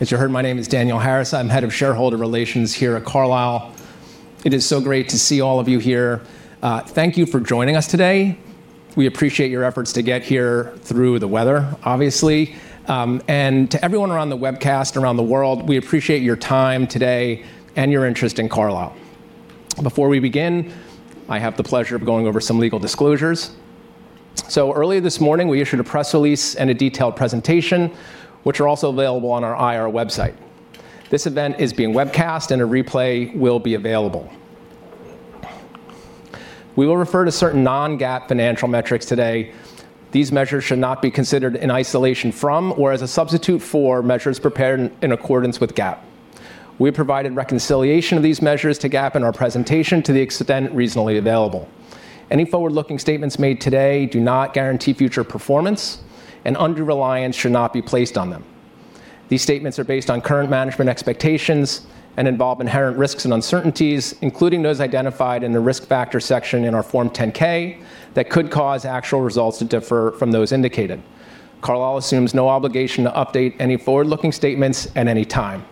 As you heard, my name is Daniel Harris. I'm Head of Shareholder Relations here at Carlyle. It is so great to see all of you here. Thank you for joining us today. We appreciate your efforts to get here through the weather, obviously. To everyone around the webcast, around the world, we appreciate your time today and your interest in Carlyle. Before we begin, I have the pleasure of going over some legal disclosures. Earlier this morning, we issued a press release and a detailed presentation, which are also available on our IR website. This event is being webcast, and a replay will be available. We will refer to certain non-GAAP financial metrics today. These measures should not be considered in isolation from, or as a substitute for, measures prepared in accordance with GAAP. We've provided reconciliation of these measures to GAAP in our presentation to the extent reasonably available. Any forward-looking statements made today do not guarantee future performance, and undue reliance should not be placed on them. These statements are based on current management expectations and involve inherent risks and uncertainties, including those identified in the Risk Factor section in our Form 10-K, that could cause actual results to differ from those indicated. Carlyle assumes no obligation to update any forward-looking statements at any time.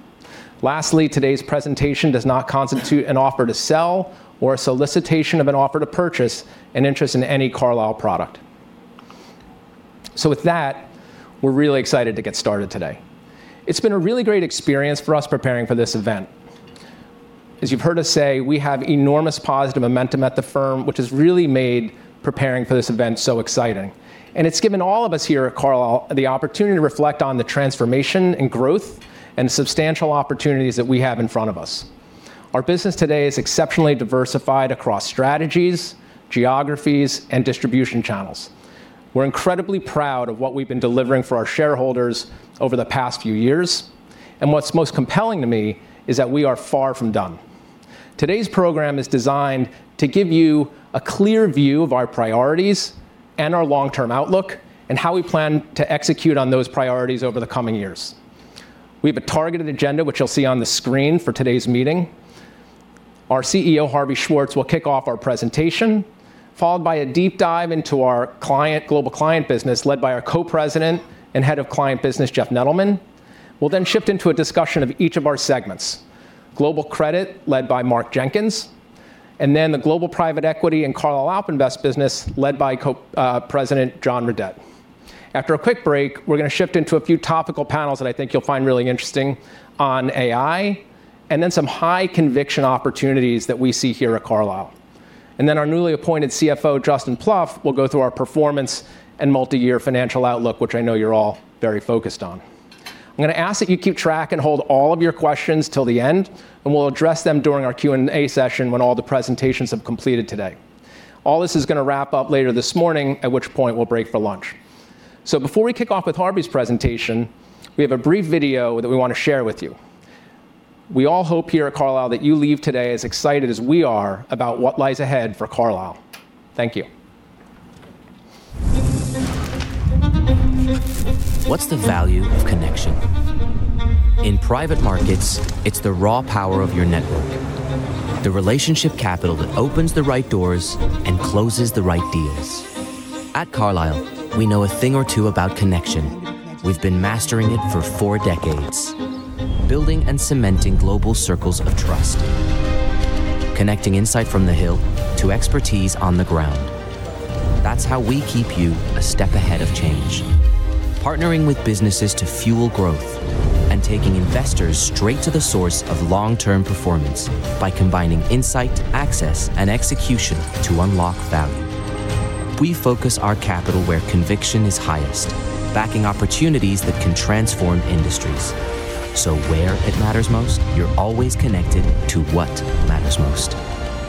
Lastly, today's presentation does not constitute an offer to sell or a solicitation of an offer to purchase an interest in any Carlyle product. With that, we're really excited to get started today. It's been a really great experience for us preparing for this event. As you've heard us say, we have enormous positive momentum at the firm, which has really made preparing for this event so exciting, and it's given all of us here at Carlyle the opportunity to reflect on the transformation and growth and substantial opportunities that we have in front of us. Our business today is exceptionally diversified across strategies, geographies, and distribution channels. We're incredibly proud of what we've been delivering for our shareholders over the past few years, and what's most compelling to me is that we are far from done. Today's program is designed to give you a clear view of our priorities and our long-term outlook, and how we plan to execute on those priorities over the coming years. We have a targeted agenda, which you'll see on the screen for today's meeting. Our CEO, Harvey Schwartz, will kick off our presentation, followed by a deep dive into our global client business, led by our Co-President and Head of Client Business, Jeff Nedelman. We'll shift into a discussion of each of our segments: Global Credit, led by Mark Jenkins, and the Global Private Equity and Carlyle AlpInvest business, led by Co-President John Redett. After a quick break, we're gonna shift into a few topical panels that I think you'll find really interesting on AI, and then some high-conviction opportunities that we see here at Carlyle. Our newly appointed CFO, Justin Plouffe, will go through our performance and multi-year financial outlook, which I know you're all very focused on. I'm gonna ask that you keep track and hold all of your questions till the end. We'll address them during our Q&A session when all the presentations have completed today. All this is gonna wrap up later this morning, at which point we'll break for lunch. Before we kick off with Harvey's presentation, we have a brief video that we want to share with you. We all hope here at Carlyle that you leave today as excited as we are about what lies ahead for Carlyle. Thank you. What's the value of connection? In private markets, it's the raw power of your network, the relationship capital that opens the right doors and closes the right deals. At Carlyle, we know a thing or two about connection. We've been mastering it for four decades, building and cementing global circles of trust, connecting insight from the hill to expertise on the ground. That's how we keep you a step ahead of change. Partnering with businesses to fuel growth and taking investors straight to the source of long-term performance by combining insight, access, and execution to unlock value. We focus our capital where conviction is highest, backing opportunities that can transform industries. Where it matters most, you're always connected to what matters most,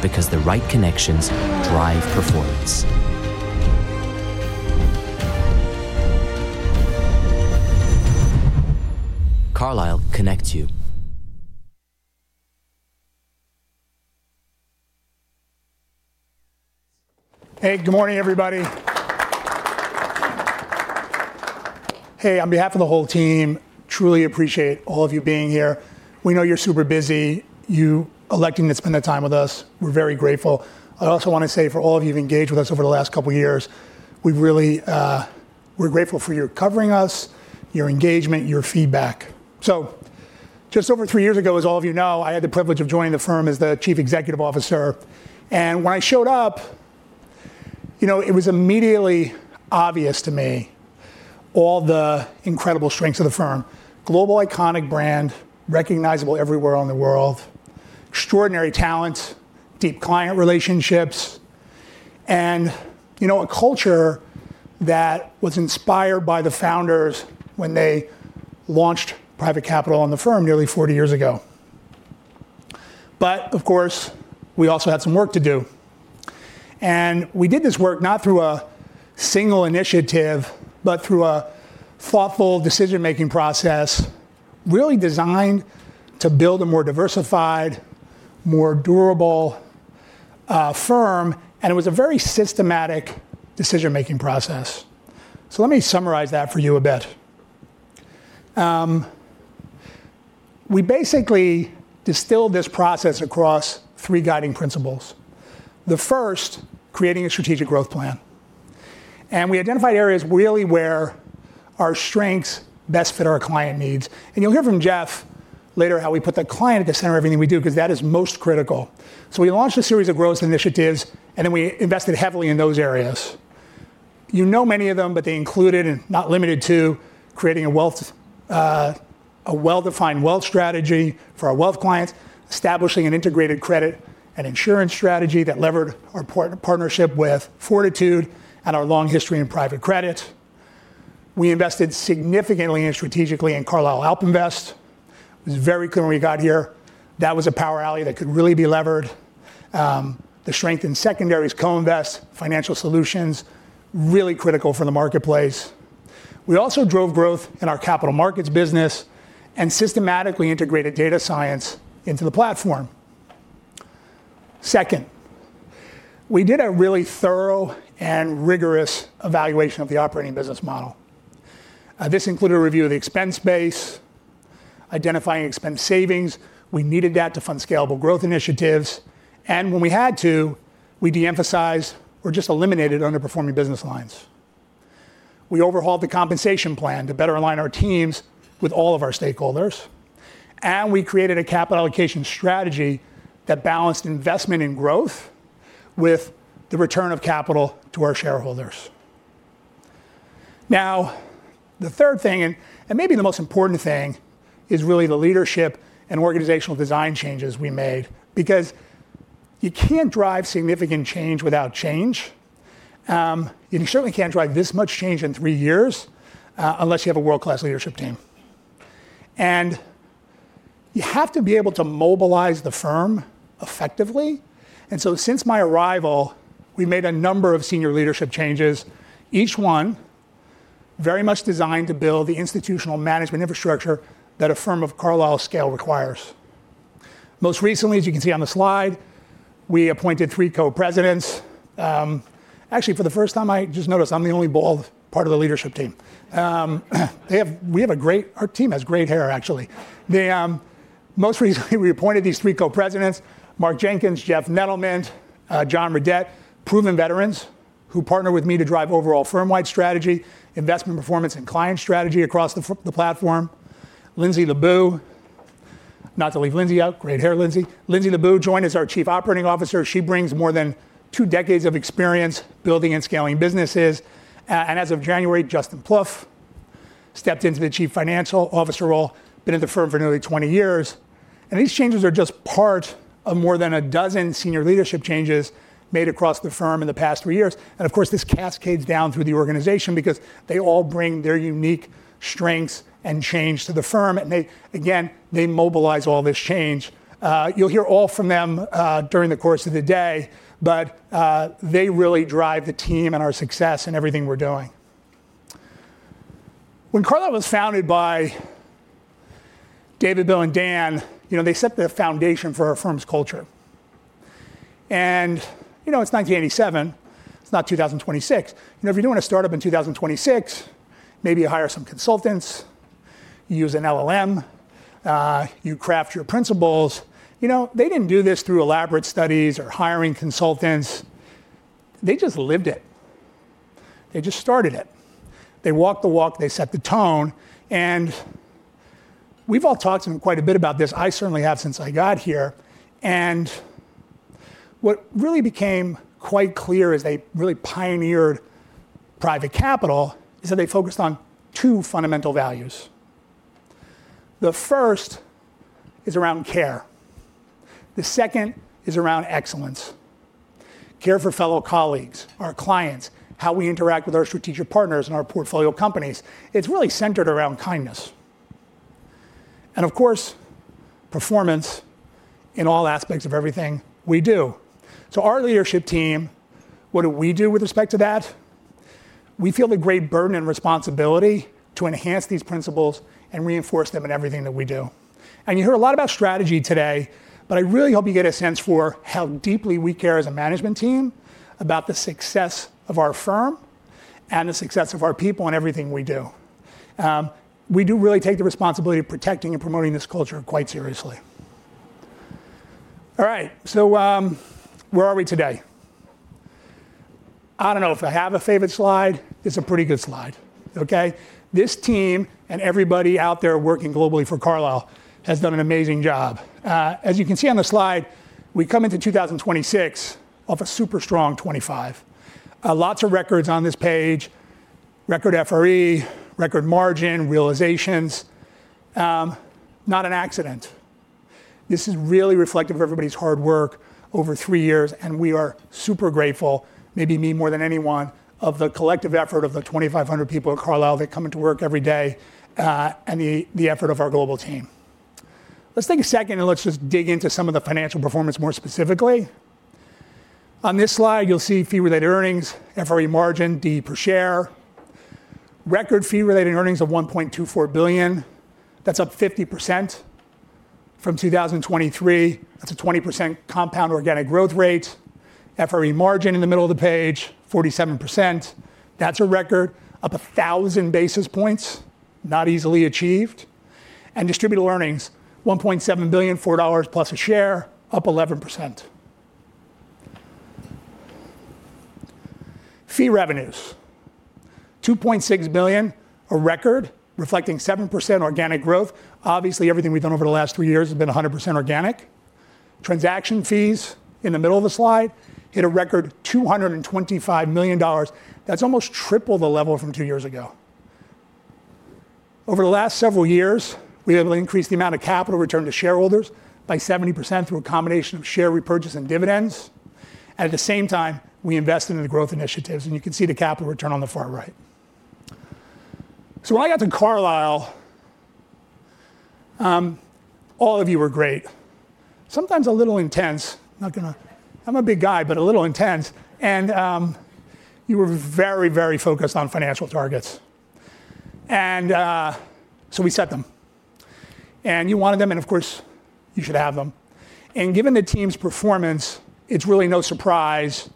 because the right connections drive performance. Carlyle connects you. Good morning, everybody. On behalf of the whole team, truly appreciate all of you being here. We know you're super busy. You electing to spend the time with us, we're very grateful. I also wanna say, for all of you who've engaged with us over the last couple of years, we've really. We're grateful for your covering us, your engagement, your feedback. Just over three years ago, as all of you know, I had the privilege of joining the firm as the Chief Executive Officer, and when I showed up, you know, it was immediately obvious to me all the incredible strengths of the firm: global iconic brand, recognizable everywhere around the world, extraordinary talent, deep client relationships, and, you know, a culture that was inspired by the founders when they launched private capital in the firm nearly 40 years ago. Of course, we also had some work to do, and we did this work not through a single initiative, but through a thoughtful decision-making process, really designed to build a more diversified, more durable, firm, and it was a very systematic decision-making process. Let me summarize that for you a bit. We basically distilled this process across three guiding principles. The first, creating a strategic growth plan. We identified areas really where our strengths best fit our client needs. You'll hear from Jeff later, how we put the client at the center of everything we do, because that is most critical. We launched a series of growth initiatives, and then we invested heavily in those areas. You know many of them. They included, and not limited to, creating a wealth, a well-defined wealth strategy for our wealth clients, establishing an integrated credit and insurance strategy that levered our partnership with Fortitude Re and our long history in private credit. We invested significantly and strategically in Carlyle AlpInvest. It was very clear when we got here, that was a power alley that could really be levered. The strength in secondaries, co-invest, financial solutions, really critical for the marketplace. We also drove growth in our capital markets business and systematically integrated data science into the platform. Second, we did a really thorough and rigorous evaluation of the operating business model. This included a review of the expense base, identifying expense savings. We needed that to fund scalable growth initiatives, and when we had to, we de-emphasized or just eliminated underperforming business lines. We overhauled the compensation plan to better align our teams with all of our stakeholders, and we created a capital allocation strategy that balanced investment in growth with the return of capital to our shareholders. Now, the third thing, and maybe the most important thing, is really the leadership and organizational design changes we made, because you can't drive significant change without change. You certainly can't drive this much change in 3 years unless you have a world-class leadership team. You have to be able to mobilize the firm effectively. Since my arrival, we made a number of senior leadership changes, each one very much designed to build the institutional management infrastructure that a firm of Carlyle's scale requires. Most recently, as you can see on the slide, we appointed three co-presidents. Actually, for the first time, I just noticed I'm the only bald part of the leadership team. Our team has great hair, actually. They, most recently, we appointed these three co-presidents: Mark Jenkins, Jeff Nedelman, John Redett, proven veterans who partner with me to drive overall firm-wide strategy, investment performance, and client strategy across the platform. Lindsay LoBue, not to leave Lindsay out. Great hair, Lindsay. Lindsay LoBue joined as our chief operating officer. She brings more than two decades of experience building and scaling businesses. As of January, Justin Plouffe stepped into the chief financial officer role, been at the firm for nearly 20 years. These changes are just part of more than a dozen senior leadership changes made across the firm in the past three years. Of course, this cascades down through the organization because they all bring their unique strengths and change to the firm, and they again mobilize all this change. You'll hear all from them during the course of the day, they really drive the team and our success in everything we're doing. When Carlyle was founded by David, Bill, and Dan, you know, they set the foundation for our firm's culture. You know, it's 1987, it's not 2026. You know, if you're doing a startup in 2026, maybe you hire some consultants, you use an LLM, you craft your principles. You know, they didn't do this through elaborate studies or hiring consultants. They just lived it. They just started it. They walked the walk, they set the tone, we've all talked quite a bit about this. I certainly have since I got here, and what really became quite clear as they really pioneered private capital, is that they focused on two fundamental values. The first is around care. The second is around excellence. Care for fellow colleagues, our clients, how we interact with our strategic partners and our portfolio companies. It's really centered around kindness and, of course, performance in all aspects of everything we do. Our leadership team, what do we do with respect to that? We feel the great burden and responsibility to enhance these principles and reinforce them in everything that we do. You hear a lot about strategy today, but I really hope you get a sense for how deeply we care as a management team about the success of our firm and the success of our people in everything we do. We do really take the responsibility of protecting and promoting this culture quite seriously. All right, where are we today? I don't know. If I have a favorite slide, it's a pretty good slide, okay? This team and everybody out there working globally for Carlyle has done an amazing job. As you can see on the slide, we come into 2026 off a super strong 2025. Lots of records on this page. Record FRE, record margin, realizations. Not an accident. This is really reflective of everybody's hard work over 3 years, and we are super grateful, maybe me more than anyone, of the collective effort of the 2,500 people at Carlyle that come into work every day, and the effort of our global team. Let's take a second, let's just dig into some of the financial performance more specifically. On this slide, you'll see Fee Related Earnings, FRE margin, DE per share. Record Fee Related Earnings of $1.24 billion. That's up 50% from 2023. That's a 20% compound organic growth rate. FRE margin in the middle of the page, 47%. That's a record, up 1,000 basis points, not easily achieved. Distributable Earnings, $1.7 billion, $4+ a share, up 11%. Fee revenues, $2.6 billion, a record reflecting 7% organic growth. Obviously, everything we've done over the last three years has been 100% organic. Transaction fees, in the middle of the slide, hit a record $225 million. That's almost triple the level from two years ago. Over the last several years, we have increased the amount of capital returned to shareholders by 70% through a combination of share repurchase and dividends. At the same time, we invested in the growth initiatives, and you can see the capital return on the far right. When I got to Carlyle, all of you were great. Sometimes a little intense. I'm a big guy, but a little intense, and you were very, very focused on financial targets. We set them, and you wanted them, and of course, you should have them. Given the team's performance, it's really no surprise,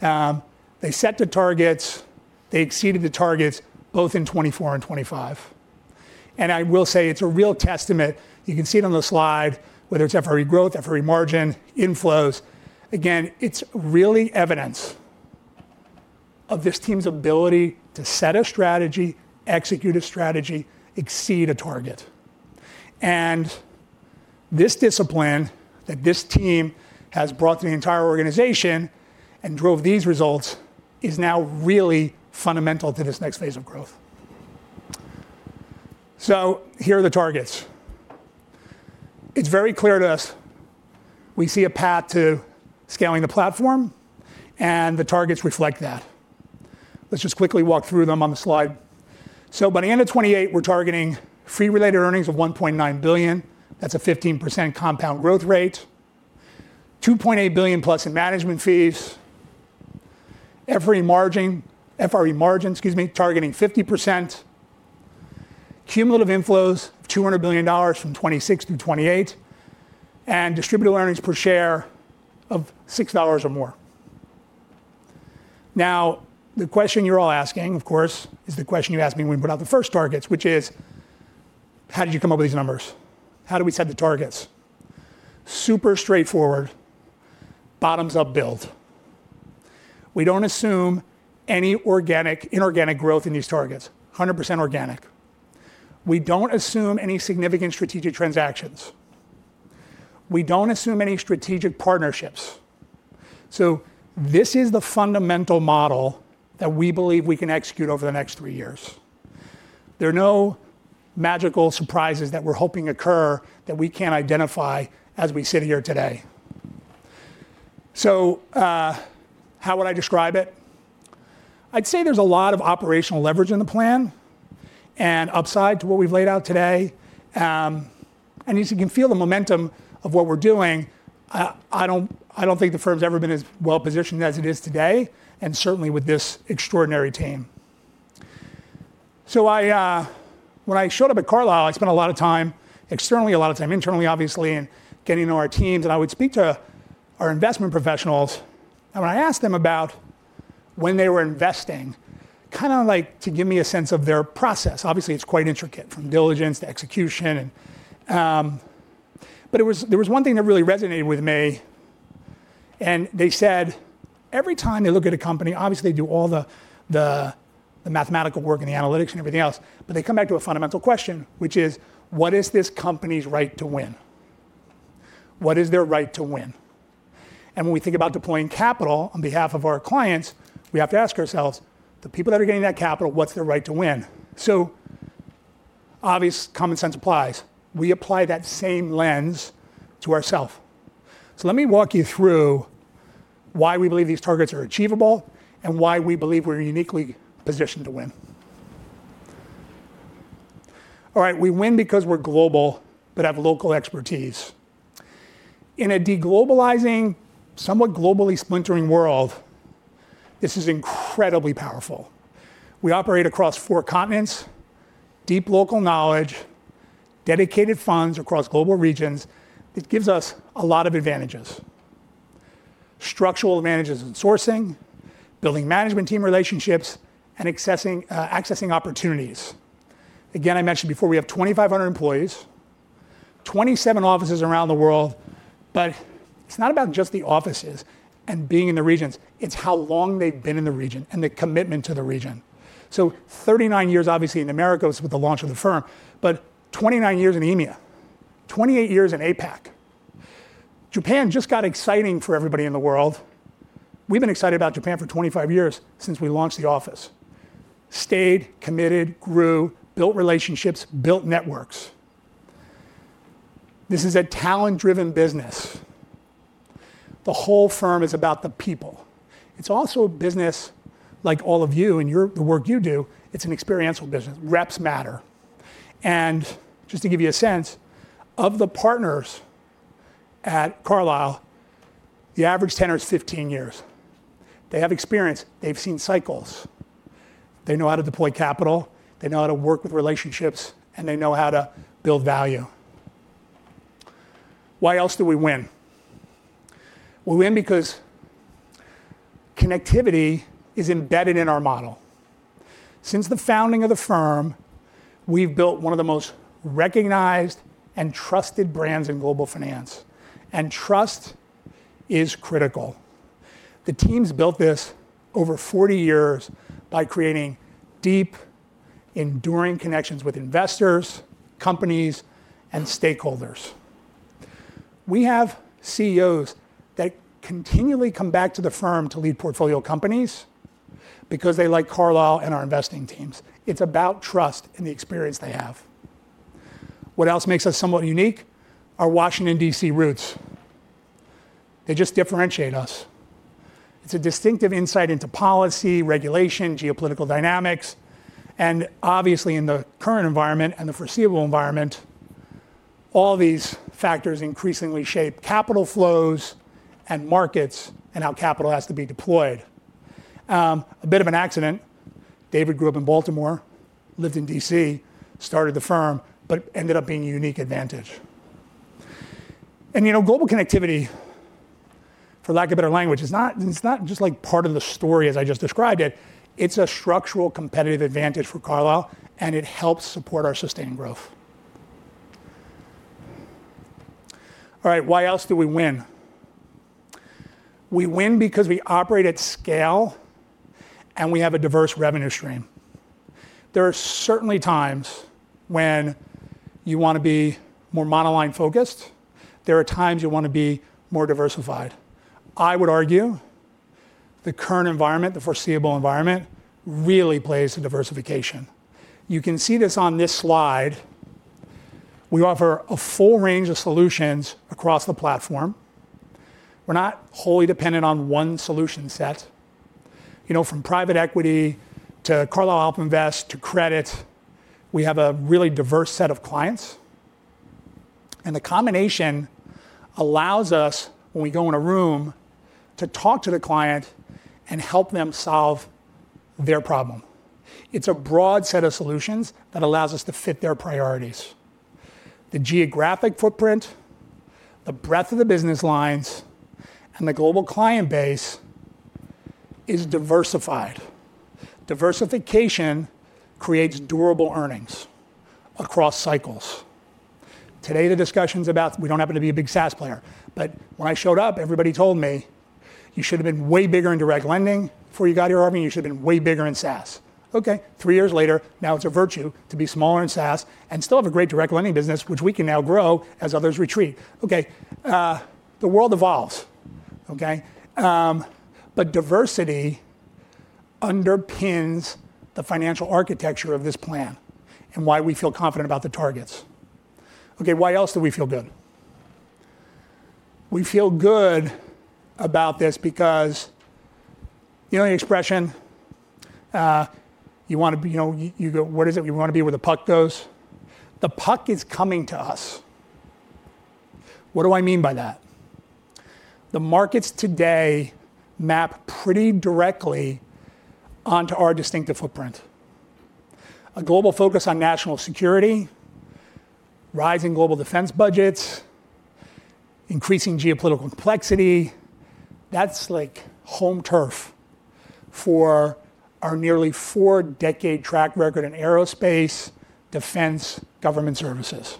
they set the targets, they exceeded the targets both in 2024 and 2025. I will say it's a real testament. You can see it on the slide, whether it's FRE growth, FRE margin, inflows. It's really evidence of this team's ability to set a strategy, execute a strategy, exceed a target. This discipline that this team has brought to the entire organization and drove these results is now really fundamental to this next phase of growth. Here are the targets. It's very clear to us, we see a path to scaling the platform, and the targets reflect that. Let's just quickly walk through them on the slide. By the end of 2028, we're targeting Fee Related Earnings of $1.9 billion. That's a 15% compound growth rate. $2.8 billion+ in management fees. FRE margin, excuse me, targeting 50%. Cumulative inflows, $200 billion from 2026-2028, and Distributable Earnings per share of $6 or more. The question you're all asking, of course, is the question you asked me when we put out the first targets, which is: how did you come up with these numbers? How do we set the targets? Super straightforward, bottoms-up build. We don't assume any inorganic growth in these targets, 100% organic. We don't assume any significant strategic transactions. We don't assume any strategic partnerships. This is the fundamental model that we believe we can execute over the next three years. There are no magical surprises that we're hoping occur that we can't identify as we sit here today. How would I describe it? I'd say there's a lot of operational leverage in the plan and upside to what we've laid out today. You can feel the momentum of what we're doing. I don't think the firm's ever been as well positioned as it is today, and certainly with this extraordinary team. I, when I showed up at Carlyle, I spent a lot of time externally, a lot of time internally, obviously, and getting to know our teams, and I would speak to our investment professionals, and when I asked them about when they were investing, kinda like to give me a sense of their process. Obviously, it's quite intricate, from diligence to execution. There was one thing that really resonated with me, they said, every time they look at a company, obviously, they do all the mathematical work and the analytics and everything else, but they come back to a fundamental question, which is, what is this company's right to win? What is their right to win? When we think about deploying capital on behalf of our clients, we have to ask ourselves, the people that are getting that capital, what's their right to win? Obvious common sense applies. We apply that same lens to ourself. Let me walk you through why we believe these targets are achievable and why we believe we're uniquely positioned to win. We win because we're global but have local expertise. In a de-globalizing, somewhat globally splintering world, this is incredibly powerful. We operate across four continents, deep local knowledge, dedicated funds across global regions. It gives us a lot of advantages, structural advantages in sourcing, building management team relationships, and accessing opportunities. I mentioned before, we have 2,500 employees, 27 offices around the world, but it's not about just the offices and being in the regions, it's how long they've been in the region and the commitment to the region. 39 years, obviously, in the Americas with the launch of the firm, but 29 years in EMEA, 28 years in APAC. Japan just got exciting for everybody in the world. We've been excited about Japan for 25 years since we launched the office, stayed, committed, grew, built relationships, built networks. This is a talent-driven business. The whole firm is about the people. It's also a business like all of you and your, the work you do, it's an experiential business. Reps matter. Just to give you a sense, of the partners at Carlyle, the average tenure is 15 years. They have experience, they've seen cycles, they know how to deploy capital, they know how to work with relationships, and they know how to build value. Why else do we win? We win because connectivity is embedded in our model. Since the founding of the firm, we've built one of the most recognized and trusted brands in global finance, and trust is critical. The teams built this over 40 years by creating deep, enduring connections with investors, companies, and stakeholders. We have CEOs that continually come back to the firm to lead portfolio companies because they like Carlyle and our investing teams. It's about trust and the experience they have. What else makes us somewhat unique? Our Washington, D.C. roots. They just differentiate us. It's a distinctive insight into policy, regulation, geopolitical dynamics, and obviously, in the current environment and the foreseeable environment, all these factors increasingly shape capital flows and markets, and how capital has to be deployed. A bit of an accident. David grew up in Baltimore, lived in D.C., started the firm, but ended up being a unique advantage. You know, global connectivity, for lack of better language, is not just, like, part of the story as I just described it. It's a structural competitive advantage for Carlyle, and it helps support our sustained growth. Why else do we win? We win because we operate at scale, and we have a diverse revenue stream. There are certainly times when you want to be more monoline focused. There are times you want to be more diversified. I would argue the current environment, the foreseeable environment, really plays to diversification. You can see this on this slide. We offer a full range of solutions across the platform. We're not wholly dependent on one solution set. You know, from private equity to Carlyle AlpInvest to credit, we have a really diverse set of clients, and the combination allows us, when we go in a room, to talk to the client and help them solve their problem. It's a broad set of solutions that allows us to fit their priorities. The geographic footprint, the breadth of the business lines, and the global client base is diversified. Diversification creates durable earnings across cycles. Today, the discussion's about we don't happen to be a big SaaS player, but when I showed up, everybody told me, "You should have been way bigger in direct lending before you got here, I mean. You should have been way bigger in SaaS." Okay, three years later, now it's a virtue to be smaller in SaaS and still have a great direct lending business, which we can now grow as others retreat. Okay, the world evolves, okay? Diversity underpins the financial architecture of this plan and why we feel confident about the targets. Okay, why else do we feel good? We feel good about this because you know the expression, you want to be, you know, you go... What is it? You want to be where the puck goes. The puck is coming to us. What do I mean by that? The markets today map pretty directly onto our distinctive footprint. A global focus on national security, rising global defense budgets, increasing geopolitical complexity, that's like home turf for our nearly four-decade track record in aerospace, defense, government services.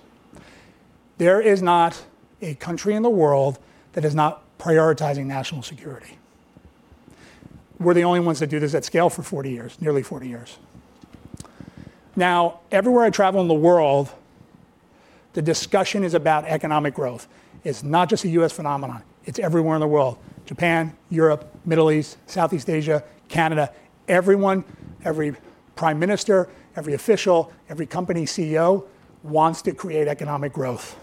There is not a country in the world that is not prioritizing national security. We're the only ones that do this at scale for 40 years, nearly 40 years. Everywhere I travel in the world, the discussion is about economic growth. It's not just a U.S. phenomenon, it's everywhere in the world: Japan, Europe, Middle East, Southeast Asia, Canada. Everyone, every prime minister, every official, every company CEO wants to create economic growth.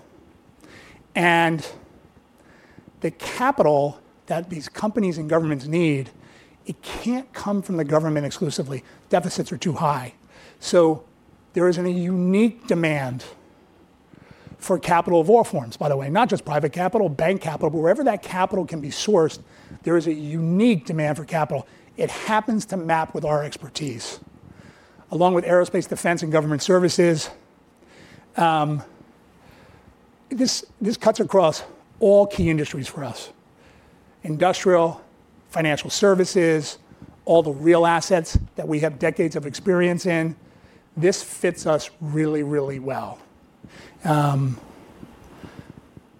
The capital that these companies and governments need, it can't come from the government exclusively. Deficits are too high. There is a unique demand for capital of all forms, by the way, not just private capital, bank capital, but wherever that capital can be sourced, there is a unique demand for capital. It happens to map with our expertise, along with aerospace, defense, and government services. This cuts across all key industries for us: industrial, financial services, all the real assets that we have decades of experience in. This fits us really, really well.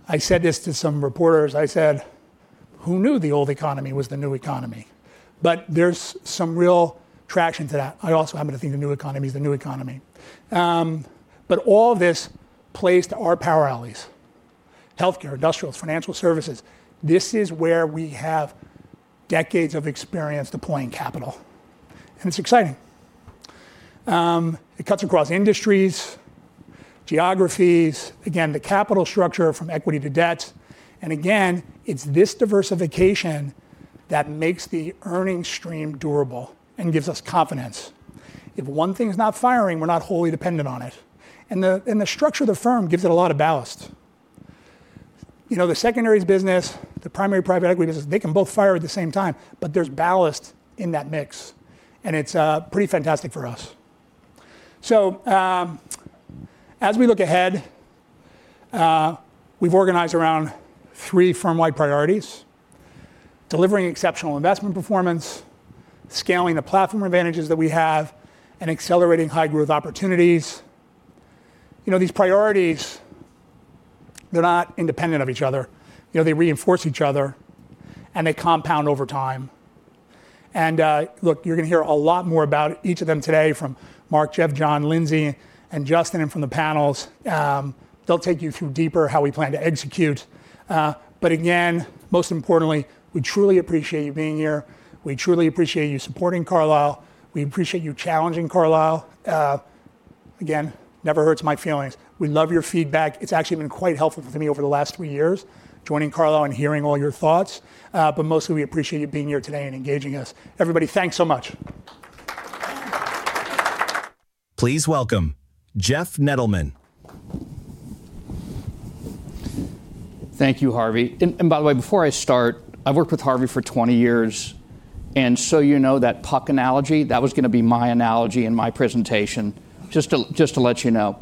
I said this to some reporters. I said, "Who knew the old economy was the new economy?" There's some real traction to that. I also happen to think the new economy is the new economy. All this plays to our power alleys: healthcare, industrials, financial services. This is where we have decades of experience deploying capital, and it's exciting. It cuts across industries, geographies. Again, the capital structure from equity to debt, and again, it's this diversification that makes the earning stream durable and gives us confidence. If one thing's not firing, we're not wholly dependent on it, and the structure of the firm gives it a lot of ballast. You know, the secondaries business, the primary private equity business, they can both fire at the same time, but there's ballast in that mix, and it's pretty fantastic for us. As we look ahead, we've organized around three firm-wide priorities: delivering exceptional investment performance, scaling the platform advantages that we have, and accelerating high-growth opportunities. You know, these priorities, they're not independent of each other. You know, they reinforce each other, and they compound over time. Look, you're gonna hear a lot more about each of them today from Mark, Jeff, John, Lindsay, and Justin, and from the panels. They'll take you through deeper how we plan to execute. Again, most importantly, we truly appreciate you being here. We truly appreciate you supporting Carlyle. We appreciate you challenging Carlyle. Again, never hurts my feelings. We love your feedback. It's actually been quite helpful for me over the last three years, joining Carlyle and hearing all your thoughts. Mostly, we appreciate you being here today and engaging us. Everybody, thanks so much. Please welcome Jeff Nedelman. Thank you, Harvey. And by the way, before I start, I've worked with Harvey for 20 years, you know that puck analogy? That was gonna be my analogy and my presentation, just to let you know.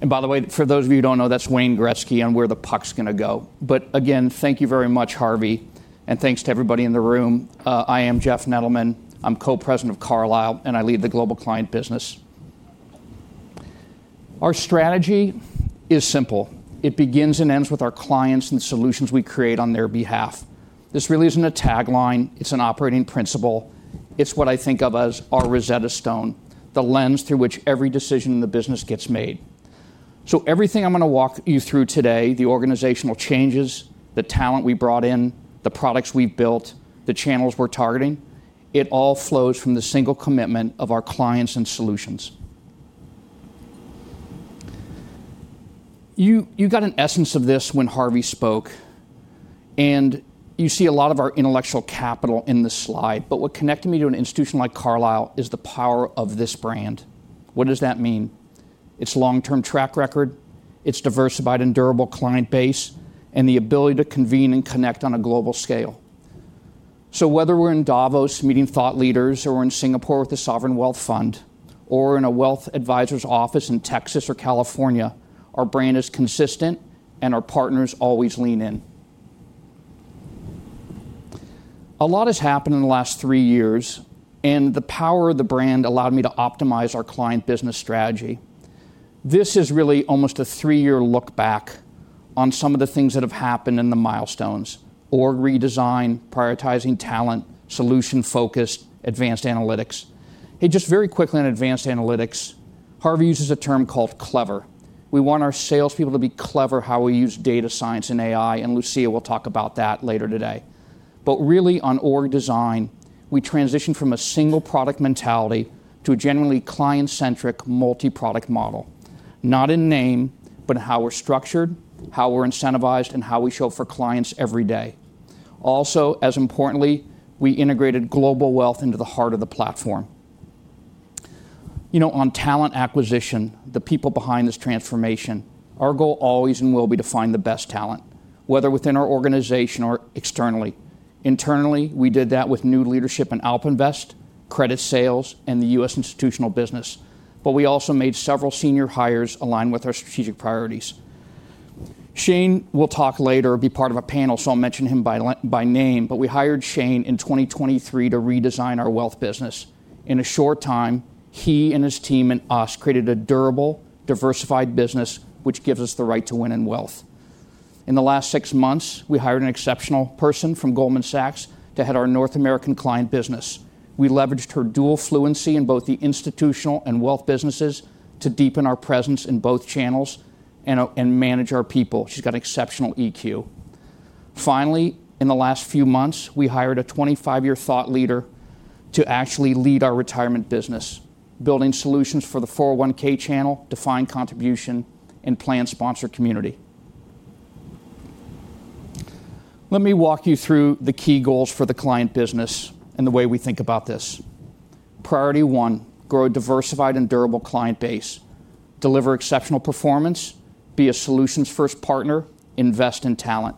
By the way, for those of you who don't know, that's Wayne Gretzky on where the puck's gonna go. Again, thank you very much, Harvey, and thanks to everybody in the room. I am Jeff Nedelman. I'm Co-President of Carlyle, and I lead the Global Client business. Our strategy is simple: It begins and ends with our clients and the solutions we create on their behalf. This really isn't a tagline, it's an operating principle. It's what I think of as our Rosetta Stone, the lens through which every decision in the business gets made. Everything I'm gonna walk you through today, the organizational changes, the talent we brought in, the products we built, the channels we're targeting, it all flows from the single commitment of our clients and solutions. You got an essence of this when Harvey spoke, and you see a lot of our intellectual capital in this slide, what connected me to an institution like Carlyle is the power of this brand. What does that mean? It's long-term track record, it's diversified and durable client base, and the ability to convene and connect on a global scale. Whether we're in Davos meeting thought leaders, or in Singapore with the Sovereign Wealth Fund, or in a wealth advisor's office in Texas or California, our brand is consistent and our partners always lean in. A lot has happened in the last three years, and the power of the brand allowed me to optimize our client business strategy. This is really almost a three-year look back on some of the things that have happened and the milestones: org redesign, prioritizing talent, solution-focused, advanced analytics. Hey, just very quickly on advanced analytics, Harvey uses a term called clever. We want our salespeople to be clever how we use data science and AI, and Lucia will talk about that later today. Really, on org design, we transitioned from a single product mentality to a genuinely client-centric, multi-product model, not in name, but in how we're structured, how we're incentivized, and how we show up for clients every day. As importantly, we integrated global wealth into the heart of the platform. You know, on talent acquisition, the people behind this transformation, our goal always and will be to find the best talent, whether within our organization or externally. Internally, we did that with new leadership in AlpInvest, credit sales, and the U.S. institutional business, but we also made several senior hires align with our strategic priorities. Shane will talk later, be part of a panel, so I'll mention him by name, but we hired Shane in 2023 to redesign our wealth business. In a short time, he and his team and us created a durable, diversified business, which gives us the right to win in wealth. In the last six months, we hired an exceptional person from Goldman Sachs to head our North American client business. We leveraged her dual fluency in both the institutional and wealth businesses to deepen our presence in both channels and manage our people. She's got exceptional EQ. Finally, in the last few months, we hired a 25-year thought leader to actually lead our retirement business, building solutions for the 401(k) channel, defined contribution, and plan sponsor community. Let me walk you through the key goals for the client business and the way we think about this. Priority one, grow a diversified and durable client base, deliver exceptional performance, be a solutions first partner, invest in talent.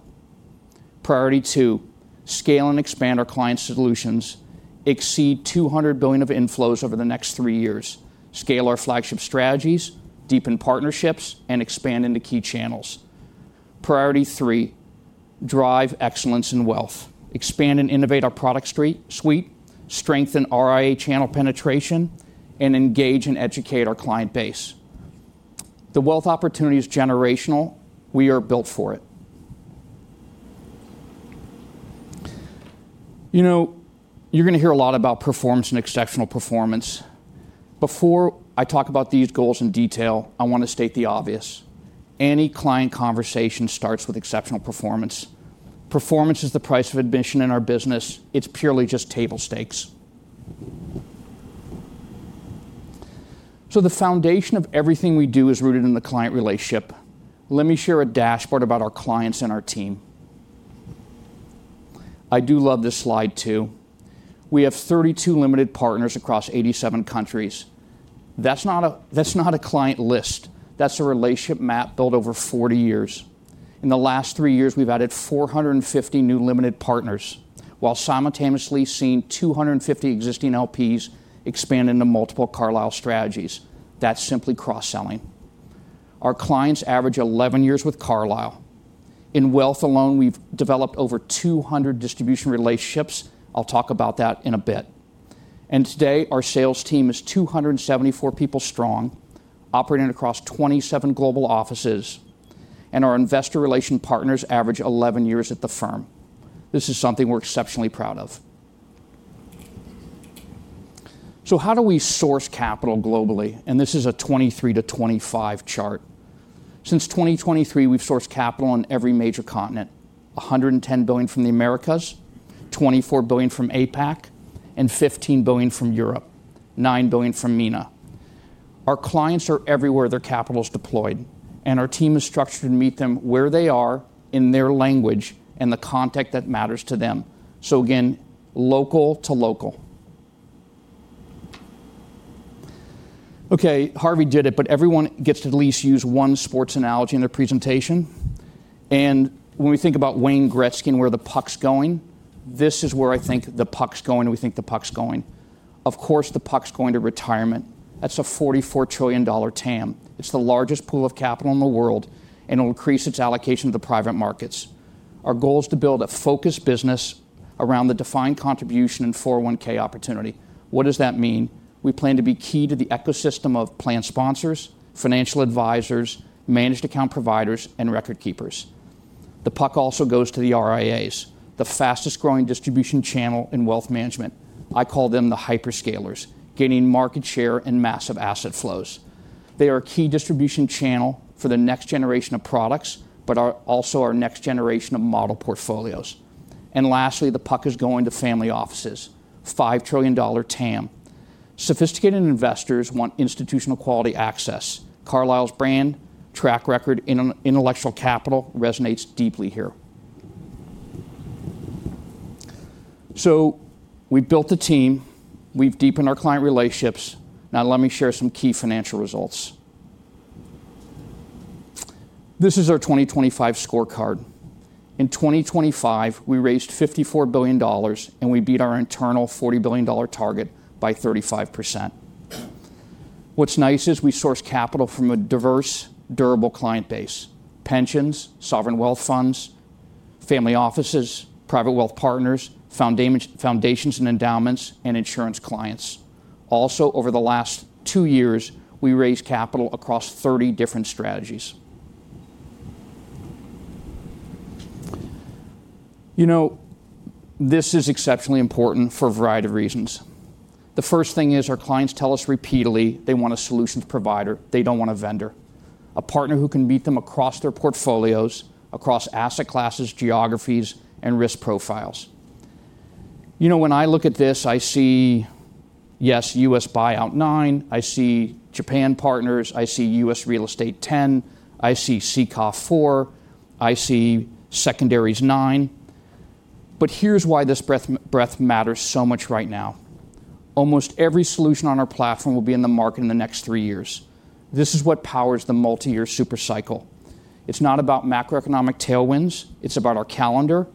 Priority two, scale and expand our client solutions, exceed $200 billion of inflows over the next 3 years, scale our flagship strategies, deepen partnerships, and expand into key channels. Priority three, drive excellence in wealth, expand and innovate our product suite, strengthen RIA channel penetration, engage and educate our client base. The wealth opportunity is generational. We are built for it. You know, you're going to hear a lot about performance and exceptional performance. Before I talk about these goals in detail, I want to state the obvious: Any client conversation starts with exceptional performance. Performance is the price of admission in our business. It's purely just table stakes. The foundation of everything we do is rooted in the client relationship. Let me share a dashboard about our clients and our team. I do love this slide, too. We have 32 limited partners across 87 countries. That's not a client list, that's a relationship map built over 40 years. In the last three years, we've added 450 new limited partners, while simultaneously seeing 250 existing LPs expand into multiple Carlyle strategies. That's simply cross-selling. Our clients average 11 years with Carlyle. In wealth alone, we've developed over 200 distribution relationships. I'll talk about that in a bit. Today, our sales team is 274 people strong, operating across 27 global offices, and our investor relation partners average 11 years at the firm. This is something we're exceptionally proud of. How do we source capital globally? This is a 2023 to 2025 chart. Since 2023, we've sourced capital on every major continent: $110 billion from the Americas, $24 billion from APAC, $15 billion from Europe, $9 billion from MENA. Our clients are everywhere their capital is deployed, and our team is structured to meet them where they are, in their language, and the context that matters to them. Again, local to local. Okay, Harvey did it, but everyone gets to at least use one sports analogy in their presentation. When we think about Wayne Gretzky and where the puck's going, this is where I think the puck's going, and we think the puck's going. Of course, the puck's going to retirement. That's a $44 trillion TAM. It's the largest pool of capital in the world, it will increase its allocation to the private markets. Our goal is to build a focused business around the defined contribution and 401 opportunity. What does that mean? We plan to be key to the ecosystem of plan sponsors, financial advisors, managed account providers, and record keepers. The puck also goes to the RIAs, the fastest growing distribution channel in wealth management. I call them the hyperscalers, gaining market share and massive asset flows. They are a key distribution channel for the next generation of products, but are also our next generation of model portfolios. Lastly, the puck is going to family offices, $5 trillion TAM. Sophisticated investors want institutional quality access. Carlyle's brand, track record, and intellectual capital resonates deeply here. We've built the team, we've deepened our client relationships. Now let me share some key financial results. This is our 2025 scorecard. In 2025, we raised $54 billion, we beat our internal $40 billion target by 35%. What's nice is we source capital from a diverse, durable client base: pensions, sovereign wealth funds, family offices, private wealth partners, foundations and endowments, and insurance clients. Over the last three years, we raised capital across 30 different strategies. You know, this is exceptionally important for a variety of reasons. The first thing is, our clients tell us repeatedly they want a solutions provider. They don't want a vendor, a partner who can meet them across their portfolios, across asset classes, geographies, and risk profiles. You know, when I look at this, I see, yes, US Buyout IX, I see Japan Partners, I see US Real Estate X, I see SECF IV, I see Secondaries IX. Here's why this breadth matters so much right now. Almost every solution on our platform will be in the market in the next three years. This is what powers the multi-year super cycle. It's not about macroeconomic tailwinds, it's about our calendar,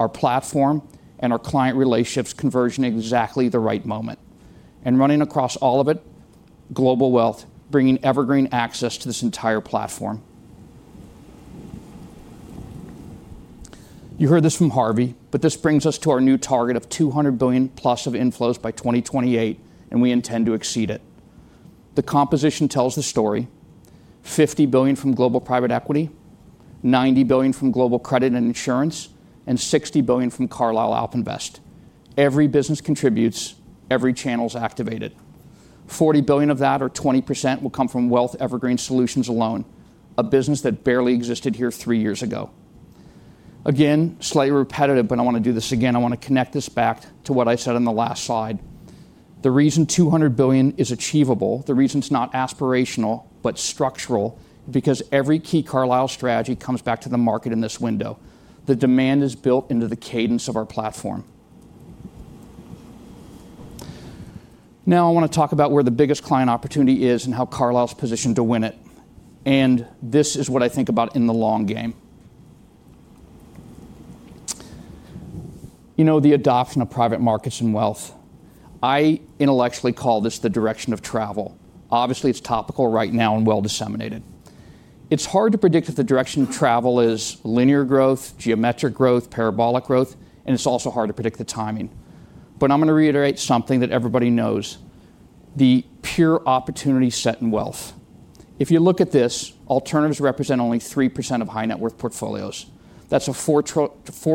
our platform, and our client relationships converging at exactly the right moment. Running across all of it, Global Wealth, bringing evergreen access to this entire platform. You heard this from Harvey, but this brings us to our new target of $200 billion+ of inflows by 2028, and we intend to exceed it. The composition tells the story: $50 billion from Global Private Equity, $90 billion from Global Credit & Insurance, and $60 billion from Carlyle AlpInvest. Every business contributes, every channel is activated. $40 billion of that, or 20%, will come from wealth evergreen solutions alone, a business that barely existed here three years ago. Slightly repetitive, but I want to do this again. I want to connect this back to what I said on the last slide. The reason $200 billion is achievable, the reason it's not aspirational but structural, because every key Carlyle strategy comes back to the market in this window. The demand is built into the cadence of our platform. I want to talk about where the biggest client opportunity is and how Carlyle is positioned to win it. This is what I think about in the long game. You know, the adoption of private markets and wealth, I intellectually call this the direction of travel. Obviously, it's topical right now and well disseminated. It's hard to predict if the direction of travel is linear growth, geometric growth, parabolic growth, and it's also hard to predict the timing. I'm going to reiterate something that everybody knows, the pure opportunity set in wealth. If you look at this, alternatives represent only 3% of high net worth portfolios. That's a four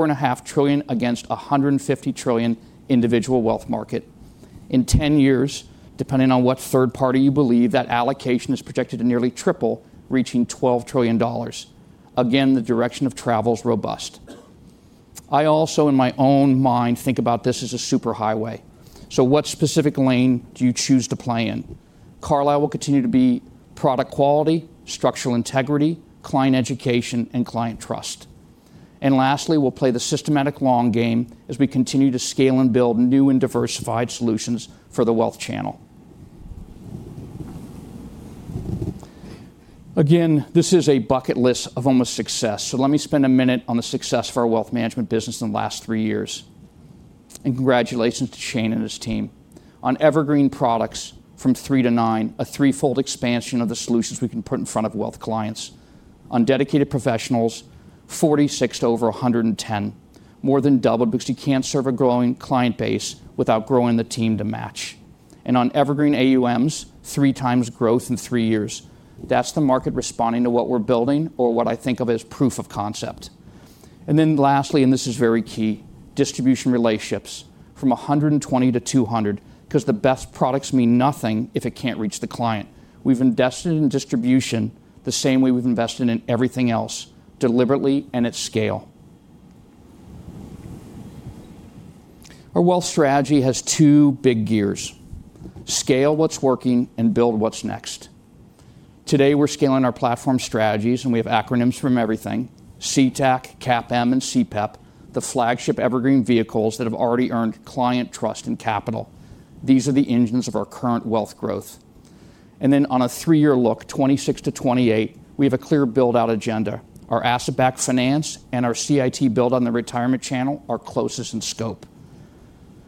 and a half trillion against a $150 trillion individual wealth market. In 10 years, depending on what third party you believe, that allocation is projected to nearly triple, reaching $12 trillion. The direction of travel is robust. I also, in my own mind, think about this as a superhighway. What specific lane do you choose to play in? Carlyle will continue to be product quality, structural integrity, client education, and client trust. Lastly, we'll play the systematic long game as we continue to scale and build new and diversified solutions for the wealth channel. This is a bucket list of almost success, so let me spend a minute on the success of our wealth management business in the last three years. Congratulations to Shane and his team. On evergreen products, from three to nine, a threefold expansion of the solutions we can put in front of wealth clients. On dedicated professionals, 46 to over 110, more than doubled, because you can't serve a growing client base without growing the team to match. On evergreen AUMs, 3x growth in three years. That's the market responding to what we're building or what I think of as proof of concept. Lastly, and this is very key, distribution relationships from 120-200, 'cause the best products mean nothing if it can't reach the client. We've invested in distribution the same way we've invested in everything else, deliberately and at scale. Our wealth strategy has two big gears: scale what's working and build what's next. Today, we're scaling our platform strategies, we have acronyms from everything, CTAC, CAPM, and CPEP, the flagship evergreen vehicles that have already earned client trust and capital. These are the engines of our current wealth growth. Then on a three-year look, 2026-2028, we have a clear build-out agenda. Our Asset-Backed Finance and our CIT build on the retirement channel are closest in scope.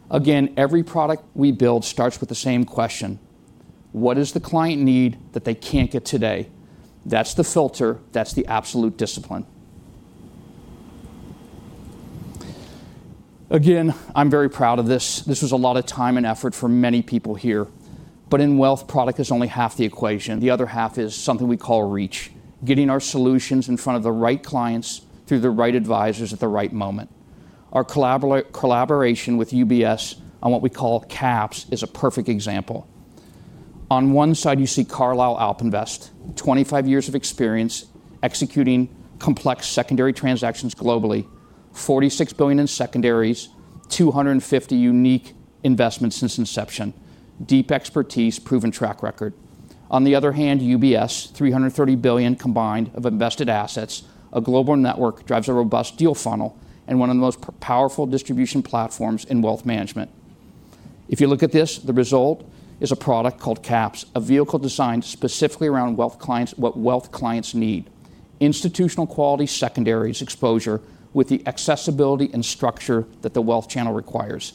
Every product we build starts with the same question: What is the client need that they can't get today? That's the filter. That's the absolute discipline. I'm very proud of this. This was a lot of time and effort for many people here. In wealth, product is only half the equation. The other half is something we call reach, getting our solutions in front of the right clients through the right advisors at the right moment. Our collaboration with UBS on what we call CAPS is a perfect example. You see Carlyle AlpInvest, 25 years of experience executing complex secondary transactions globally, $46 billion in secondaries, 250 unique investments since inception, deep expertise, proven track record. The other hand, UBS, $330 billion combined of invested assets, a global network drives a robust deal funnel, and one of the most powerful distribution platforms in wealth management. You look at this, the result is a product called CAPS, a vehicle designed specifically around wealth clients, what wealth clients need. Institutional quality, secondaries exposure, with the accessibility and structure that the wealth channel requires.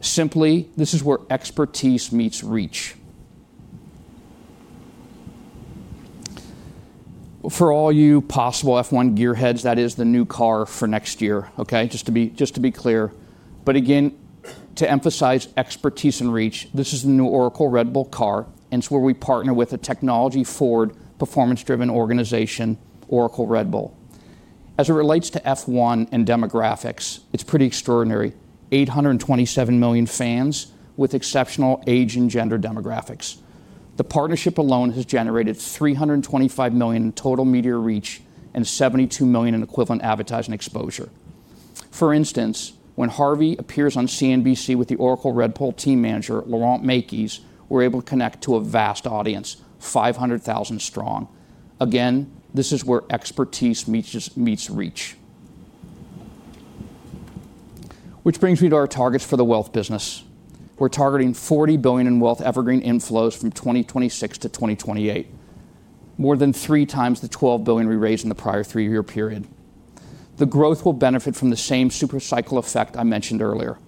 Simply, this is where expertise meets reach. For all you possible F1 gearheads, that is the new car for next year, okay? Just to be clear. Again, to emphasize expertise and reach, this is the new Oracle Red Bull car, and it's where we partner with a technology-forward, performance-driven organization, Oracle Red Bull. As it relates to F1 and demographics, it's pretty extraordinary. 827 million fans with exceptional age and gender demographics. The partnership alone has generated $325 million in total media reach and $72 million in equivalent advertising exposure. For instance, when Harvey appears on CNBC with the Oracle Red Bull team manager, Laurent Mekies, we're able to connect to a vast audience, 500,000 strong. Again, this is where expertise meets reach. This brings me to our targets for the wealth business. We're targeting $40 billion in wealth evergreen inflows from 2026 to 2028, more than 3x the $12 billion we raised in the prior three-year period. The growth will benefit from the same super cycle effect I mentioned earlier.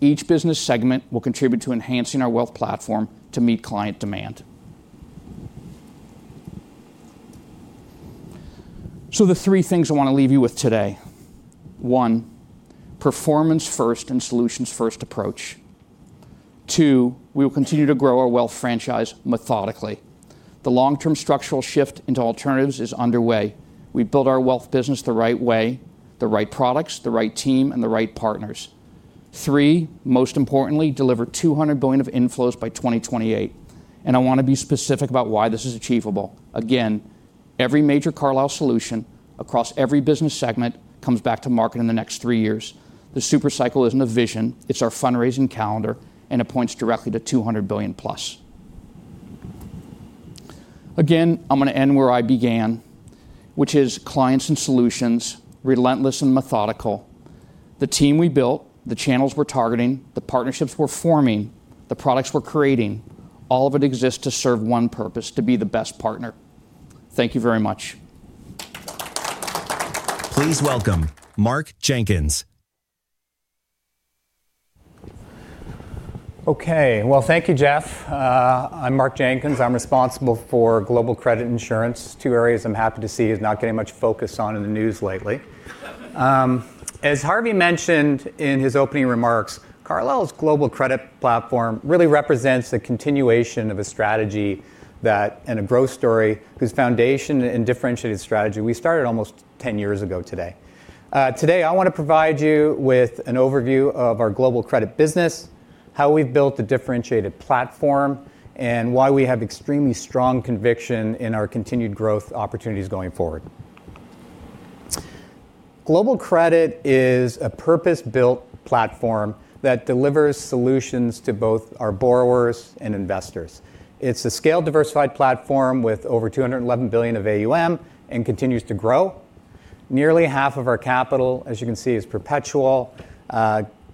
Each business segment will contribute to enhancing our wealth platform to meet client demand. The three things I want to leave you with today. One, performance first and solutions first approach. Two, we will continue to grow our wealth franchise methodically. The long-term structural shift into alternatives is underway. We build our wealth business the right way, the right products, the right team, and the right partners. Three, most importantly, deliver $200 billion of inflows by 2028, I want to be specific about why this is achievable. Again, every major Carlyle solution across every business segment comes back to market in the next three years. The super cycle isn't a vision, it's our fundraising calendar, and it points directly to $200 billion+. I'm going to end where I began, which is clients and solutions, relentless and methodical. The team we built, the channels we're targeting, the partnerships we're forming, the products we're creating, all of it exists to serve one purpose, to be the best partner. Thank you very much. Please welcome Mark Jenkins. Well, thank you, Jeff. I'm Mark Jenkins. I'm responsible for Global Credit Insurance. Two areas I'm happy to see is not getting much focus on in the news lately. As Harvey mentioned in his opening remarks, Carlyle's Global Credit platform really represents the continuation of a strategy and a growth story, whose foundation and differentiated strategy we started almost 10 years ago today. Today, I want to provide you with an overview of our Global Credit business, how we've built a differentiated platform, and why we have extremely strong conviction in our continued growth opportunities going forward. Global Credit is a purpose-built platform that delivers solutions to both our borrowers and investors. It's a scale-diversified platform with over $211 billion of AUM and continues to grow.... Nearly half of our capital, as you can see, is perpetual,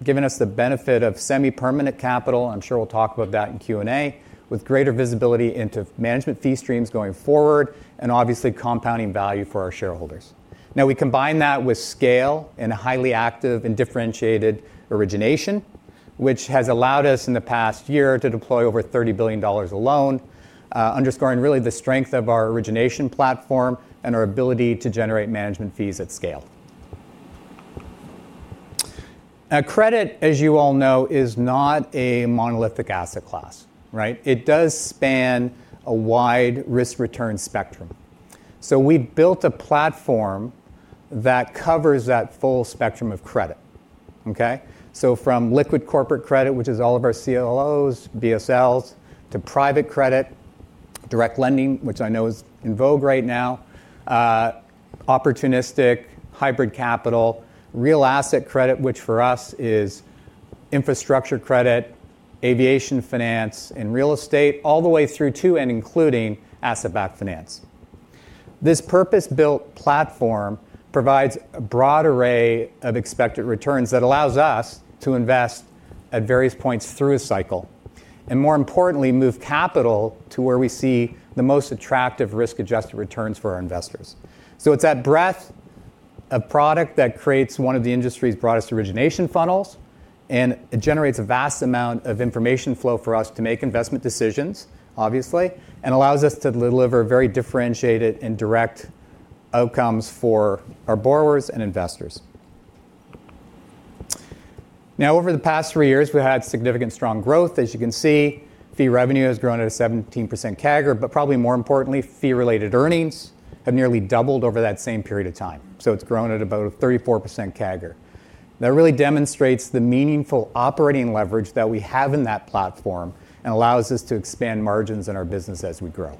giving us the benefit of semi-permanent capital, I'm sure we'll talk about that in Q&A, with greater visibility into management fee streams going forward, and obviously compounding value for our shareholders. We combine that with scale and a highly active and differentiated origination, which has allowed us in the past year to deploy over $30 billion alone, underscoring really the strength of our origination platform and our ability to generate management fees at scale. Credit, as you all know, is not a monolithic asset class, right? It does span a wide risk-return spectrum. We built a platform that covers that full spectrum of credit, okay? From liquid corporate credit, which is all of our CLOs, BSLs, to private credit, direct lending, which I know is in vogue right now, opportunistic, hybrid capital, real asset credit, which for us is infrastructure credit, aviation finance, and real estate, all the way through to and including asset-backed finance. This purpose-built platform provides a broad array of expected returns that allows us to invest at various points through a cycle, and more importantly, move capital to where we see the most attractive risk-adjusted returns for our investors. It's that breadth of product that creates one of the industry's broadest origination funnels, and it generates a vast amount of information flow for us to make investment decisions, obviously, and allows us to deliver very differentiated and direct outcomes for our borrowers and investors. Over the past three years, we've had significant strong growth. As you can see, fee revenue has grown at a 17% CAGR, but probably more importantly, fee-related earnings have nearly doubled over that same period of time. It's grown at about a 34% CAGR. That really demonstrates the meaningful operating leverage that we have in that platform and allows us to expand margins in our business as we grow.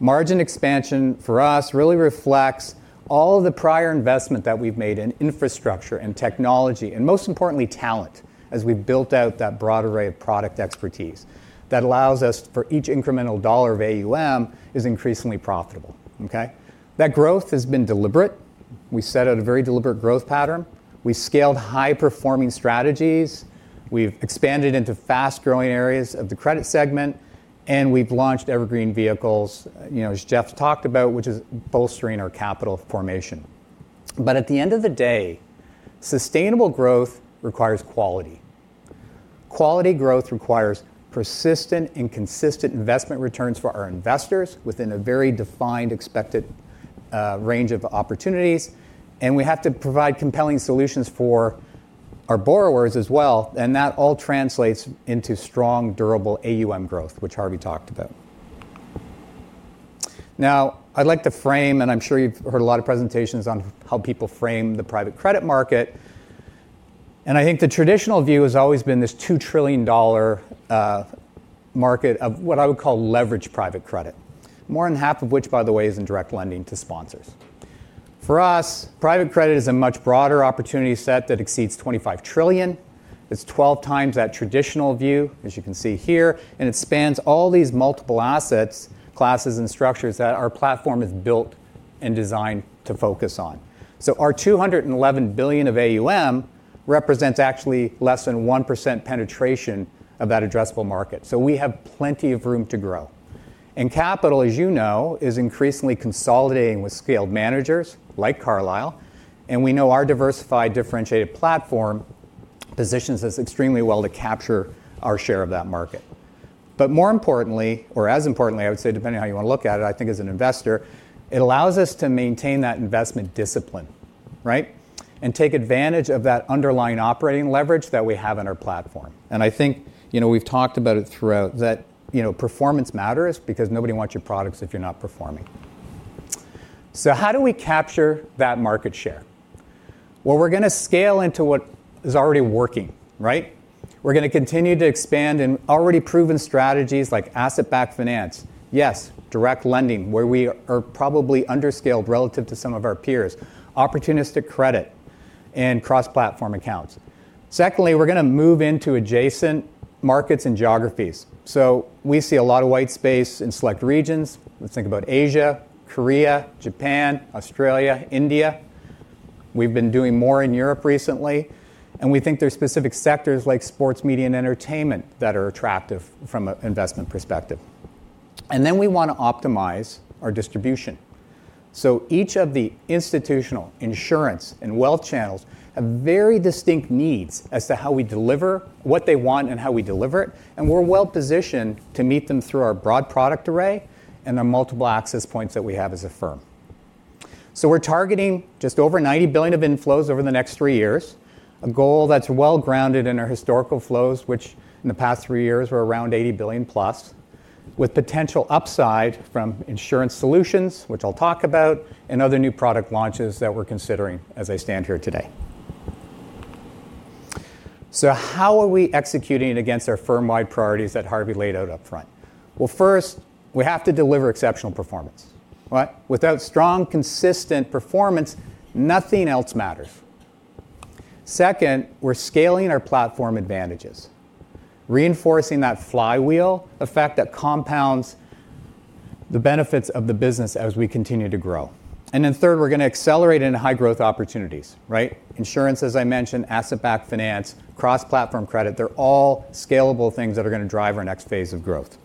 Margin expansion, for us, really reflects all the prior investment that we've made in infrastructure and technology, and most importantly, talent, as we built out that broad array of product expertise. That allows us, for each incremental dollar of AUM, is increasingly profitable, okay? That growth has been deliberate. We set out a very deliberate growth pattern. We scaled high-performing strategies, we've expanded into fast-growing areas of the credit segment, and we've launched evergreen vehicles, you know, as Jeff talked about, which is bolstering our capital formation. At the end of the day, sustainable growth requires quality. Quality growth requires persistent and consistent investment returns for our investors within a very defined, expected range of opportunities, we have to provide compelling solutions for our borrowers as well, that all translates into strong, durable AUM growth, which Harvey talked about. Now, I'd like to frame, I'm sure you've heard a lot of presentations on how people frame the private credit market, I think the traditional view has always been this $2 trillion market of what I would call leveraged private credit. More than half of which, by the way, is in direct lending to sponsors. For us, private credit is a much broader opportunity set that exceeds $25 trillion. It's 12x that traditional view, as you can see here, and it spans all these multiple assets, classes, and structures that our platform is built and designed to focus on. Our $211 billion of AUM represents actually less than 1% penetration of that addressable market, so we have plenty of room to grow. Capital, as you know, is increasingly consolidating with scaled managers, like Carlyle, and we know our diversified, differentiated platform positions us extremely well to capture our share of that market. More importantly, or as importantly, I would say, depending on how you want to look at it, I think as an investor, it allows us to maintain that investment discipline, right? Take advantage of that underlying operating leverage that we have in our platform. I think, you know, we've talked about it throughout, that, you know, performance matters because nobody wants your products if you're not performing. How do we capture that market share? Well, we're gonna scale into what is already working, right? We're gonna continue to expand in already proven strategies like Asset-Backed Finance. Yes, direct lending, where we are probably under-scaled relative to some of our peers, opportunistic credit, and cross-platform accounts. Secondly, we're gonna move into adjacent markets and geographies. We see a lot of white space in select regions. Let's think about Asia, Korea, Japan, Australia, India. We've been doing more in Europe recently, and we think there are specific sectors like sports, media, and entertainment that are attractive from an investment perspective. We want to optimize our distribution. Each of the institutional, insurance, and wealth channels have very distinct needs as to how we deliver what they want and how we deliver it, and we're well-positioned to meet them through our broad product array and the multiple access points that we have as a firm. We're targeting just over $90 billion of inflows over the next three years, a goal that's well-grounded in our historical flows, which in the past three years were around $80 billion+, with potential upside from insurance solutions, which I'll talk about, and other new product launches that we're considering as I stand here today. How are we executing against our firm-wide priorities that Harvey laid out up front? Well, first, we have to deliver exceptional performance, right? Without strong, consistent performance, nothing else matters.... Second, we're scaling our platform advantages, reinforcing that flywheel effect that compounds the benefits of the business as we continue to grow. Third, we're going to accelerate into high-growth opportunities, right? Insurance, as I mentioned, asset-backed finance, cross-platform credit, they're all scalable things that are going to drive our next phase of growth.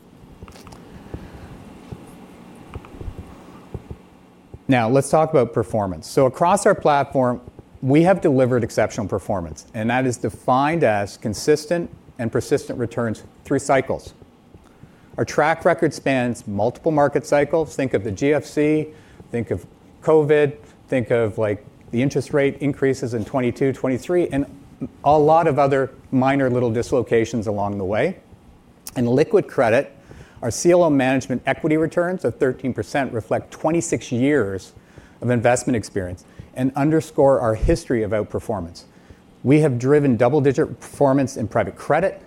Now, let's talk about performance. Across our platform, we have delivered exceptional performance, and that is defined as consistent and persistent returns through cycles. Our track record spans multiple market cycles. Think of the GFC, think of COVID, think of, like, the interest rate increases in 2022, 2023, and a lot of other minor little dislocations along the way. In liquid credit, our CLO management equity returns of 13% reflect 26 years of investment experience and underscore our history of outperformance. We have driven double-digit performance in private credit,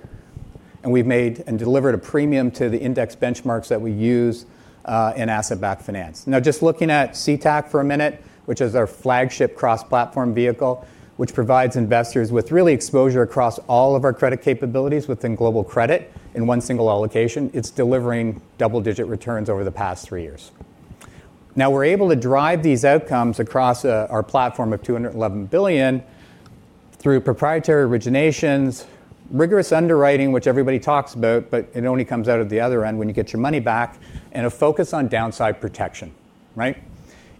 and we've made and delivered a premium to the index benchmarks that we use, in asset-backed finance. Just looking at CTAC for a minute, which is our flagship cross-platform vehicle, which provides investors with really exposure across all of our credit capabilities within global credit in one single allocation. It's delivering double-digit returns over the past three years. We're able to drive these outcomes across, our platform of $211 billion through proprietary originations, rigorous underwriting, which everybody talks about, but it only comes out of the other end when you get your money back, and a focus on downside protection, right?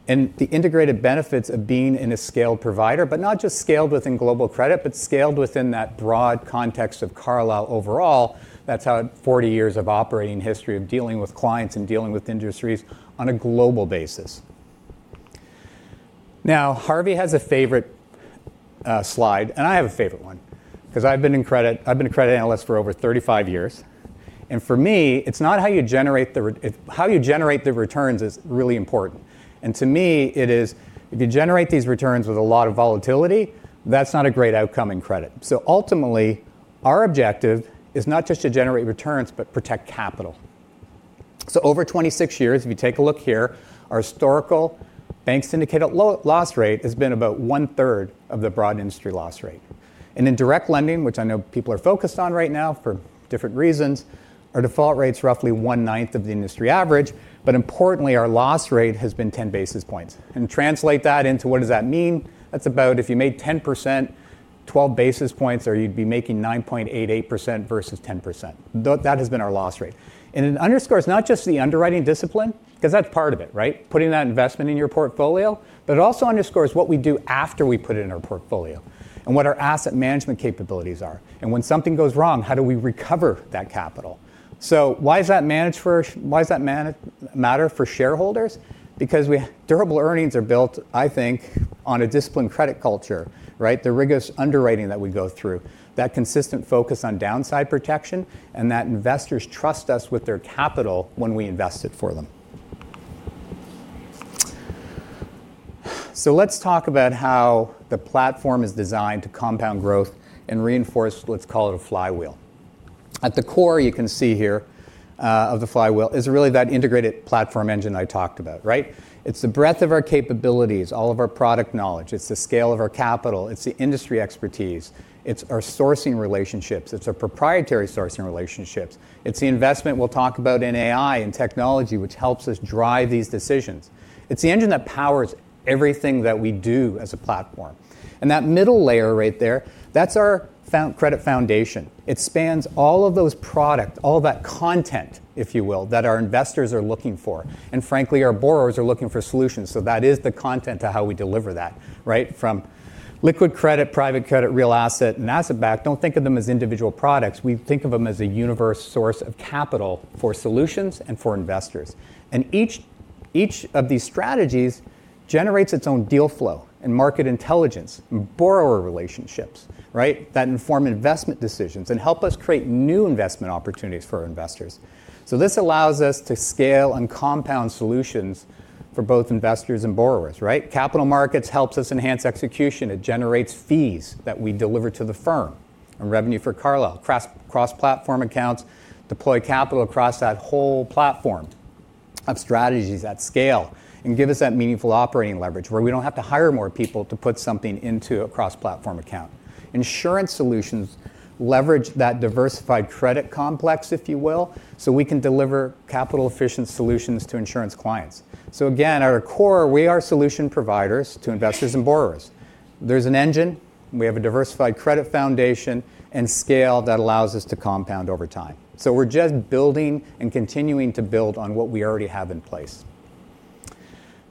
The integrated benefits of being in a scaled provider, but not just scaled within global credit, but scaled within that broad context of Carlyle overall. That's how 40 years of operating history of dealing with clients and dealing with industries on a global basis. Harvey has a favorite slide, and I have a favorite one, 'cause I've been a credit analyst for over 35 years, and for me, it's not how you generate the how you generate the returns is really important. To me, it is, if you generate these returns with a lot of volatility, that's not a great outcome in credit. Ultimately, our objective is not just to generate returns, but protect capital. Over 26 years, if you take a look here, our historical bank's indicated loss rate has been about one-third of the broad industry loss rate. In direct lending, which I know people are focused on right now for different reasons, our default rate's roughly 1/9 of the industry average, but importantly, our loss rate has been 10 basis points. Translate that into what does that mean? That's about if you made 10%, 12 basis points, or you'd be making 9.88% versus 10%. That has been our loss rate. It underscores not just the underwriting discipline, 'cause that's part of it, right? Putting that investment in your portfolio, but it also underscores what we do after we put it in our portfolio and what our asset management capabilities are. When something goes wrong, how do we recover that capital? Why does that matter for shareholders? Durable earnings are built, I think, on a disciplined credit culture, right? The rigorous underwriting that we go through, that consistent focus on downside protection, and that investors trust us with their capital when we invest it for them. Let's talk about how the platform is designed to compound growth and reinforce, let's call it a flywheel. At the core, you can see here, of the flywheel, is really that integrated platform engine I talked about, right? It's the breadth of our capabilities, all of our product knowledge. It's the scale of our capital. It's the industry expertise. It's our sourcing relationships. It's our proprietary sourcing relationships. It's the investment we'll talk about in AI and technology, which helps us drive these decisions. It's the engine that powers everything that we do as a platform. That middle layer right there, that's our credit foundation. It spans all of those products, all that content, if you will, that our investors are looking for. Frankly, our borrowers are looking for solutions, so that is the content to how we deliver that, right? From liquid credit, private credit, real asset, and asset-backed, don't think of them as individual products. We think of them as a universe source of capital for solutions and for investors. Each of these strategies generates its own deal flow and market intelligence, borrower relationships, right, that inform investment decisions and help us create new investment opportunities for our investors. This allows us to scale and compound solutions for both investors and borrowers, right? Capital markets helps us enhance execution. It generates fees that we deliver to the firm and revenue for Carlyle. Cross, cross-platform accounts deploy capital across that whole platform of strategies at scale and give us that meaningful operating leverage, where we don't have to hire more people to put something into a cross-platform account. Insurance solutions leverage that diversified credit complex, if you will, so we can deliver capital-efficient solutions to insurance clients. Again, at our core, we are solution providers to investors and borrowers. There's an engine, we have a diversified credit foundation and scale that allows us to compound over time. We're just building and continuing to build on what we already have in place.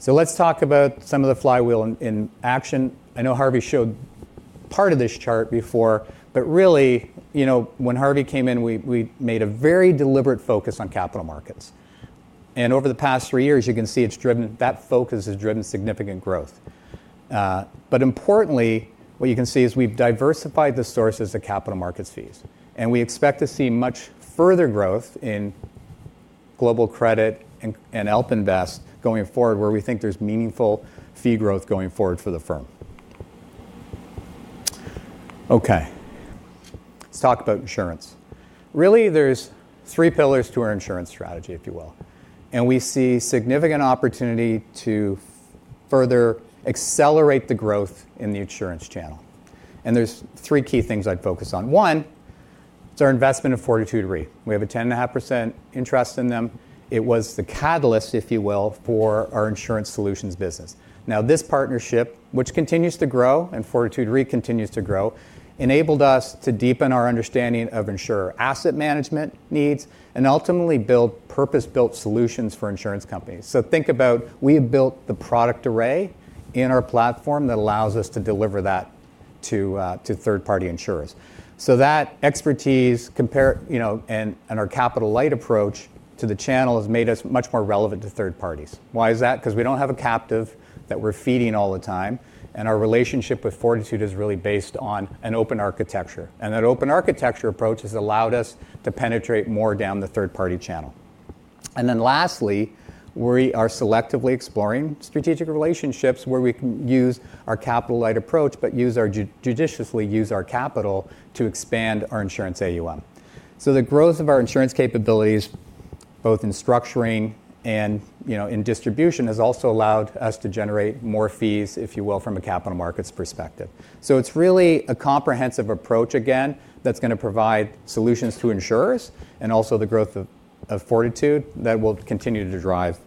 Let's talk about some of the flywheel in action. I know Harvey Schwartz showed part of this chart before, really, you know, when Harvey Schwartz came in, we made a very deliberate focus on capital markets. Over the past three years, you can see it's driven that focus has driven significant growth. Importantly, what you can see is we've diversified the sources of capital markets fees, and we expect to see much further growth in global credit and AlpInvest going forward, where we think there's meaningful fee growth going forward for the firm. Okay. Let's talk about insurance. Really, there's three pillars to our insurance strategy, if you will, and we see significant opportunity to further accelerate the growth in the insurance channel. There's three key things I'd focus on. One is our investment in Fortitude Re. We have a 10.5% interest in them. It was the catalyst, if you will, for our insurance solutions business. This partnership, which continues to grow, and Fortitude Re continues to grow, enabled us to deepen our understanding of insurer asset management needs and ultimately build purpose-built solutions for insurance companies. Think about, we have built the product array in our platform that allows us to deliver that to third-party insurers. That expertise compare, you know, and our capital-light approach to the channel has made us much more relevant to third parties. Why is that? 'Cause we don't have a captive that we're feeding all the time, and our relationship with Fortitude is really based on an open architecture. That open architecture approach has allowed us to penetrate more down the third-party channel. Lastly, we are selectively exploring strategic relationships where we can use our capital-light approach but judiciously use our capital to expand our insurance AUM. The growth of our insurance capabilities, both in structuring and, you know, in distribution, has also allowed us to generate more fees, if you will, from a capital markets perspective. It's really a comprehensive approach, again, that's gonna provide solutions to insurers and also the growth of Fortitude that will continue to drive,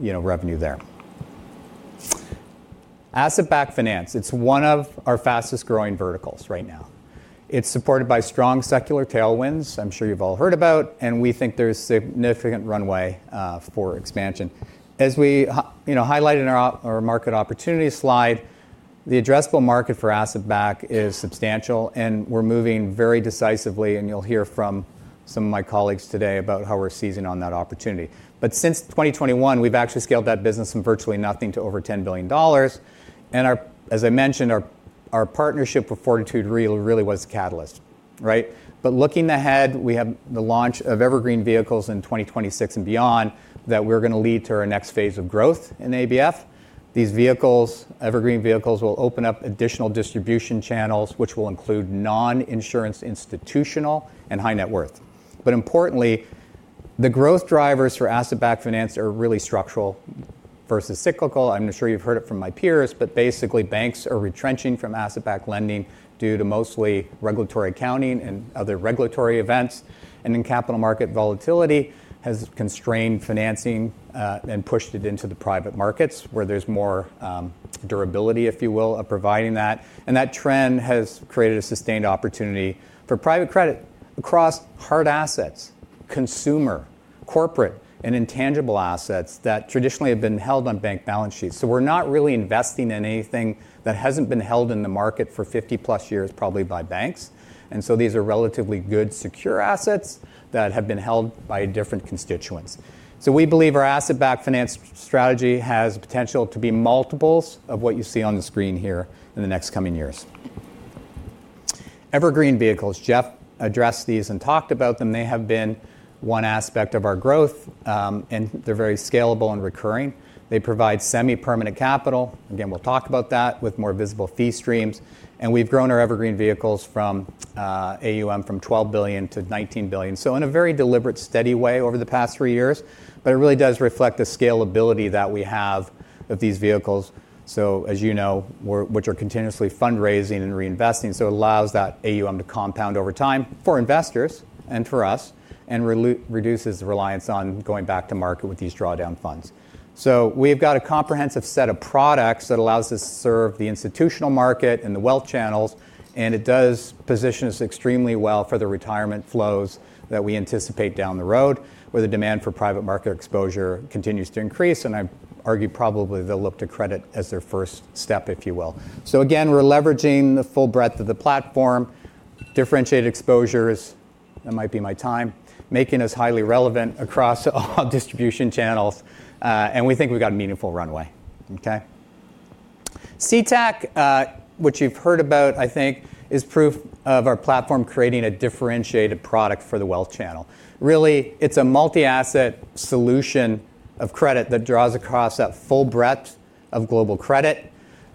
you know, revenue there. Asset-backed Finance, it's one of our fastest-growing verticals right now. It's supported by strong secular tailwinds, I'm sure you've all heard about, and we think there's significant runway for expansion. As we, you know, highlighted in our market opportunity slide, the addressable market for asset-backed is substantial, and we're moving very decisively, and you'll hear from some of my colleagues today about how we're seizing on that opportunity. Since 2021, we've actually scaled that business from virtually nothing to over $10 billion, and as I mentioned, our partnership with Fortitude Re really was a catalyst, right? Looking ahead, we have the launch of Evergreen Vehicles in 2026 and beyond, that we're gonna lead to our next phase of growth in ABF. These vehicles, Evergreen Vehicles, will open up additional distribution channels, which will include non-insurance, institutional, and high net worth. Importantly, the growth drivers for asset-backed finance are really structural versus cyclical. I'm sure you've heard it from my peers, but basically, banks are retrenching from asset-backed lending due to mostly regulatory accounting and other regulatory events, and then capital market volatility has constrained financing, and pushed it into the private markets, where there's more durability, if you will, of providing that. That trend has created a sustained opportunity for private credit across hard assets, consumer, corporate, and intangible assets that traditionally have been held on bank balance sheets. We're not really investing in anything that hasn't been held in the market for 50-plus years, probably by banks. These are relatively good, secure assets that have been held by different constituents. We believe our Asset-Backed Finance strategy has the potential to be multiples of what you see on the screen here in the next coming years. Evergreen Vehicles, Jeff addressed these and talked about them. They have been one aspect of our growth, and they're very scalable and recurring. They provide semi-permanent capital, again, we'll talk about that, with more visible fee streams. We've grown our Evergreen Vehicles from AUM from $12 billion to $19 billion. In a very deliberate, steady way over the past three years, but it really does reflect the scalability that we have of these vehicles. As you know, which are continuously fundraising and reinvesting, it allows that AUM to compound over time for investors and for us, and reduces the reliance on going back to market with these drawdown funds. We've got a comprehensive set of products that allows us to serve the institutional market and the wealth channels, and it does position us extremely well for the retirement flows that we anticipate down the road, where the demand for private market exposure continues to increase, and I'd argue probably they'll look to credit as their first step, if you will. Again, we're leveraging the full breadth of the platform, differentiated exposures, that might be my time, making us highly relevant across all distribution channels, and we think we've got a meaningful runway. Okay. CTAC, which you've heard about, I think, is proof of our platform creating a differentiated product for the wealth channel. It's a multi-asset solution of credit that draws across that full breadth of global credit.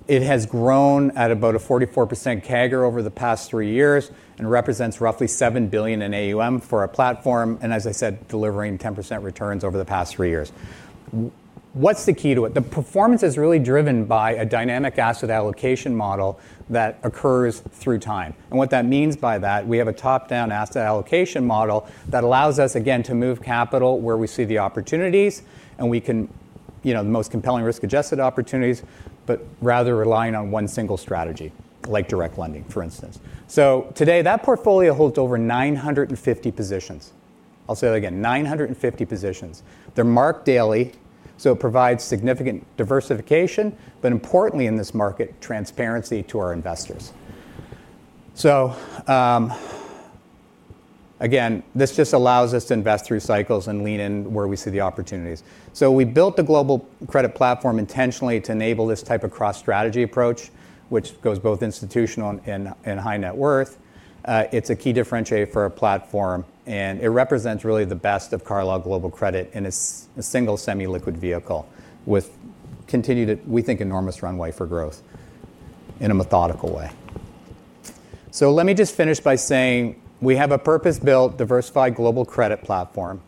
It has grown at about a 44% CAGR over the past three years and represents roughly $7 billion in AUM for our platform, and as I said, delivering 10% returns over the past three years. What's the key to it? The performance is really driven by a dynamic asset allocation model that occurs through time. What that means by that, we have a top-down asset allocation model that allows us, again, to move capital where we see the opportunities, and we can, you know, the most compelling risk-adjusted opportunities, but rather relying on one single strategy, like direct lending, for instance. Today, that portfolio holds over 950 positions. I'll say that again, 950 positions. They're marked daily, so it provides significant diversification, but importantly, in this market, transparency to our investors. Again, this just allows us to invest through cycles and lean in where we see the opportunities. We built the Global Credit platform intentionally to enable this type of cross-strategy approach, which goes both institutional and high net worth. It's a key differentiator for our platform, and it represents really the best of Carlyle Global Credit in a single semi-liquid vehicle continue to, we think, enormous runway for growth in a methodical way. Let me just finish by saying we have a purpose-built, diversified Global Credit platform,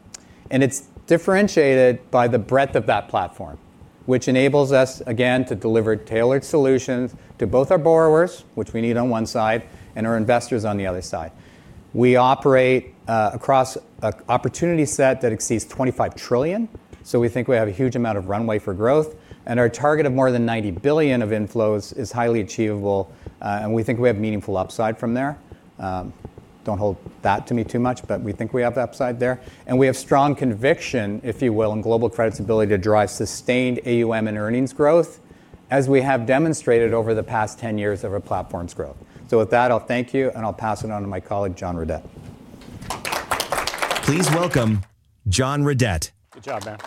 and it's differentiated by the breadth of that platform, which enables us, again, to deliver tailored solutions to both our borrowers, which we need on one side, and our investors on the other side. We operate across a opportunity set that exceeds 25 trillion, we think we have a huge amount of runway for growth, and our target of more than $90 billion of inflows is highly achievable, and we think we have meaningful upside from there. Don't hold that to me too much, but we think we have upside there. We have strong conviction, if you will, in global credit's ability to drive sustained AUM and earnings growth, as we have demonstrated over the past 10 years of our platform's growth. With that, I'll thank you, and I'll pass it on to my colleague, John Redett. Please welcome John Redett. Good job, man.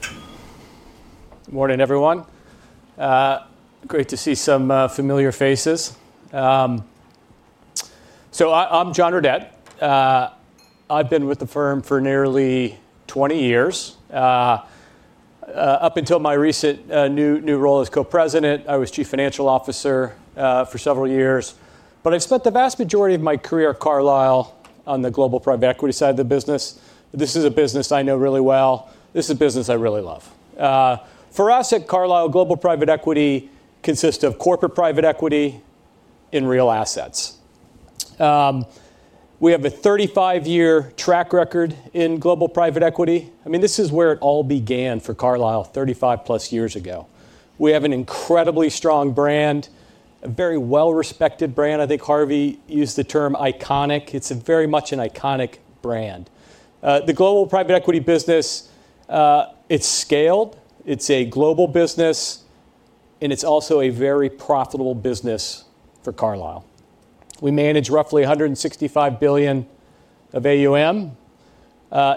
Good morning, everyone. Great to see some familiar faces. I'm John Redett. I've been with the firm for nearly 20 years. Up until my recent new role as Co-President, I was Chief Financial Officer for several years. I've spent the vast majority of my career at Carlyle on the global private equity side of the business. This is a business I know really well. This is a business I really love. For us at Carlyle, global private equity consists of corporate private equity and real assets. We have a 35-year track record in global private equity. I mean, this is where it all began for Carlyle 35+ years ago. We have an incredibly strong brand, a very well-respected brand. I think Harvey used the term iconic. It's a very much an iconic brand. The global private equity business, it's scaled, it's a global business, and it's also a very profitable business for Carlyle. We manage roughly $165 billion of AUM.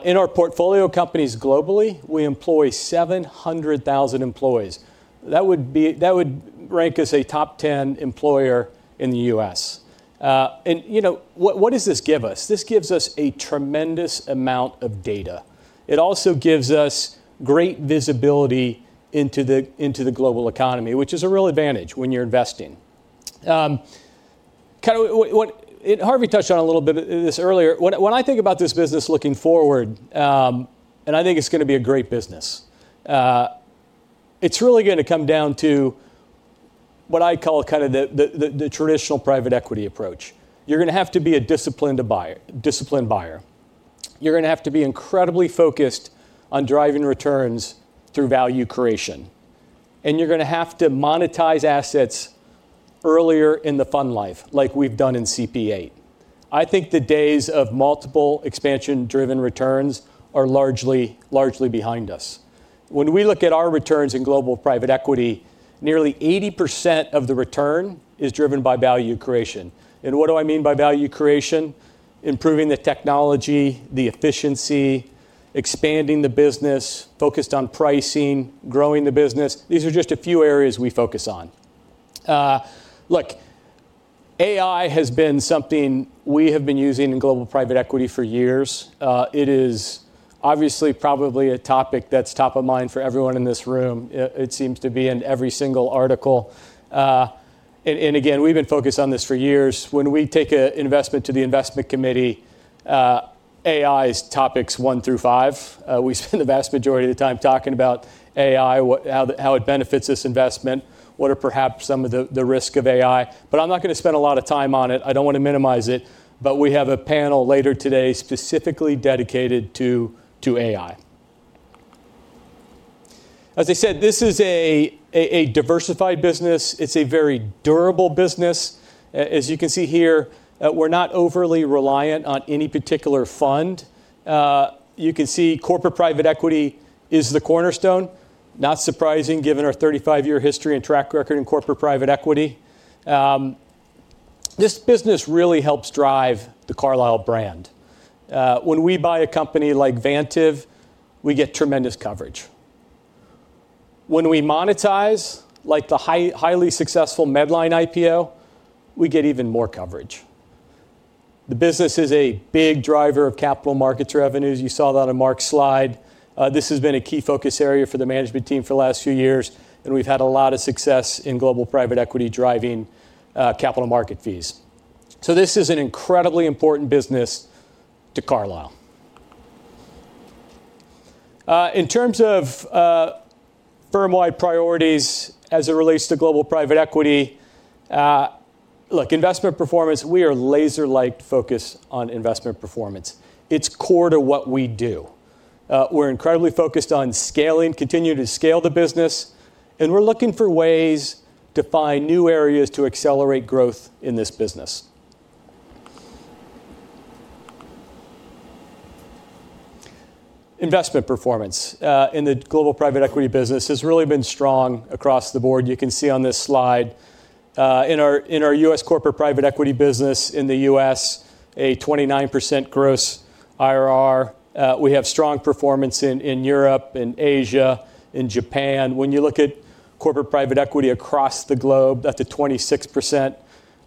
In our portfolio companies globally, we employ 700,000 employees. That would rank us a top 10 employer in the US. You know, what does this give us? This gives us a tremendous amount of data. It also gives us great visibility into the global economy, which is a real advantage when you're investing. Kind of what Harvey touched on a little bit this earlier, when I think about this business looking forward, I think it's gonna be a great business, it's really gonna come down to what I call kind of the traditional private equity approach. You're gonna have to be a disciplined buyer. You're gonna have to be incredibly focused on driving returns through value creation, and you're gonna have to monetize assets earlier in the fund life, like we've done in CP VIII. I think the days of multiple expansion-driven returns are largely behind us. When we look at our returns in global private equity, nearly 80% of the return is driven by value creation. What do I mean by value creation? Improving the technology, the efficiency, expanding the business, focused on pricing, growing the business. These are just a few areas we focus on. Look, AI has been something we have been using in global private equity for years. It is obviously probably a topic that's top of mind for everyone in this room. It seems to be in every single article. Again, we've been focused on this for years. When we take an investment to the investment committee, AI is topics one through five. We spend the vast majority of the time talking about AI, how it benefits this investment, what are perhaps some of the risk of AI. I'm not gonna spend a lot of time on it. I don't want to minimize it, but we have a panel later today specifically dedicated to AI. As I said, this is a diversified business. It's a very durable business. As you can see here, we're not overly reliant on any particular fund. You can see corporate private equity is the cornerstone. Not surprising, given our 35-year history and track record in corporate private equity. This business really helps drive the Carlyle brand. When we buy a company like Vantive, we get tremendous coverage. When we monetize, like the highly successful Medline IPO, we get even more coverage. The business is a big driver of capital markets revenues. You saw that on Mark's slide. This has been a key focus area for the management team for the last few years, and we've had a lot of success in Global Private Equity, driving capital market fees. This is an incredibly important business to Carlyle. In terms of firm-wide priorities as it relates to Global Private Equity, look, investment performance, we are laser-like focused on investment performance. It's core to what we do. We're incredibly focused on scaling, continuing to scale the business, and we're looking for ways to find new areas to accelerate growth in this business. Investment performance, in the global private equity business has really been strong across the board. You can see on this slide, in our, in our U.S. corporate private equity business in the U.S., a 29% gross IRR. We have strong performance in Europe, in Asia, in Japan. When you look at corporate private equity across the globe, that's a 26%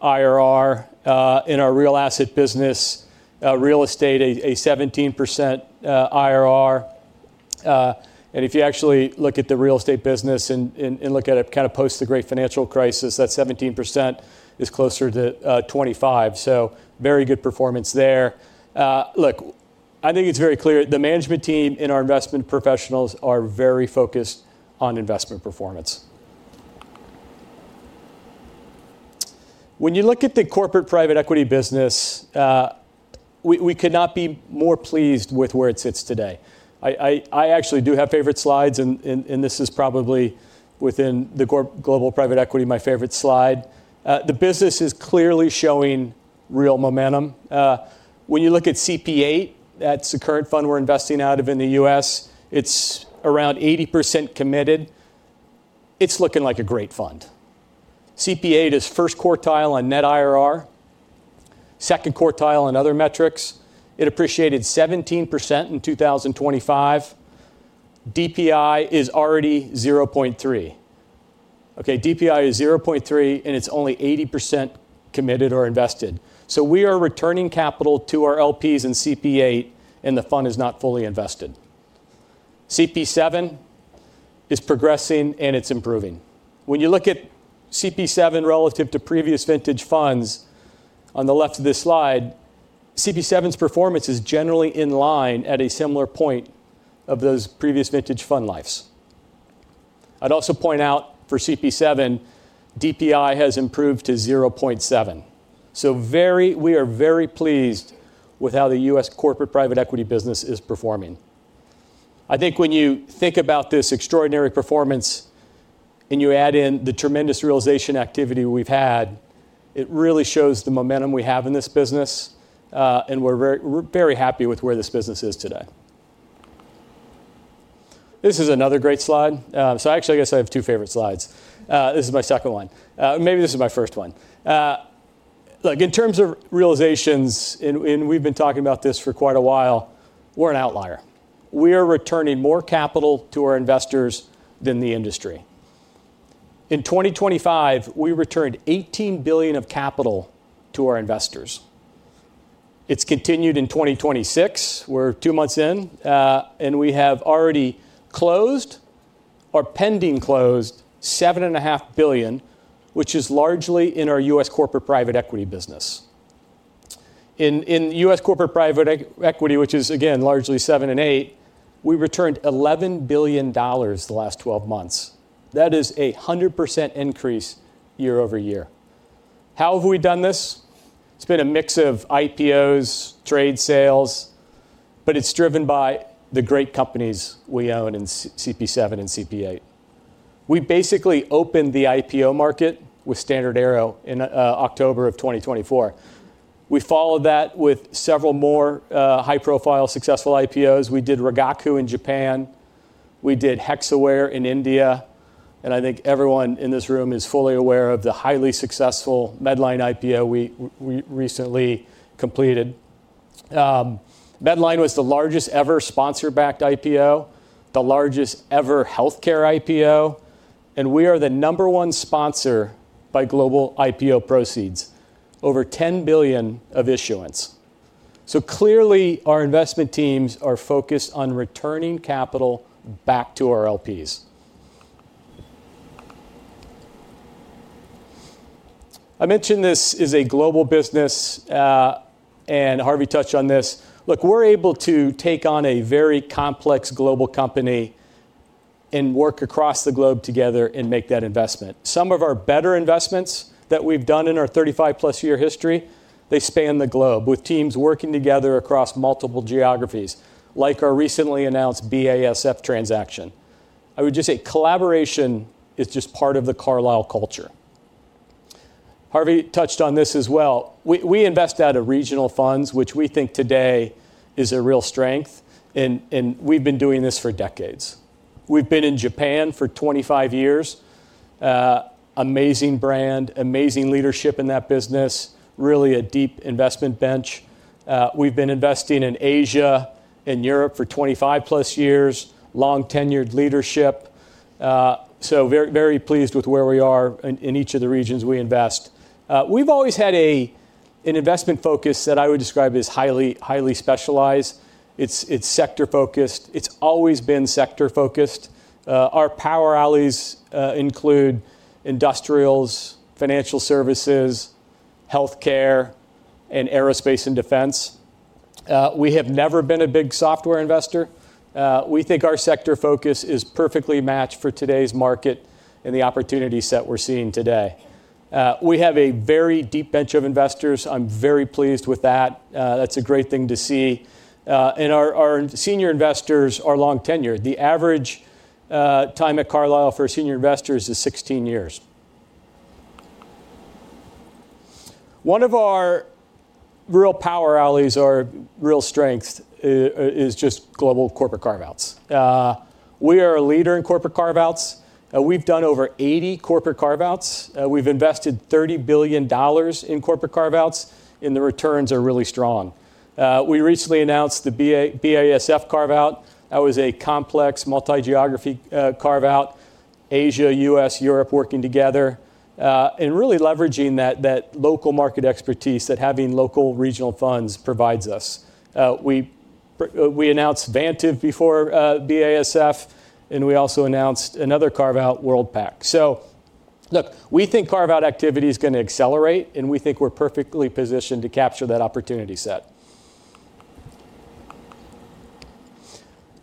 IRR. In our real asset business, real estate, a 17% IRR. And if you actually look at the real estate business and, and look at it kind of post the Great Financial Crisis, that 17% is closer to, 25. Very good performance there. Look, I think it's very clear the management team and our investment professionals are very focused on investment performance. When you look at the corporate private equity business, we could not be more pleased with where it sits today. I actually do have favorite slides, and this is probably within the global private equity, my favorite slide. The business is clearly showing real momentum. When you look at CP VIII, that's the current fund we're investing out of in the US, it's around 80% committed. It's looking like a great fund. CP VIII is first quartile on net IRR, second quartile on other metrics. It appreciated 17% in 2025. DPI is already 0.3. Okay, DPI is 0.3, and it's only 80% committed or invested. We are returning capital to our LPs in CP VIII, and the fund is not fully invested. CP VII is progressing, and it's improving. When you look at CP VII relative to previous vintage funds, on the left of this slide, CP VII's performance is generally in line at a similar point of those previous vintage fund lives. I'd also point out for CP VII, DPI has improved to 0.7. We are very pleased with how the U.S. corporate private equity business is performing. I think when you think about this extraordinary performance, and you add in the tremendous realization activity we've had, it really shows the momentum we have in this business, and we're very happy with where this business is today. This is another great slide. I actually guess I have two favorite slides. This is my second one. Maybe this is my first one. Look, in terms of realizations, and we've been talking about this for quite a while, we're an outlier. We are returning more capital to our investors than the industry. In 2025, we returned $18 billion of capital to our investors. It's continued in 2026. We're two months in, and we have already closed or pending closed $7.5 billion, which is largely in our U.S. corporate private equity business. In U.S. corporate private equity, which is again, largely CP VII and CP VIII, we returned $11 billion the last 12 months. That is a 100% increase year-over-year. How have we done this? It's been a mix of IPOs, trade sales, but it's driven by the great companies we own in CP VII and CP VIII. We basically opened the IPO market with StandardAero in October of 2024. We followed that with several more high-profile, successful IPOs. We did Rigaku in Japan, we did Hexaware in India, and I think everyone in this room is fully aware of the highly successful Medline IPO we recently completed. Medline was the largest ever sponsor-backed IPO, the largest ever healthcare IPO, and we are the number one sponsor by global IPO proceeds, over $10 billion of issuance. Clearly, our investment teams are focused on returning capital back to our LPs. I mentioned this is a global business, and Harvey touched on this. Look, we're able to take on a very complex global company and work across the globe together and make that investment. Some of our better investments that we've done in our 35-plus year history, they span the globe, with teams working together across multiple geographies, like our recently announced BASF transaction. I would just say collaboration is just part of the Carlyle culture. Harvey touched on this as well. We invest out of regional funds, which we think today is a real strength, and we've been doing this for decades. We've been in Japan for 25 years. Amazing brand, amazing leadership in that business, really a deep investment bench. We've been investing in Asia and Europe for 25+ years, long-tenured leadership. Very, very pleased with where we are in each of the regions we invest. We've always had an investment focus that I would describe as highly specialized. It's sector-focused. It's always been sector-focused. Our power alleys include industrials, financial services, healthcare, and aerospace and defense. We have never been a big software investor. We think our sector focus is perfectly matched for today's market and the opportunity set we're seeing today. We have a very deep bench of investors. I'm very pleased with that. That's a great thing to see. Our senior investors are long tenure. The average time at Carlyle for senior investors is 16 years. One of our real power alleys or real strengths is just global corporate carve-outs. We are a leader in corporate carve-outs, we've done over 80 corporate carve-outs. We've invested $30 billion in corporate carve-outs, the returns are really strong. We recently announced the BASF carve-out. That was a complex, multi-geography carve-out. Asia, US, Europe working together, and really leveraging that local market expertise that having local regional funds provides us. We announced Vantive before, BASF, and we also announced another carve-out, Worldpac. Look, we think carve-out activity is going to accelerate, and we think we're perfectly positioned to capture that opportunity set.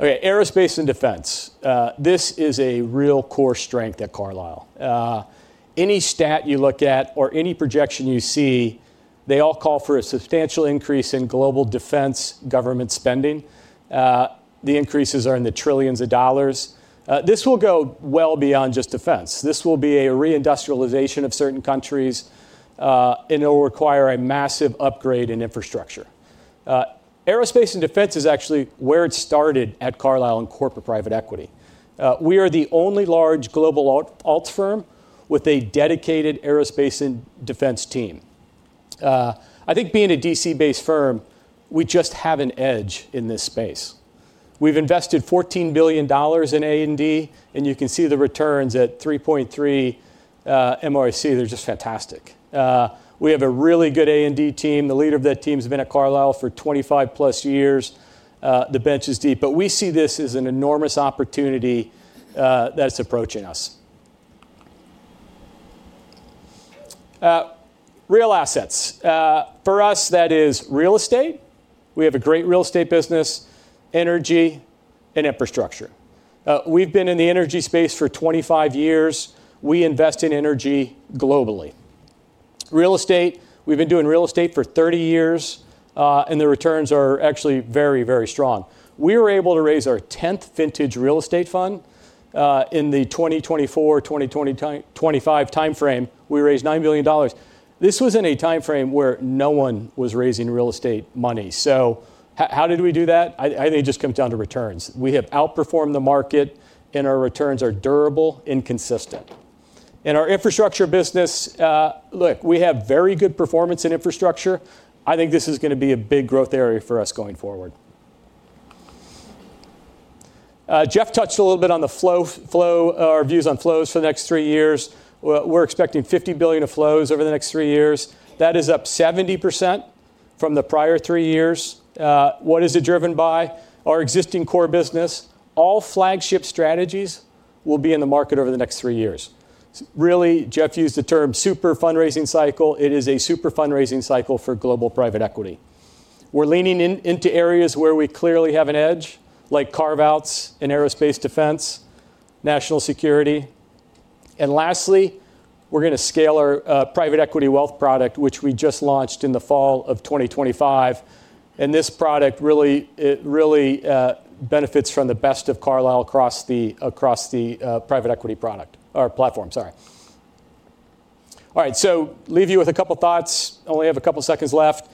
Okay, aerospace and defense. This is a real core strength at Carlyle. Any stat you look at or any projection you see, they all call for a substantial increase in global defense government spending. The increases are in the trillions of dollars. This will go well beyond just defense. This will be a re-industrialization of certain countries, and it will require a massive upgrade in infrastructure. Aerospace and defense is actually where it started at Carlyle in corporate private equity. We are the only large global alt, alts firm with a dedicated aerospace and defense team. I think being a D.C.-based firm, we just have an edge in this space. We've invested $14 billion in A&D, and you can see the returns at 3.3 MOIC. They're just fantastic. We have a really good A&D team. The leader of that team's been at Carlyle for 25+ years. The bench is deep, but we see this as an enormous opportunity that's approaching us. Real assets. For us, that is real estate, we have a great real estate business, energy and infrastructure. We've been in the energy space for 25 years. We invest in energy globally. Real estate, we've been doing real estate for 30 years, and the returns are actually very, very strong. We were able to raise our tenth vintage real estate fund in the 2024/2025 timeframe, we raised $9 billion. This was in a timeframe where no one was raising real estate money. How did we do that? I think it just comes down to returns. We have outperformed the market, and our returns are durable and consistent. Our infrastructure business, look, we have very good performance in infrastructure. I think this is gonna be a big growth area for us going forward. Jeff Nedelman touched a little bit on the flow, our views on flows for the next three years. We're expecting $50 billion of flows over the next three years. That is up 70% from the prior three years. What is it driven by? Our existing core business. All flagship strategies will be in the market over the next three years. Really, Jeff used the term super fundraising cycle. It is a super fundraising cycle for global private equity. We're leaning into areas where we clearly have an edge, like carve-outs in aerospace defense, national security. Lastly, we're gonna scale our private equity wealth product, which we just launched in the fall of 2025, and this product really, it really benefits from the best of Carlyle across the private equity product or platform, sorry. All right, leave you with a couple thoughts. I only have a couple seconds left.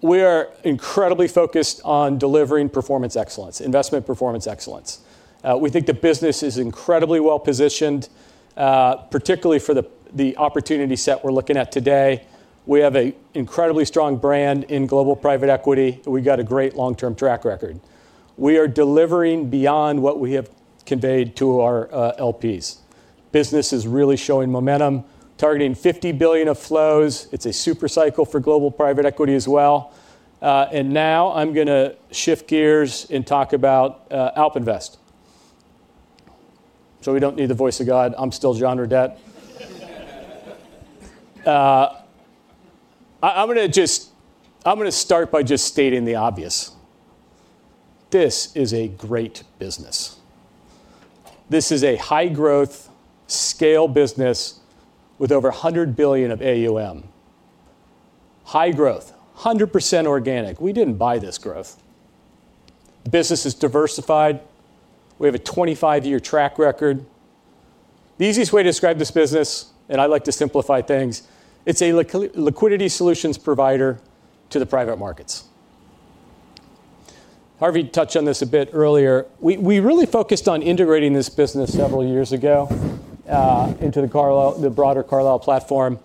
We are incredibly focused on delivering performance excellence, investment performance excellence. We think the business is incredibly well-positioned, particularly for the opportunity set we're looking at today. We have a incredibly strong brand in global private equity. We've got a great long-term track record. We are delivering beyond what we have conveyed to our LPs. Business is really showing momentum, targeting $50 billion of flows. It's a super cycle for global private equity as well. Now I'm gonna shift gears and talk about AlpInvest. We don't need the voice of God, I'm still John Redett. I'm gonna start by just stating the obvious: This is a great business. This is a high-growth scale business with over $100 billion of AUM. High growth, 100% organic. We didn't buy this growth. The business is diversified. We have a 25-year track record. The easiest way to describe this business, and I like to simplify things, it's a liquidity solutions provider to the private markets. Harvey touched on this a bit earlier. We really focused on integrating this business several years ago, into the Carlyle, the broader Carlyle platform,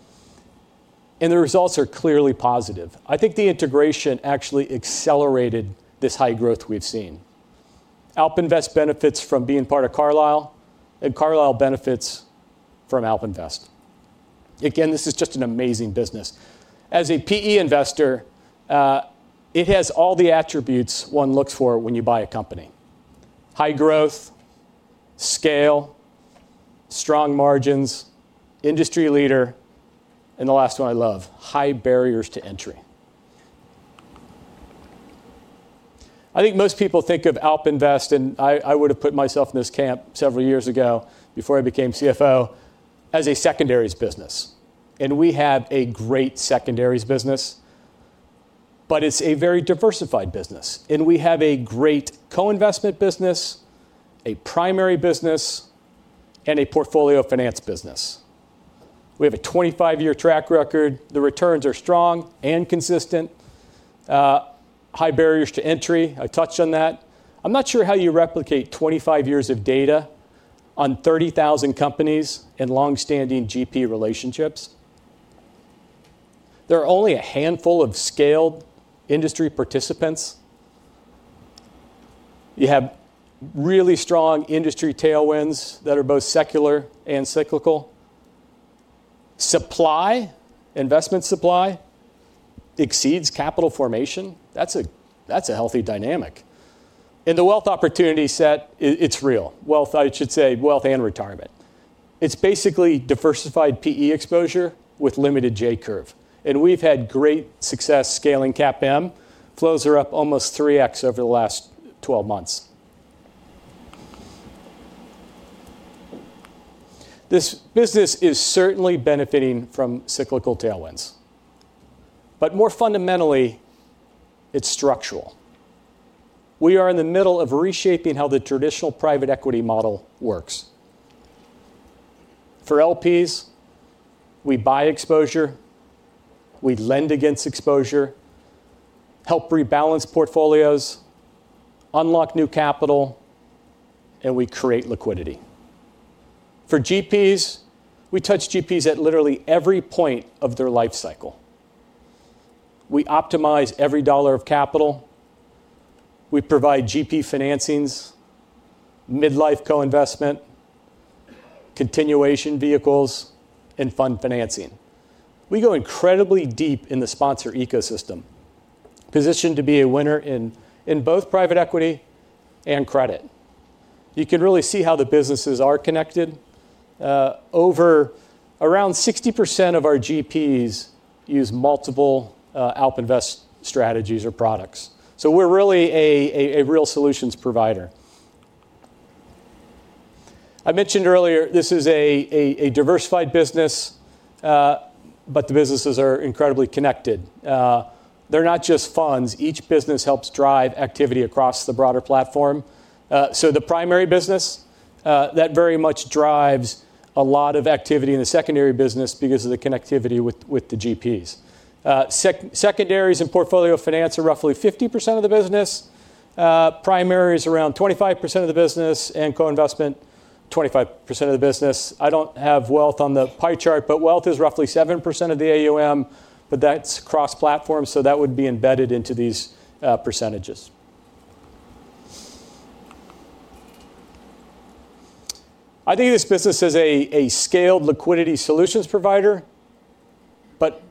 and the results are clearly positive. I think the integration actually accelerated this high growth we've seen. AlpInvest benefits from being part of Carlyle, and Carlyle benefits from AlpInvest. Again, this is just an amazing business. As a PE investor, it has all the attributes one looks for when you buy a company: high growth, scale, strong margins, industry leader, and the last one I love, high barriers to entry. I think most people think of AlpInvest, and I would have put myself in this camp several years ago before I became CFO, as a secondaries business, and we have a great secondaries business, but it's a very diversified business. We have a great co-investment business, a primary business, and a portfolio finance business. We have a 25-year track record. The returns are strong and consistent. High barriers to entry, I touched on that. I'm not sure how you replicate 25 years of data on 30,000 companies and long-standing GP relationships. There are only a handful of scaled industry participants. You have really strong industry tailwinds that are both secular and cyclical. Supply, investment supply, exceeds capital formation. That's a, that's a healthy dynamic. The wealth opportunity set, it's real. I should say wealth and retirement. It's basically diversified PE exposure with limited J-curve, and we've had great success scaling CAPM. Flows are up almost 3x over the last 12 months. This business is certainly benefiting from cyclical tailwinds, but more fundamentally, it's structural. We are in the middle of reshaping how the traditional private equity model works. For LPs, we buy exposure, we lend against exposure, help rebalance portfolios, unlock new capital, and we create liquidity. For GPs, we touch GPs at literally every point of their life cycle. We optimize every dollar of capital, we provide GP financings, mid-life co-investment, continuation vehicles, and fund financing. We go incredibly deep in the sponsor ecosystem, positioned to be a winner in both private equity and credit. You can really see how the businesses are connected. Over around 60% of our GPs use multiple AlpInvest strategies or products. We're really a real solutions provider. I mentioned earlier, this is a diversified business, but the businesses are incredibly connected. They're not just funds. Each business helps drive activity across the broader platform. The primary business, that very much drives a lot of activity in the secondary business because of the connectivity with the GPs. Secondaries and portfolio finance are roughly 50% of the business, primary is around 25% of the business, and co-investment, 25% of the business. I don't have wealth on the pie chart, but wealth is roughly 7% of the AUM, but that's cross-platform, so that would be embedded into these percentages. I think of this business as a scaled liquidity solutions provider, but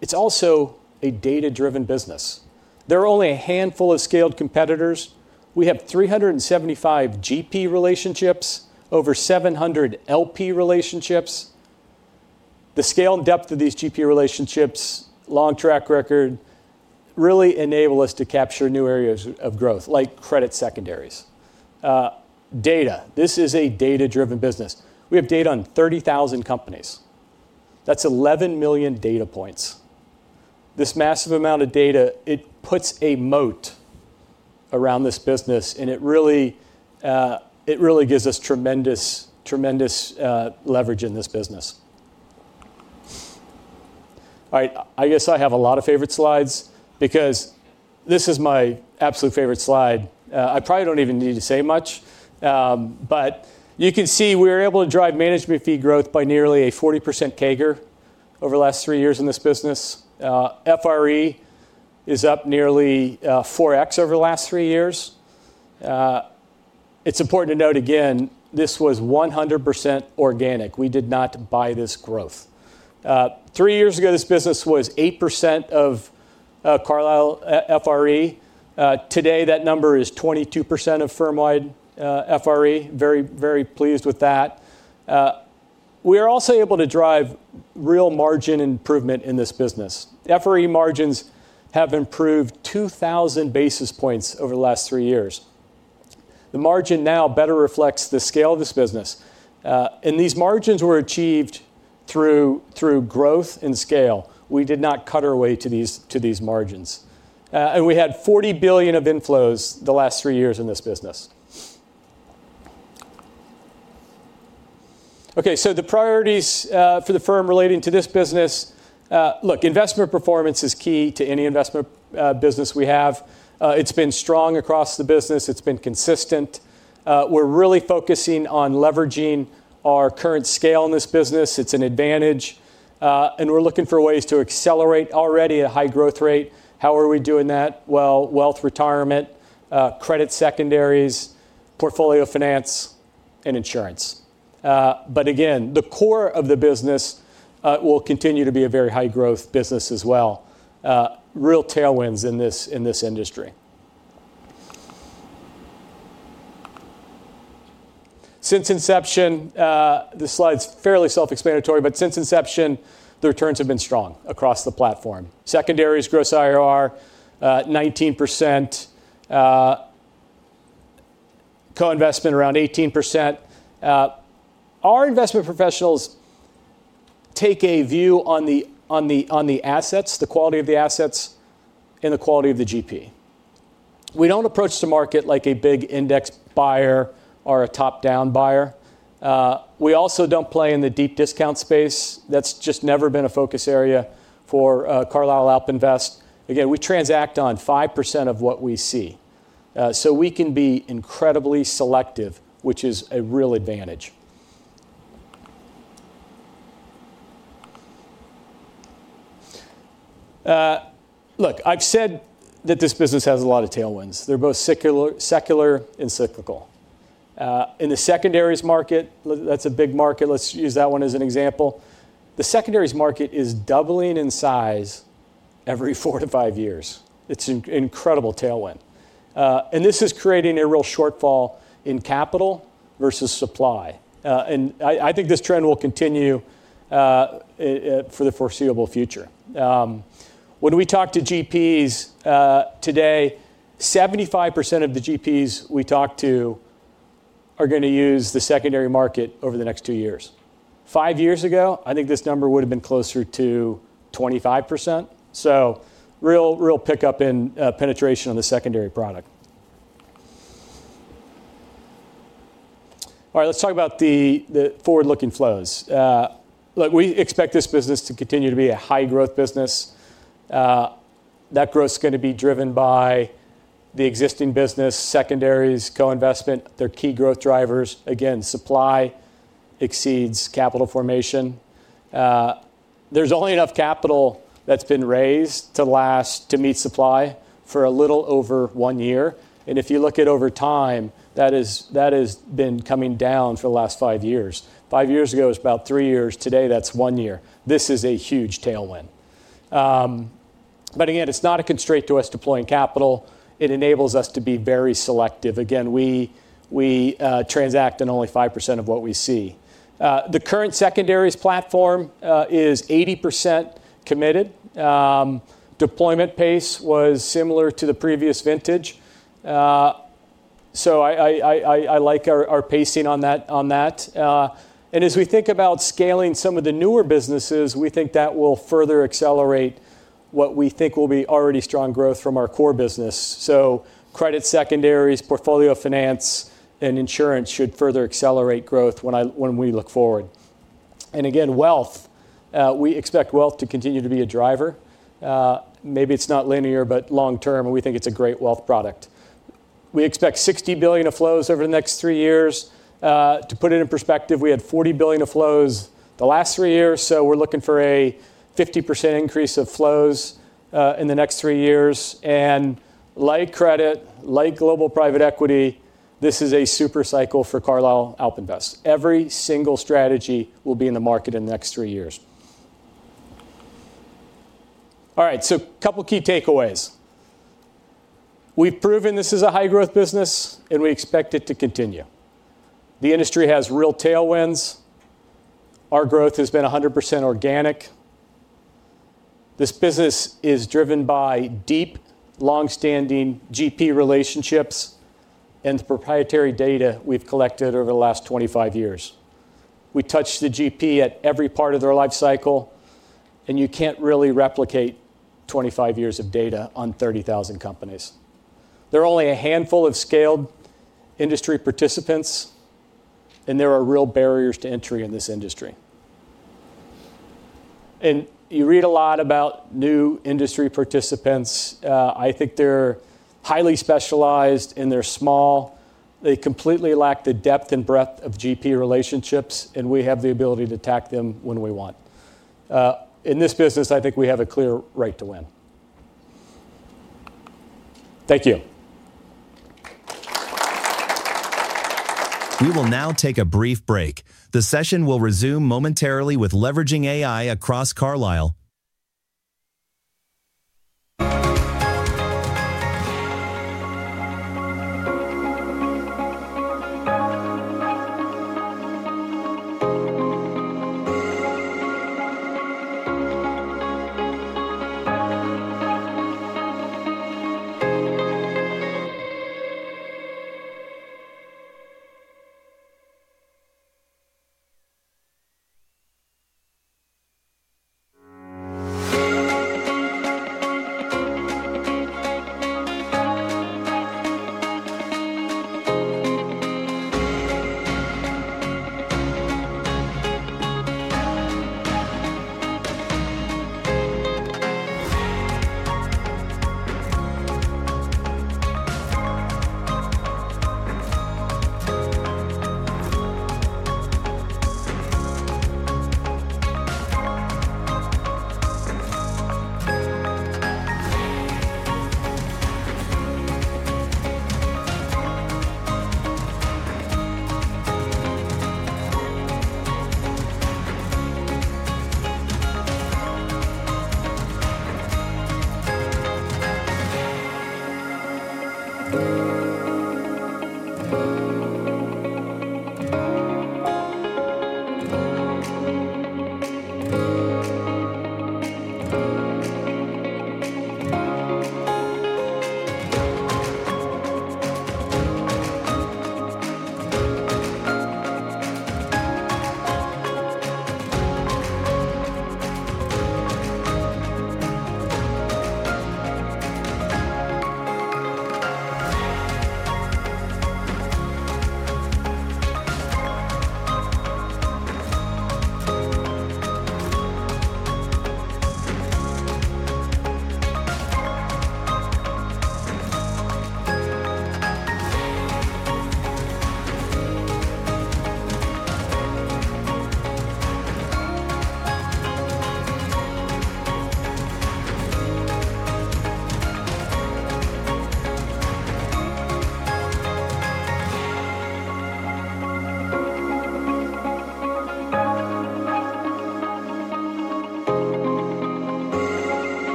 it's also a data-driven business. There are only a handful of scaled competitors. We have 375 GP relationships, over 700 LP relationships. The scale and depth of these GP relationships, long track record, really enable us to capture new areas of growth, like credit secondaries. Data. This is a data-driven business. We have data on 30,000 companies. That's 11 million data points. This massive amount of data, it puts a moat around this business, and it really gives us tremendous leverage in this business. I guess I have a lot of favorite slides because this is my absolute favorite slide. I probably don't even need to say much, but you can see we're able to drive management fee growth by nearly a 40% CAGR over the last three years in this business. FRE is up nearly 4x over the last three years. It's important to note again, this was 100% organic. We did not buy this growth. Three years ago, this business was 8% of Carlyle FRE. Today, that number is 22% of firm-wide FRE. Very, very pleased with that. We are also able to drive real margin improvement in this business. FRE margins have improved 2,000 basis points over the last three years. The margin now better reflects the scale of this business, and these margins were achieved through growth and scale. We did not cut our way to these margins, and we had $40 billion of inflows the last three years in this business. The priorities for the firm relating to this business... Look, investment performance is key to any investment business we have. It's been strong across the business. It's been consistent. We're really focusing on leveraging our current scale in this business. It's an advantage. We're looking for ways to accelerate already a high growth rate. How are we doing that? Well, wealth retirement, credit secondaries, portfolio finance, and insurance. Again, the core of the business, will continue to be a very high growth business as well. Real tailwinds in this, in this industry. Since inception, this slide's fairly self-explanatory, but since inception, the returns have been strong across the platform. Secondaries gross IRR, 19%, co-investment around 18%. Our investment professionals take a view on the assets, the quality of the assets, and the quality of the GP. We don't approach the market like a big index buyer or a top-down buyer. We also don't play in the deep discount space. That's just never been a focus area for Carlyle AlpInvest. We transact on 5% of what we see, so we can be incredibly selective, which is a real advantage. I've said that this business has a lot of tailwinds. They're both secular and cyclical. In the secondaries market, that's a big market. Let's use that one as an example. The secondaries market is doubling in size every four years to five years. It's an incredible tailwind. This is creating a real shortfall in capital versus supply. I think this trend will continue for the foreseeable future. When we talk to GPs today, 75% of the GPs we talk to are going to use the secondary market over the next two years. Five years ago, I think this number would have been closer to 25%. Real pickup in penetration on the secondary product. Let's talk about the forward-looking flows. We expect this business to continue to be a high growth business. That growth is going to be driven by the existing business, secondaries, co-investment, they're key growth drivers. Supply exceeds capital formation. There's only enough capital that's been raised to last to meet supply for a little over one year, and if you look at over time, that has been coming down for the last five years. Five years ago, it was about three years. Today, that's one year. This is a huge tailwind. It's not a constraint to us deploying capital. It enables us to be very selective. We transact in only 5% of what we see. The current secondaries platform is 80% committed. Deployment pace was similar to the previous vintage. I like our pacing on that. As we think about scaling some of the newer businesses, we think that will further accelerate what we think will be already strong growth from our core business. Credit secondaries, portfolio finance, and insurance should further accelerate growth when we look forward. Again, wealth, we expect wealth to continue to be a driver. Maybe it's not linear, but long term, we think it's a great wealth product. We expect $60 billion of flows over the next three years. To put it in perspective, we had $40 billion of flows the last three years, we're looking for a 50% increase of flows in the next three years. Like credit, like global private equity, this is a super cycle for Carlyle AlpInvest. Every single strategy will be in the market in the next three years. A couple of key takeaways. We've proven this is a high-growth business, and we expect it to continue. The industry has real tailwinds. Our growth has been 100% organic. This business is driven by deep, long-standing GP relationships and the proprietary data we've collected over the last 25 years. We touch the GP at every part of their life cycle, you can't really replicate 25 years of data on 30,000 companies. There are only a handful of scaled industry participants, and there are real barriers to entry in this industry. You read a lot about new industry participants. I think they're highly specialized, and they're small. They completely lack the depth and breadth of GP relationships, and we have the ability to attack them when we want. In this business, I think we have a clear right to win. Thank you. We will now take a brief break. The session will resume momentarily with Leveraging AI Across Carlyle.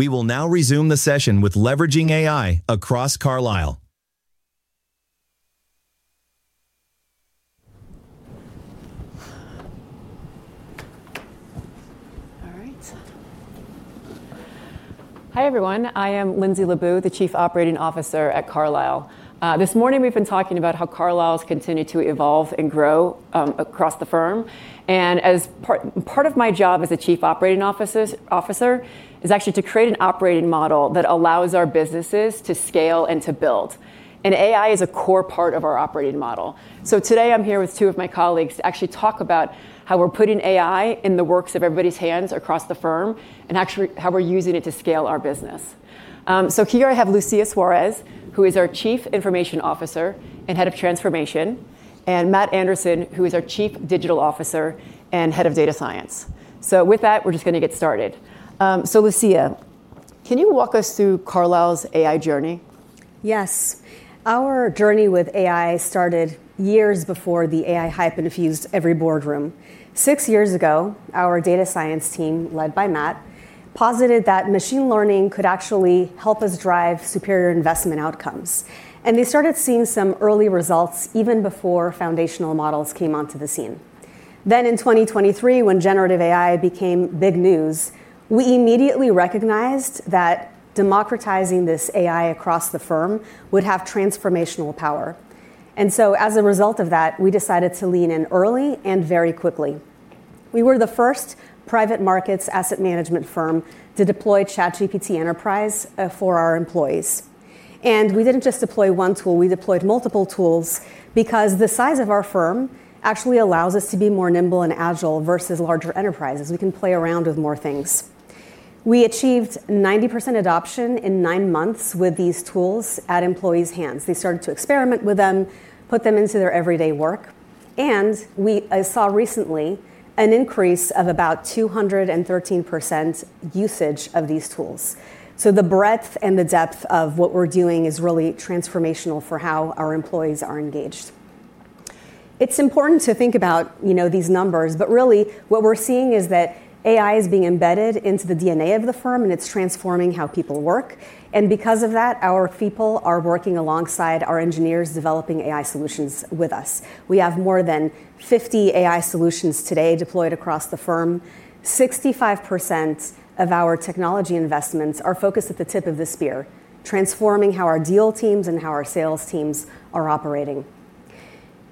We will now resume the session with Leveraging AI Across Carlyle. All right. Hi, everyone. I am Lindsay LoBue, the Chief Operating Officer at Carlyle. This morning we've been talking about how Carlyle's continued to evolve and grow across the firm. As part of my job as a chief operating officer, is actually to create an operating model that allows our businesses to scale and to build. AI is a core part of our operating model. Today I'm here with two of my colleagues to actually talk about how we're putting AI in the works of everybody's hands across the firm, and actually, how we're using it to scale our business. Here I have Lúcia Soares, who is our Chief Information Officer and Head of Transformation, and Matt Anderson, who is our Chief Digital Officer and Head of Data Science. With that, we're just going to get started. Lúcia, can you walk us through Carlyle's AI journey? Yes. Our journey with AI started years before the AI hype infused every boardroom. Six years ago, our data science team, led by Matt, posited that machine learning could actually help us drive superior investment outcomes, and they started seeing some early results even before foundational models came onto the scene. In 2023, when generative AI became big news, we immediately recognized that democratizing this AI across the firm would have transformational power. As a result of that, we decided to lean in early and very quickly. We were the first private markets asset management firm to deploy ChatGPT Enterprise for our employees. We didn't just deploy one tool, we deployed multiple tools, because the size of our firm actually allows us to be more nimble and agile versus larger enterprises. We can play around with more things. We achieved 90% adoption in 9 months with these tools at employees' hands. They started to experiment with them, put them into their everyday work, and we saw recently an increase of about 213% usage of these tools. The breadth and the depth of what we're doing is really transformational for how our employees are engaged. It's important to think about, you know, these numbers, but really, what we're seeing is that AI is being embedded into the DNA of the firm, and it's transforming how people work, and because of that, our people are working alongside our engineers, developing AI solutions with us. We have more than 50 AI solutions today deployed across the firm. 65% of our technology investments are focused at the tip of the spear, transforming how our deal teams and how our sales teams are operating.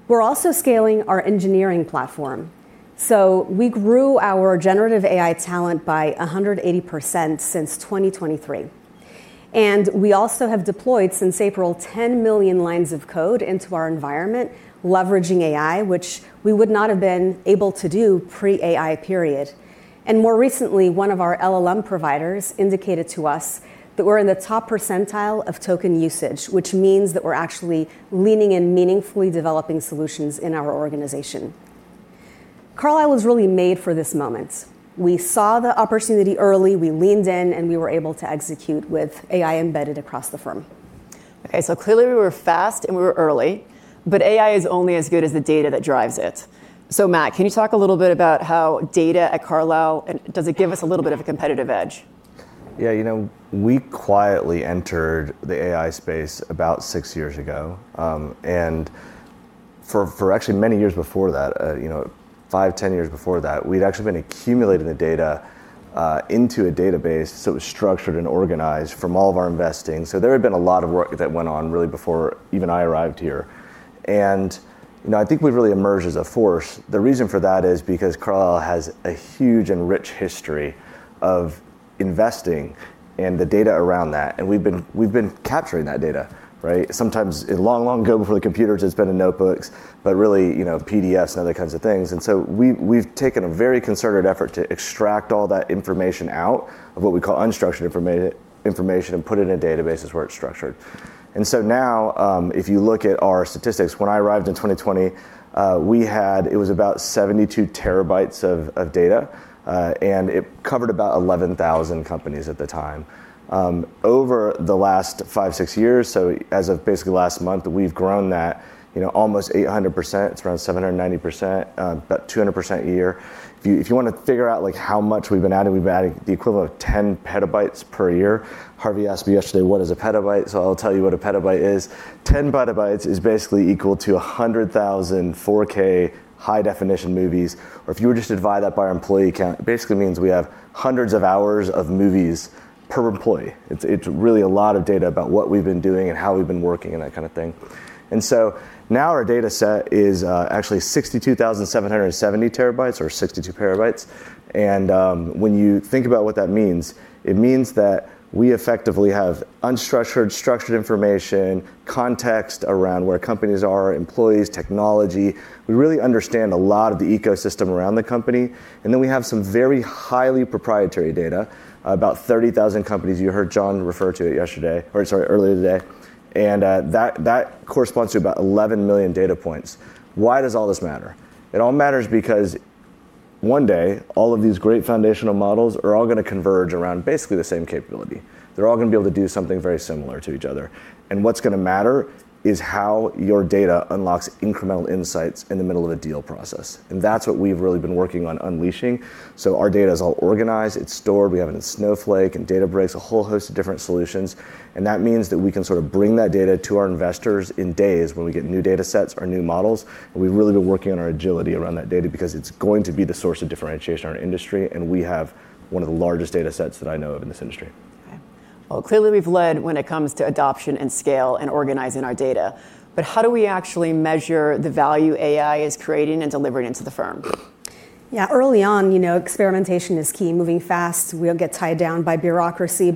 We're also scaling our engineering platform. We grew our generative AI talent by 180% since 2023, and we also have deployed, since April, 10 million lines of code into our environment, leveraging AI, which we would not have been able to do pre-AI, period. More recently, one of our LLM providers indicated to us that we're in the top percentile of token usage, which means that we're actually leaning in, meaningfully developing solutions in our organization. Carlyle was really made for this moment. We saw the opportunity early, we leaned in, and we were able to execute with AI embedded across the firm. Clearly, we were fast and we were early, but AI is only as good as the data that drives it. Matt, can you talk a little bit about how data at Carlyle, and does it give us a little bit of a competitive edge? Yeah, you know, we quietly entered the AI space about six years ago. For actually many years before that, you know, five years, 10 years before that, we'd actually been accumulating the data into a database, so it was structured and organized from all of our investing. There had been a lot of work that went on really before even I arrived here, and, you know, I think we've really emerged as a force. The reason for that is because Carlyle has a huge and rich history of investing and the data around that, and we've been capturing that data, right? Sometimes. Long, long ago, before the computers, it's been in notebooks, but really, you know, PDFs and other kinds of things. We've taken a very concerted effort to extract all that information out of what we call unstructured information, and put it in a database where it's structured. Now, if you look at our statistics, when I arrived in 2020, we had. It was about 72 terabytes of data, and it covered about 11,000 companies at the time. Over the last five, six years, so as of basically last month, we've grown that, you know, almost 800%. It's around 790%, about 200% a year. If you, if you want to figure out, like, how much we've been adding, we've added the equivalent of 10 petabytes per year. Harvey Schwartz asked me yesterday, "What is a petabyte?" I'll tell you what a petabyte is: 10 petabytes is basically equal to 100,000 4K high-definition movies, or if you were just to divide that by our employee count, it basically means we have hundreds of hours of movies per employee. It's really a lot of data about what we've been doing and how we've been working, and that kind of thing. Now our data set is actually 62,770 terabytes or 62 petabytes, when you think about what that means, it means that we effectively have unstructured, structured information, context around where companies are, employees, technology. We really understand a lot of the ecosystem around the company, and then we have some very highly proprietary data. About 30,000 companies, you heard John refer to it yesterday or sorry, earlier today, and that corresponds to about 11 million data points. Why does all this matter? It all matters because one day, all of these great foundational models are all going to converge around basically the same capability. They're all going to be able to do something very similar to each other, and what's going to matter is how your data unlocks incremental insights in the middle of a deal process, and that's what we've really been working on unleashing. Our data is all organized, it's stored. We have it in Snowflake and Databricks, a whole host of different solutions, and that means that we can sort of bring that data to our investors in days when we get new datasets or new models. We've really been working on our agility around that data, because it's going to be the source of differentiation in our industry, and we have one of the largest datasets that I know of in this industry. Okay. Well, clearly, we've led when it comes to adoption and scale and organizing our data. How do we actually measure the value AI is creating and delivering into the firm? Yeah, early on, you know, experimentation is key. Moving fast, we don't get tied down by bureaucracy,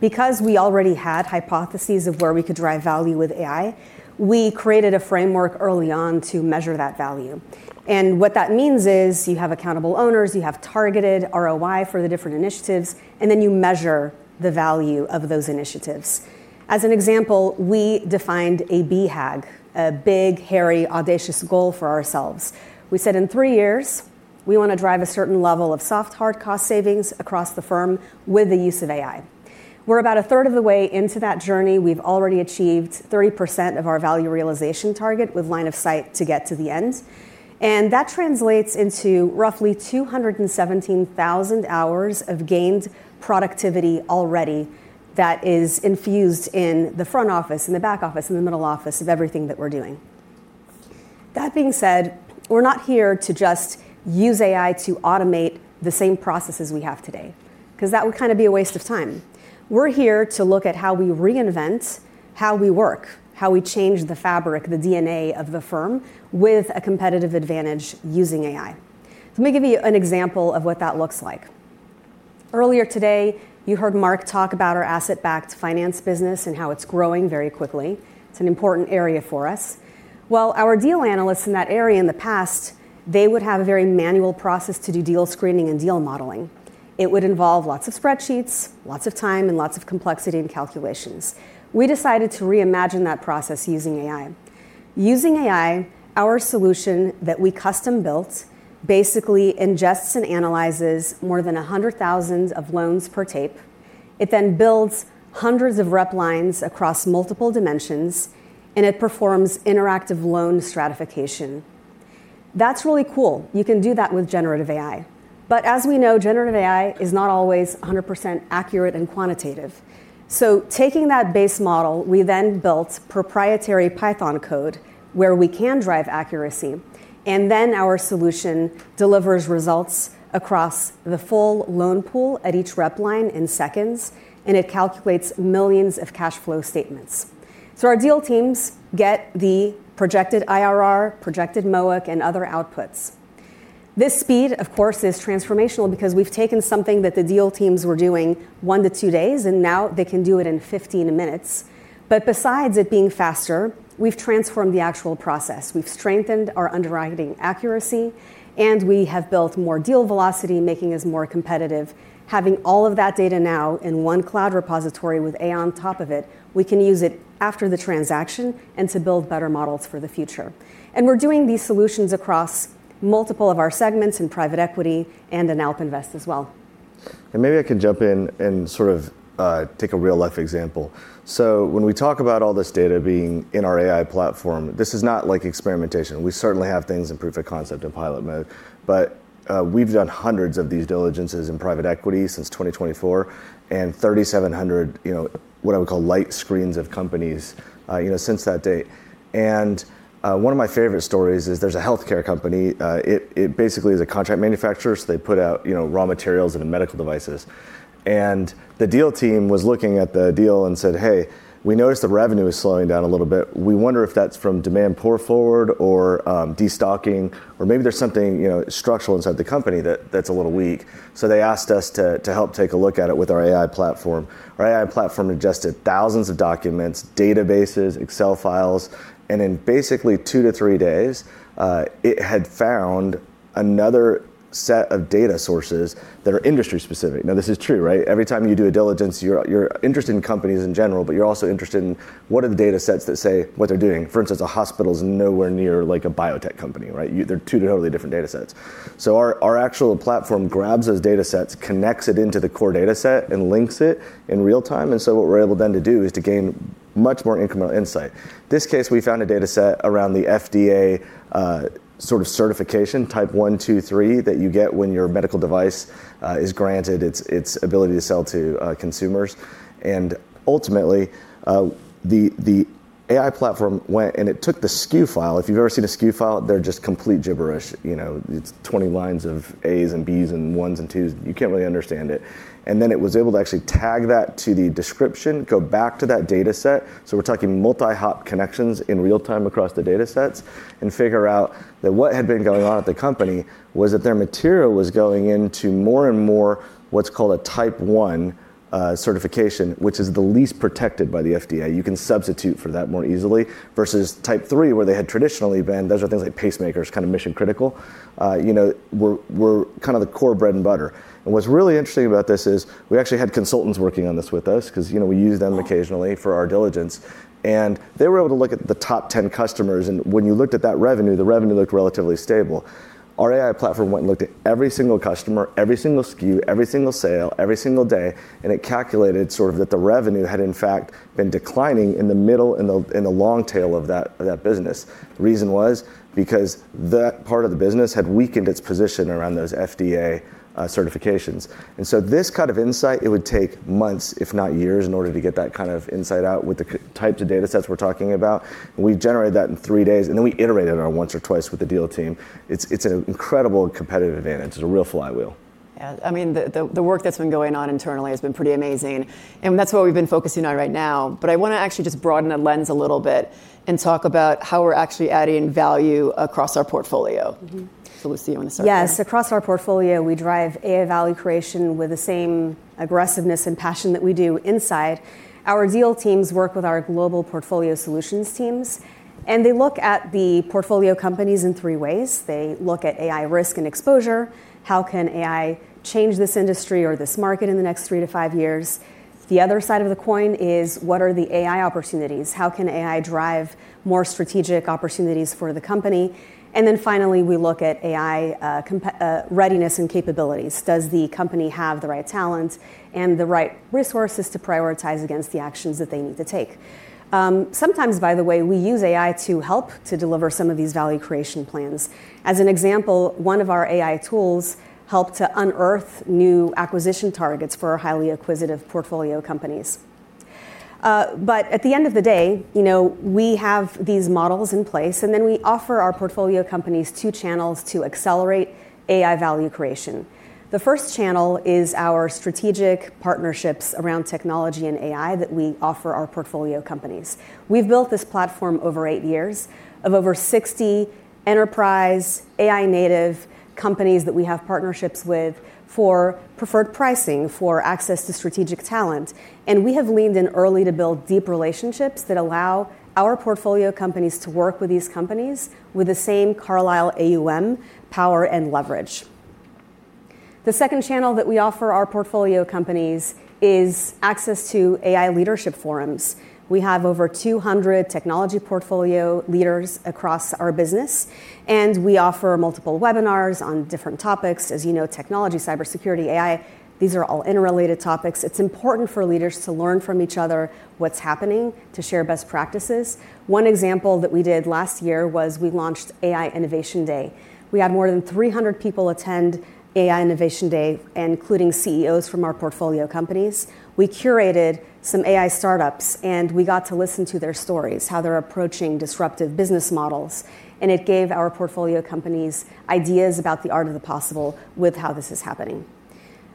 because we already had hypotheses of where we could drive value with AI, we created a framework early on to measure that value. What that means is you have accountable owners, you have targeted ROI for the different initiatives, and then you measure the value of those initiatives. As an example, we defined a BHAG, a Big Hairy Audacious Goal for ourselves. We said in three years we want to drive a certain level of soft hard cost savings across the firm with the use of AI. We're about a third of the way into that journey. We've already achieved 30% of our value realization target, with line of sight to get to the end. That translates into roughly 217,000 hours of gained productivity already that is infused in the front office, in the back office, in the middle office, of everything that we're doing. That being said, we're not here to just use AI to automate the same processes we have today, because that would kind of be a waste of time. We're here to look at how we reinvent how we work, how we change the fabric, the DNA of the firm, with a competitive advantage using AI. Let me give you an example of what that looks like. Earlier today, you heard Mark Jenkins talk about our Asset-Backed Finance business and how it's growing very quickly. It's an important area for us. Well, our deal analysts in that area in the past, they would have a very manual process to do deal screening and deal modeling. It would involve lots of spreadsheets, lots of time, and lots of complexity and calculations. We decided to reimagine that process using AI. Using AI, our solution that we custom-built basically ingests and analyzes more than 100,000 loans per tape. It builds hundreds of rep lines across multiple dimensions, and it performs interactive loan stratification. That's really cool. You can do that with generative AI. As we know, generative AI is not always 100% accurate and quantitative. Taking that base model, we then built proprietary Python code where we can drive accuracy, and then our solution delivers results across the full loan pool at each rep line in seconds, and it calculates millions of cash flow statements. Our deal teams get the projected IRR, projected MOIC, and other outputs. This speed, of course, is transformational because we've taken something that the deal teams were doing one days to two days, and now they can do it in 15 minutes. Besides it being faster, we've transformed the actual process. We've strengthened our underwriting accuracy, and we have built more deal velocity, making us more competitive. Having all of that data now in one cloud repository with AI on top of it, we can use it after the transaction and to build better models for the future. We're doing these solutions across multiple of our segments in private equity and in AlpInvest as well. Maybe I can jump in and sort of take a real-life example. When we talk about all this data being in our AI platform, this is not like experimentation. We certainly have things in proof of concept in pilot mode, but we've done hundreds of these diligences in private equity since 2024, and 3,700, you know, what I would call light screens of companies, you know, since that date. One of my favorite stories is there's a healthcare company. It basically is a contract manufacturer, so they put out, you know, raw materials into medical devices. The deal team was looking at the deal and said: "Hey, we noticed the revenue is slowing down a little bit. We wonder if that's from demand pull forward or destocking, or maybe there's something, you know, structural inside the company that's a little weak. They asked us to help take a look at it with our AI platform. Our AI platform ingested thousands of documents, databases, Excel files, and in basically 2 days-3 days, it had found another set of data sources that are industry specific. This is true, right? Every time you do a diligence, you're interested in companies in general, but you're also interested in what are the datasets that say what they're doing. For instance, a hospital's nowhere near like a biotech company, right? They're two totally different datasets. Our actual platform grabs those datasets, connects it into the core dataset, and links it in real time. What we're able then to do is to gain much more incremental insight. This case, we found a dataset around the FDA, sort of certification, type one, two, three, that you get when your medical device is granted its ability to sell to consumers. Ultimately, the AI platform went, and it took the SKU file. If you've ever seen a SKU file, they're just complete gibberish. You know, it's 20 lines of A's and B's, and 1s and 2s. You can't really understand it. It was able to actually tag that to the description, go back to that dataset, so we're talking multi-hop connections in real time across the datasets, and figure out that what had been going on at the company was that their material was going into more and more what's called a Type 1 certification, which is the least protected by the FDA. You can substitute for that more easily, versus Type 3, where they had traditionally been. Those are things like pacemakers, kind of mission critical. You know, were kind of the core bread and butter. What's really interesting about this is, we actually had consultants working on this with us, 'cause, you know, we use them occasionally for our diligence. They were able to look at the top 10 customers, and when you looked at that revenue, the revenue looked relatively stable. Our AI platform went and looked at every single customer, every single SKU, every single sale, every single day, and it calculated sort of that the revenue had in fact been declining in the middle, in the long tail of that business. The reason was because that part of the business had weakened its position around those FDA certifications. This kind of insight, it would take months, if not years, in order to get that kind of insight out with the types of datasets we're talking about. We generated that in three days, we iterated on it once or twice with the deal team. It's an incredible competitive advantage. It's a real flywheel. Yeah, I mean, the work that's been going on internally has been pretty amazing, and that's what we've been focusing on right now. I want to actually just broaden the lens a little bit and talk about how we're actually adding value across our portfolio. Lucy, you want to start? Yes, across our portfolio, we drive AI value creation with the same aggressiveness and passion that we do inside. Our deal teams work with our global portfolio solutions teams, and they look at the portfolio companies in three ways: They look at AI risk and exposure. How can AI change this industry or this market in the next 3 years-5 years? The other side of the coin is, what are the AI opportunities? How can AI drive more strategic opportunities for the company? Finally, we look at AI readiness and capabilities. Does the company have the right talent and the right resources to prioritize against the actions that they need to take? Sometimes, by the way, we use AI to help to deliver some of these value creation plans. As an example, one of our AI tools helped to unearth new acquisition targets for our highly acquisitive portfolio companies. At the end of the day, you know, we have these models in place, and then we offer our portfolio companies two channels to accelerate AI value creation. The first channel is our strategic partnerships around technology and AI that we offer our portfolio companies. We've built this platform over eight years of over 60 enterprise AI-native companies that we have partnerships with for preferred pricing, for access to strategic talent, and we have leaned in early to build deep relationships that allow our portfolio companies to work with these companies with the same Carlyle AUM power and leverage. The second channel that we offer our portfolio companies is access to AI leadership forums. We have over 200 technology portfolio leaders across our business, and we offer multiple webinars on different topics. As you know, technology, cybersecurity, AI, these are all interrelated topics. It's important for leaders to learn from each other what's happening, to share best practices. One example that we did last year was we launched AI Innovation Day. We had more than 300 people attend AI Innovation Day, including CEOs from our portfolio companies. We curated some AI startups, and we got to listen to their stories, how they're approaching disruptive business models, and it gave our portfolio companies ideas about the art of the possible with how this is happening.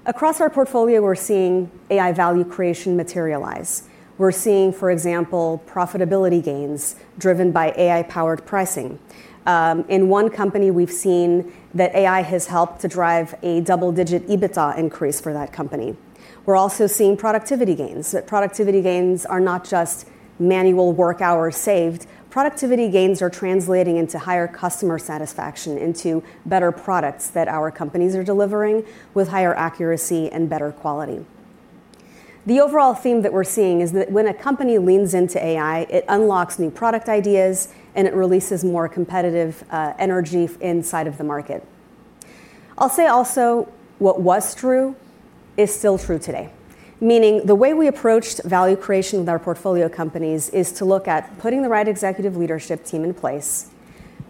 Across our portfolio, we're seeing AI value creation materialize. We're seeing, for example, profitability gains driven by AI-powered pricing. In one company, we've seen that AI has helped to drive a double-digit EBITDA increase for that company. We're also seeing productivity gains, that productivity gains are not just manual work hours saved. Productivity gains are translating into higher customer satisfaction, into better products that our companies are delivering, with higher accuracy and better quality. The overall theme that we're seeing is that when a company leans into AI, it unlocks new product ideas, and it releases more competitive energy inside of the market. I'll say also, what was true is still true today, meaning the way we approached value creation with our portfolio companies is to look at putting the right executive leadership team in place,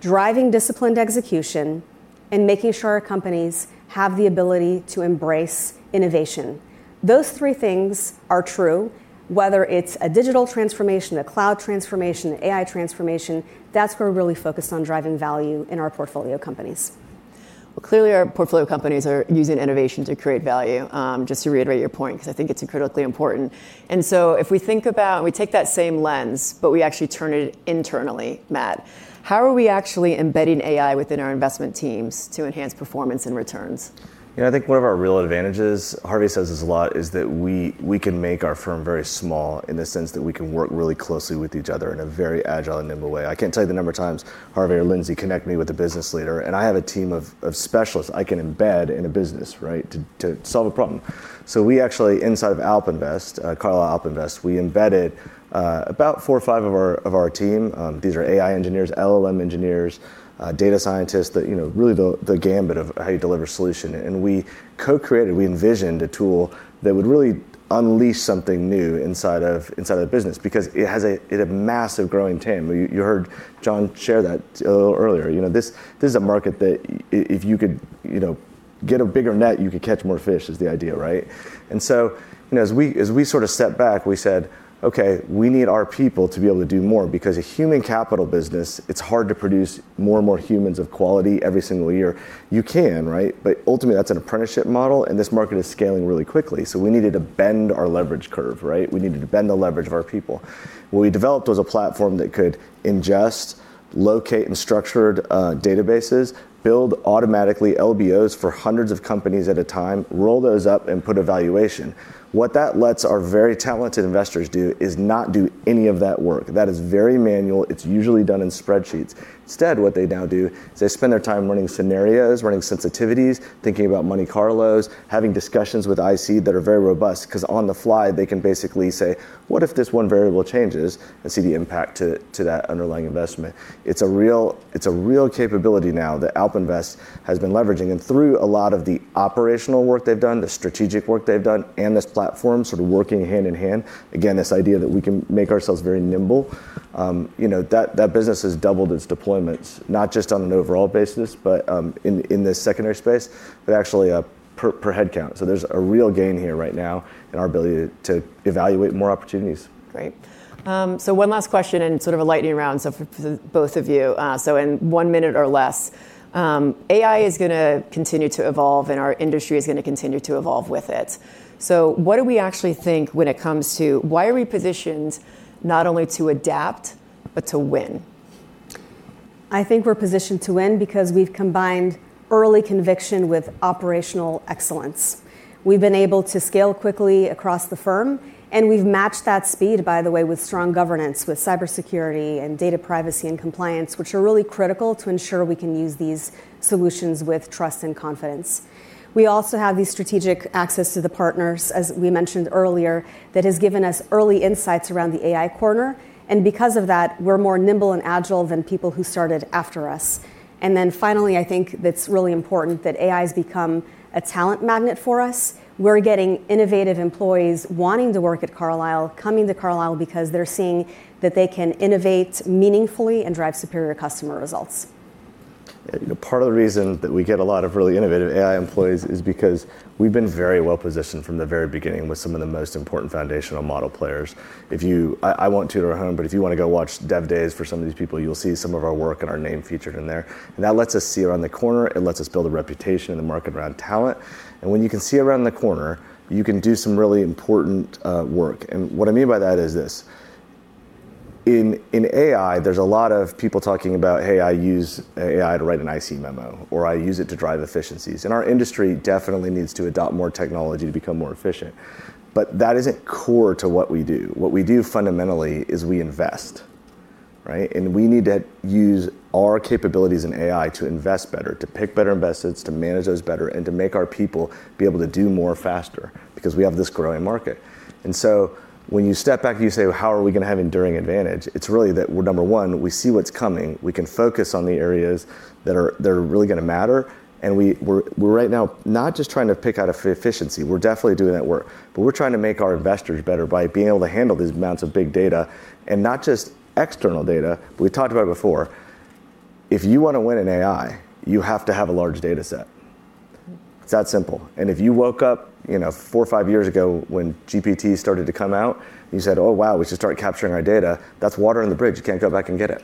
driving disciplined execution, and making sure our companies have the ability to embrace innovation. Those three things are true, whether it's a digital transformation, a cloud transformation, an AI transformation, that's where we're really focused on driving value in our portfolio companies. Well, clearly, our portfolio companies are using innovation to create value, just to reiterate your point, because I think it's critically important. We take that same lens, but we actually turn it internally, Matt, how are we actually embedding AI within our investment teams to enhance performance and returns? You know, I think one of our real advantages, Harvey says this a lot, is that we can make our firm very small in the sense that we can work really closely with each other in a very agile and nimble way. I can't tell you the number of times Harvey or Lindsay connect me with a business leader, and I have a team of specialists I can embed in a business, right, to solve a problem. We actually, inside of AlpInvest, Carlyle AlpInvest, we embedded about four or five of our team. These are AI engineers, LLM engineers, data scientists, that, you know, really the gamut of how you deliver solution. We co-created, we envisioned a tool that would really unleash something new inside of the business, because it had a massive growing TAM. You heard John share that a little earlier. You know, this is a market that if you could, you know, get a bigger net, you could catch more fish, is the idea, right? You know, as we, as we sort of stepped back, we said, "Okay, we need our people to be able to do more," because a human capital business, it's hard to produce more and more humans of quality every single year. You can, right? Ultimately, that's an apprenticeship model, and this market is scaling really quickly, so we needed to bend our leverage curve, right? We needed to bend the leverage of our people. What we developed was a platform that could ingest, locate in structured databases, build automatically LBOs for hundreds of companies at a time, roll those up, and put a valuation. What that lets our very talented investors do is not do any of that work. That is very manual. It's usually done in spreadsheets. Instead, what they now do is they spend their time running scenarios, running sensitivities, thinking about Monte Carlos, having discussions with IC that are very robust, 'cause on the fly, they can basically say, "What if this one variable changes?" See the impact to that underlying investment. It's a real capability now that AlpInvest has been leveraging. Through a lot of the operational work they've done, the strategic work they've done, and this platform sort of working hand in hand, again, this idea that we can make ourselves very nimble, you know, that business has doubled its deployments, not just on an overall basis, but, in the secondary space, but actually, per head count. There's a real gain here right now in our ability to evaluate more opportunities. Great. One last question, and sort of a lightning round, so for both of you, so in 1 minute or less, AI is gonna continue to evolve, and our industry is gonna continue to evolve with it. What do we actually think when it comes to why are we positioned not only to adapt, but to win? I think we're positioned to win because we've combined early conviction with operational excellence. We've been able to scale quickly across the firm, and we've matched that speed, by the way, with strong governance, with cybersecurity, and data privacy and compliance, which are really critical to ensure we can use these solutions with trust and confidence. We also have the strategic access to the partners, as we mentioned earlier, that has given us early insights around the AI corner, and because of that, we're more nimble and agile than people who started after us. Finally, I think that's really important, that AI's become a talent magnet for us. We're getting innovative employees wanting to work at Carlyle, coming to Carlyle because they're seeing that they can innovate meaningfully and drive superior customer results. ... part of the reason that we get a lot of really innovative AI employees is because we've been very well positioned from the very beginning with some of the most important foundational model players. I won't tutor at home, but if you wanna go watch DevDays for some of these people, you'll see some of our work and our name featured in there. That lets us see around the corner, it lets us build a reputation in the market around talent. When you can see around the corner, you can do some really important work. What I mean by that is this: in AI, there's a lot of people talking about, "Hey, I use AI to write an IC memo," or, "I use it to drive efficiencies." Our industry definitely needs to adopt more technology to become more efficient, but that isn't core to what we do. What we do fundamentally is we invest, right? We need to use our capabilities in AI to invest better, to pick better investments, to manage those better, and to make our people be able to do more faster, because we have this growing market. When you step back and you say, "Well, how are we gonna have enduring advantage?" It's really that we're, number one, we see what's coming, we can focus on the areas that are really gonna matter, and we're right now not just trying to pick out efficiency. We're definitely doing that work, but we're trying to make our investors better by being able to handle these amounts of big data, and not just external data, but we talked about it before, if you wanna win in AI, you have to have a large data set. It's that simple. If you woke up, you know, four years or five years ago when GPT started to come out, and you said, "Oh, wow, we should start capturing our data," that's water under the bridge, you can't go back and get it,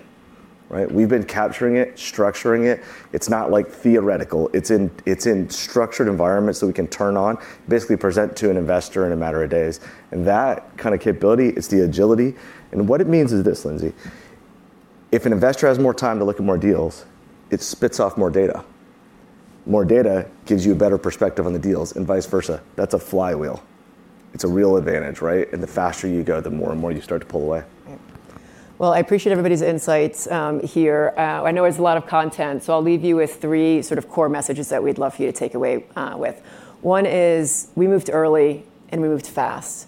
right? We've been capturing it, structuring it. It's not, like, theoretical, it's in structured environments that we can turn on, basically present to an investor in a matter of days. That kind of capability is the agility. What it means is this, Lindsay: if an investor has more time to look at more deals, it spits off more data. More data gives you a better perspective on the deals, and vice versa. That's a flywheel. It's a real advantage, right? The faster you go, the more and more you start to pull away. Well, I appreciate everybody's insights here. I know it's a lot of content, I'll leave you with three sort of core messages that we'd love for you to take away with. One is, we moved early and we moved fast,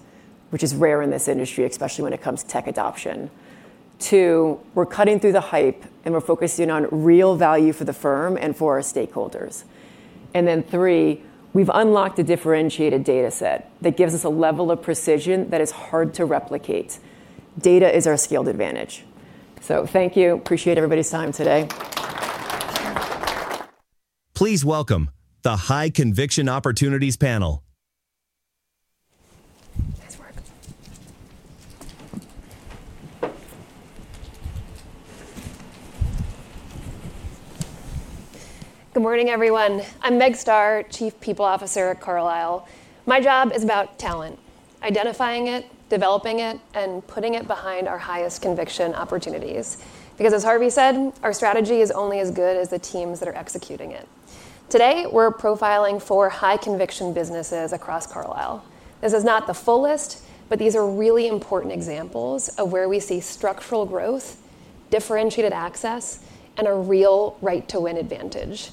which is rare in this industry, especially when it comes to tech adoption. Two, we're cutting through the hype, and we're focusing on real value for the firm and for our stakeholders. Three, we've unlocked a differentiated data set that gives us a level of precision that is hard to replicate. Data is our scaled advantage. Thank you. Appreciate everybody's time today. Please welcome the High-Conviction Opportunities Panel. Nice work. Good morning, everyone. I'm Meg Starr, Chief People Officer at Carlyle. My job is about talent, identifying it, developing it, and putting it behind our highest conviction opportunities. As Harvey said, our strategy is only as good as the teams that are executing it. Today, we're profiling four high-conviction businesses across Carlyle. This is not the full list, but these are really important examples of where we see structural growth, differentiated access, and a real right to win advantage.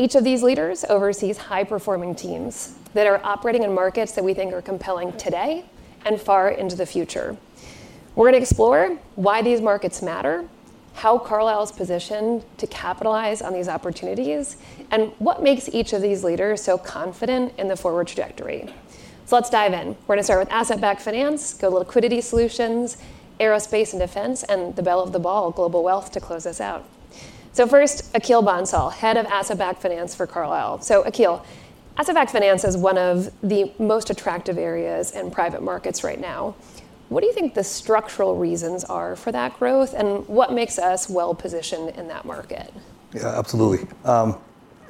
Each of these leaders oversees high-performing teams that are operating in markets that we think are compelling today and far into the future. We're gonna explore why these markets matter, how Carlyle is positioned to capitalize on these opportunities, and what makes each of these leaders so confident in the forward trajectory. Let's dive in. We're gonna start with asset-backed finance, go to liquidity solutions, aerospace and defense, and the belle of the ball, global wealth, to close us out. First, Akhil Bansal, Head of Asset-Backed Finance for Carlyle. Akhil, asset-backed finance is one of the most attractive areas in private markets right now. What do you think the structural reasons are for that growth, and what makes us well-positioned in that market? Yeah, absolutely.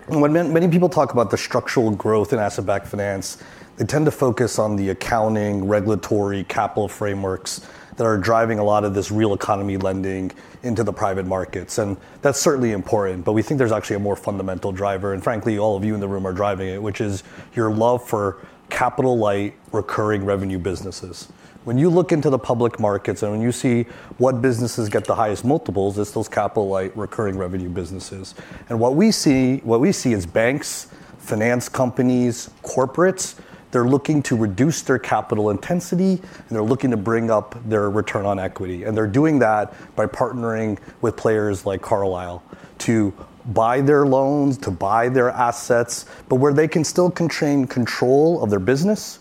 When many people talk about the structural growth in asset-backed finance, they tend to focus on the accounting, regulatory, capital frameworks that are driving a lot of this real economy lending into the private markets, that's certainly important, but we think there's actually a more fundamental driver, frankly, all of you in the room are driving it, which is your love for capital-light, recurring revenue businesses. When you look into the public markets when you see what businesses get the highest multiples, it's those capital-light, recurring revenue businesses. What we see is banks, finance companies, corporates, they're looking to reduce their capital intensity, they're looking to bring up their return on equity. They're doing that by partnering with players like Carlyle to buy their loans, to buy their assets, but where they can still constrain control of their business,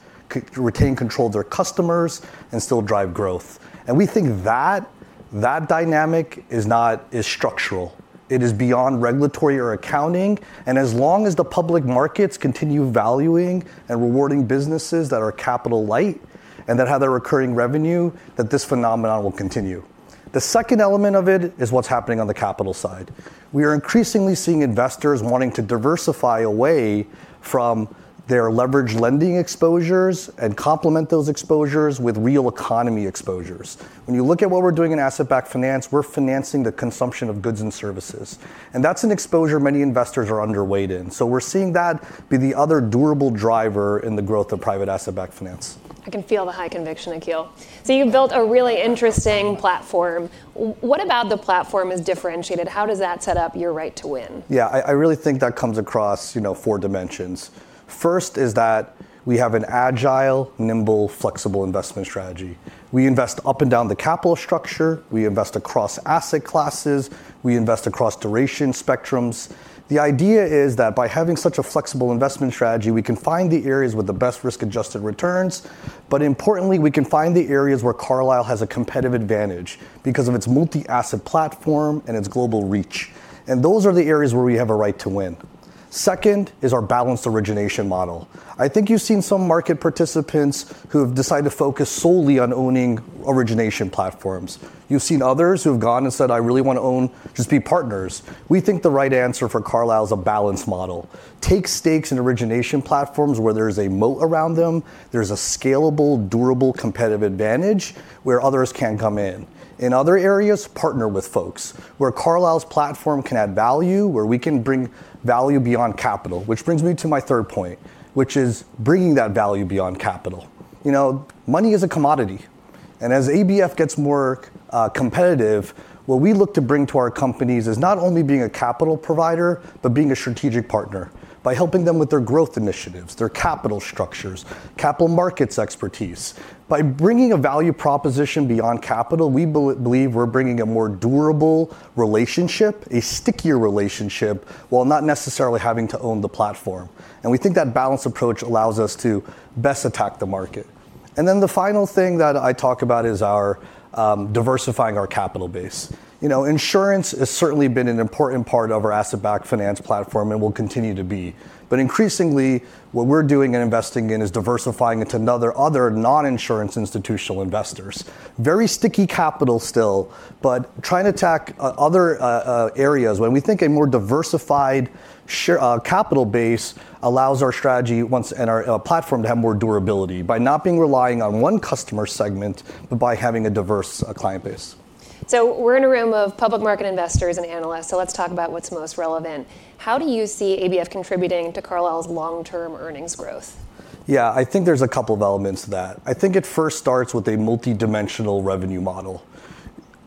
retain control of their customers, and still drive growth. We think that dynamic is structural. It is beyond regulatory or accounting, and as long as the public markets continue valuing and rewarding businesses that are capital light and that have the recurring revenue, this phenomenon will continue. The second element of it is what's happening on the capital side. We are increasingly seeing investors wanting to diversify away from their leverage lending exposures and complement those exposures with real economy exposures. When you look at what we're doing in asset-backed finance, we're financing the consumption of goods and services, that's an exposure many investors are underweight in. We're seeing that be the other durable driver in the growth of private Asset-Backed Finance. I can feel the high conviction, Akhil. You've built a really interesting platform. What about the platform is differentiated? How does that set up your right to win? Yeah, I really think that comes across, you know, four dimensions. First is that we have an agile, nimble, flexible investment strategy. We invest up and down the capital structure, we invest across asset classes, we invest across duration spectrums. The idea is that by having such a flexible investment strategy, we can find the areas with the best risk-adjusted returns, but importantly, we can find the areas where Carlyle has a competitive advantage because of its multi-asset platform and its global reach, and those are the areas where we have a right to win. Second is our balanced origination model. I think you've seen some market participants who have decided to focus solely on owning origination platforms. You've seen others who have gone and said, "I really wanna just be partners." We think the right answer for Carlyle is a balanced model. Take stakes in origination platforms where there's a moat around them, there's a scalable, durable, competitive advantage, where others can't come in. In other areas, partner with folks, where Carlyle's platform can add value, where we can bring value beyond capital, which brings me to my third point, which is bringing that value beyond capital. You know, money is a commodity, and as ABF gets more competitive, what we look to bring to our companies is not only being a capital provider, but being a strategic partner, by helping them with their growth initiatives, their capital structures, capital markets expertise. By bringing a value proposition beyond capital, we believe we're bringing a more durable relationship, a stickier relationship, while not necessarily having to own the platform, and we think that balanced approach allows us to best attack the market. The final thing that I talk about is our diversifying our capital base. You know, insurance has certainly been an important part of our asset-backed finance platform, and will continue to be. Increasingly, what we're doing and investing in is diversifying into other non-insurance institutional investors. Very sticky capital still, trying to attack other areas where we think a more diversified share capital base allows our strategy, once and our platform to have more durability, by not being relying on one customer segment, but by having a diverse client base. We're in a room of public market investors and analysts, so let's talk about what's most relevant. How do you see ABF contributing to Carlyle's long-term earnings growth? I think there's a couple of elements to that. I think it first starts with a multidimensional revenue model.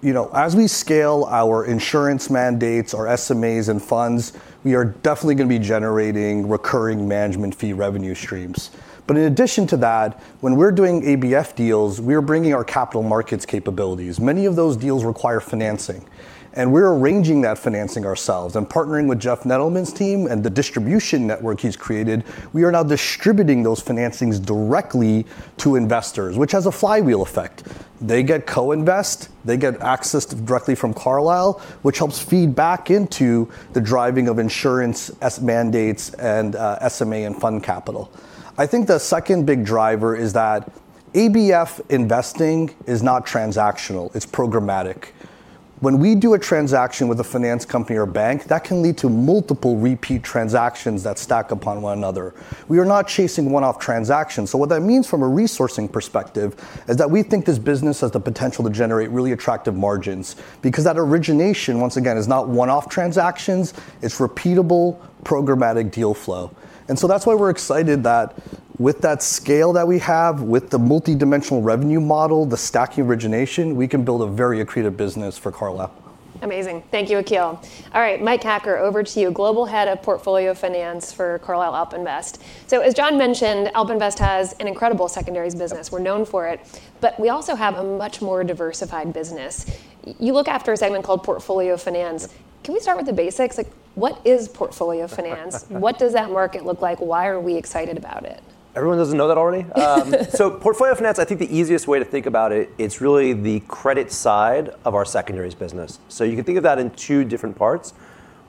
You know, as we scale our insurance mandates, our SMAs, and funds, we are definitely gonna be generating recurring management fee revenue streams. In addition to that, when we're doing ABF deals, we're bringing our capital markets capabilities. Many of those deals require financing, and we're arranging that financing ourselves and partnering with Jeff Nedelman's team and the distribution network he's created. We are now distributing those financings directly to investors, which has a flywheel effect. They get co-invest, they get access directly from Carlyle, which helps feed back into the driving of insurance as mandates and SMA and fund capital. I think the second big driver is that ABF investing is not transactional, it's programmatic. When we do a transaction with a finance company or bank, that can lead to multiple repeat transactions that stack upon one another. We are not chasing one-off transactions, so what that means from a resourcing perspective is that we think this business has the potential to generate really attractive margins, because that origination, once again, is not one-off transactions, it's repeatable, programmatic deal flow. That's why we're excited that with that scale that we have, with the multidimensional revenue model, the stack origination, we can build a very accretive business for Carlyle. Amazing. Thank you, Akhil. All right, Mike Hacker, over to you, Global Head of Portfolio Finance for Carlyle AlpInvest. As John mentioned, AlpInvest has an incredible secondaries business. We're known for it, but we also have a much more diversified business. You look after a segment called portfolio finance. Yep. Can we start with the basics? Like, what is portfolio finance? What does that market look like? Why are we excited about it? Everyone doesn't know that already? Portfolio finance, I think the easiest way to think about it's really the credit side of our secondaries business. You can think of that in two different parts.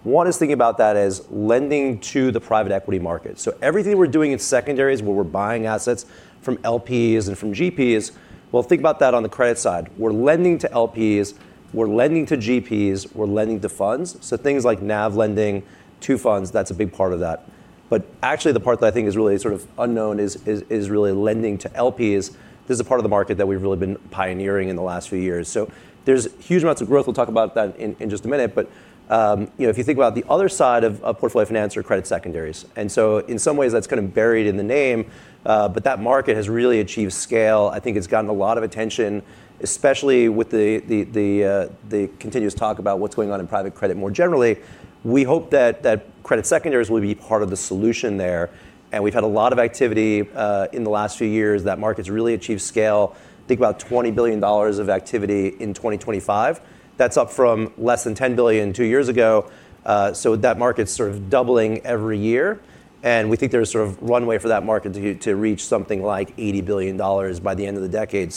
One is thinking about that as lending to the private equity market. Everything we're doing in secondaries, where we're buying assets from LPs and from GPs, well, think about that on the credit side. We're lending to LPs, we're lending to GPs, we're lending to funds, so things like NAV lending to funds, that's a big part of that. Actually, the part that I think is really sort of unknown is really lending to LPs. This is a part of the market that we've really been pioneering in the last few years. There's huge amounts of growth. We'll talk about that in just a minute. You know, if you think about the other side of portfolio finance or credit secondaries, in some ways, that's kind of buried in the name. That market has really achieved scale. I think it's gotten a lot of attention, especially with the continuous talk about what's going on in private credit more generally. We hope that credit secondaries will be part of the solution there. We've had a lot of activity in the last few years. That market's really achieved scale, think about $20 billion of activity in 2025. That's up from less than $10 billion two years ago, so that market's sort of doubling every year, and we think there's sort of one way for that market to reach something like $80 billion by the end of the decade.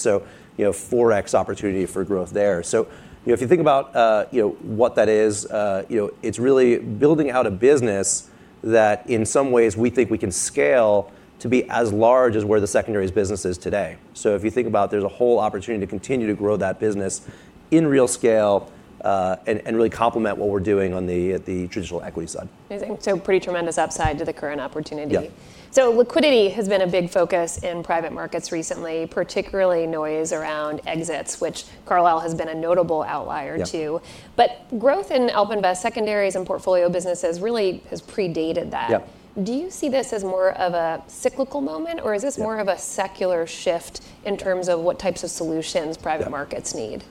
You know, 4x opportunity for growth there. You know, if you think about, you know, what that is, you know, it's really building out a business that, in some ways, we think we can scale to be as large as where the secondaries business is today. If you think about it, there's a whole opportunity to continue to grow that business in real scale, and really complement what we're doing on the traditional equity side. Amazing. pretty tremendous upside to the current opportunity? Yeah. Liquidity has been a big focus in private markets recently, particularly noise around exits, which Carlyle has been a notable outlier to. Yeah. Growth in AlpInvest secondaries and portfolio businesses really has predated that. Yeah. Do you see this as more of a cyclical moment? Yeah. is this more of a secular shift in terms of what types of solutions- Yeah... private markets need?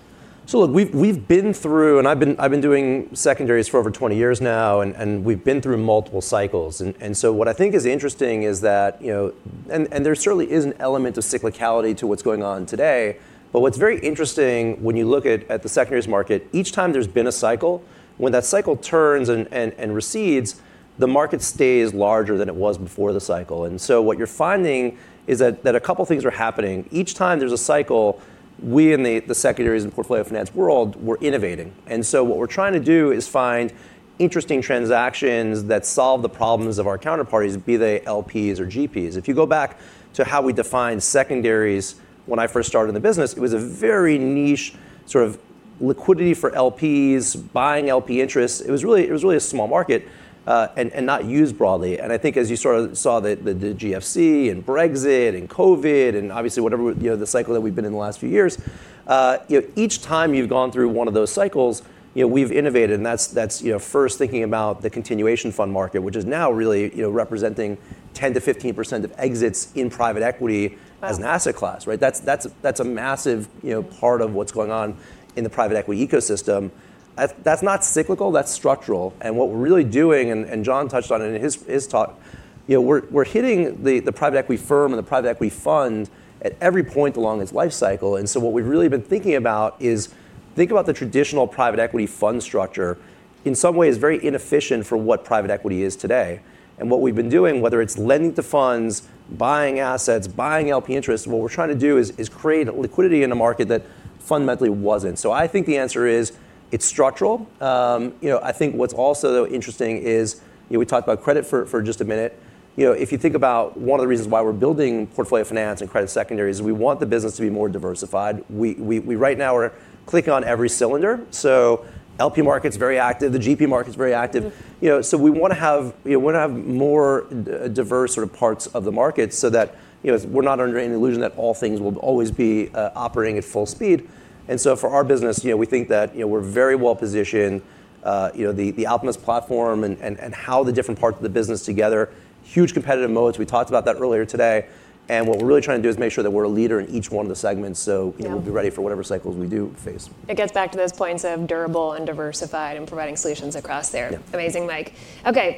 Look, we've been through, and I've been doing secondaries for over 20 years now, and we've been through multiple cycles. What I think is interesting is that, you know, and there certainly is an element of cyclicality to what's going on today. What's very interesting when you look at the secondaries market, each time there's been a cycle, when that cycle turns and recedes, the market stays larger than it was before the cycle. What you're finding is that a couple things are happening. Each time there's a cycle, we in the secondaries and portfolio finance world, we're innovating. What we're trying to do is find interesting transactions that solve the problems of our counterparties, be they LPs or GPs. If you go back to how we defined secondaries when I first started in the business, it was a very niche sort of liquidity for LPs, buying LP interests. It was really a small market, and not used broadly. I think as you sort of saw the GFC and Brexit and COVID, and obviously, whatever you know, the cycle that we've been in the last few years, you know, each time you've gone through one of those cycles, you know, we've innovated, and that's, you know, first thinking about the continuation fund market, which is now really, you know, representing 10%-15% of exits in private equity- Wow... as an asset class, right? That's a massive, you know, part of what's going on in the private equity ecosystem. That's not cyclical, that's structural. What we're really doing, and John touched on it in his talk, you know, we're hitting the private equity firm and the private equity fund at every point along its life cycle. What we've really been thinking about is, think about the traditional private equity fund structure, in some ways, very inefficient for what private equity is today. What we've been doing, whether it's lending to funds, buying assets, buying LP interests, what we're trying to do is create liquidity in a market that fundamentally wasn't. I think the answer is, it's structural. You know, I think what's also though interesting is, you know, we talked about credit for just a minute. You know, if you think about one of the reasons why we're building portfolio finance and credit secondaries, is we want the business to be more diversified. We right now are clicking on every cylinder. LP market's very active, the GP market's very active. Mm-hmm. You know, we wanna have, you know, we wanna have more diverse sort of parts of the market so that, you know, we're not under any illusion that all things will always be operating at full speed. For our business, you know, we think that, you know, we're very well-positioned. You know, the AlpInvest's platform and, and how the different parts of the business together, huge competitive moats. We talked about that earlier today. What we're really trying to do is make sure that we're a leader in each one of the segments. Yeah... you know, we'll be ready for whatever cycles we do face. It gets back to those points of durable and diversified and providing solutions across there. Yeah. Amazing, Mike.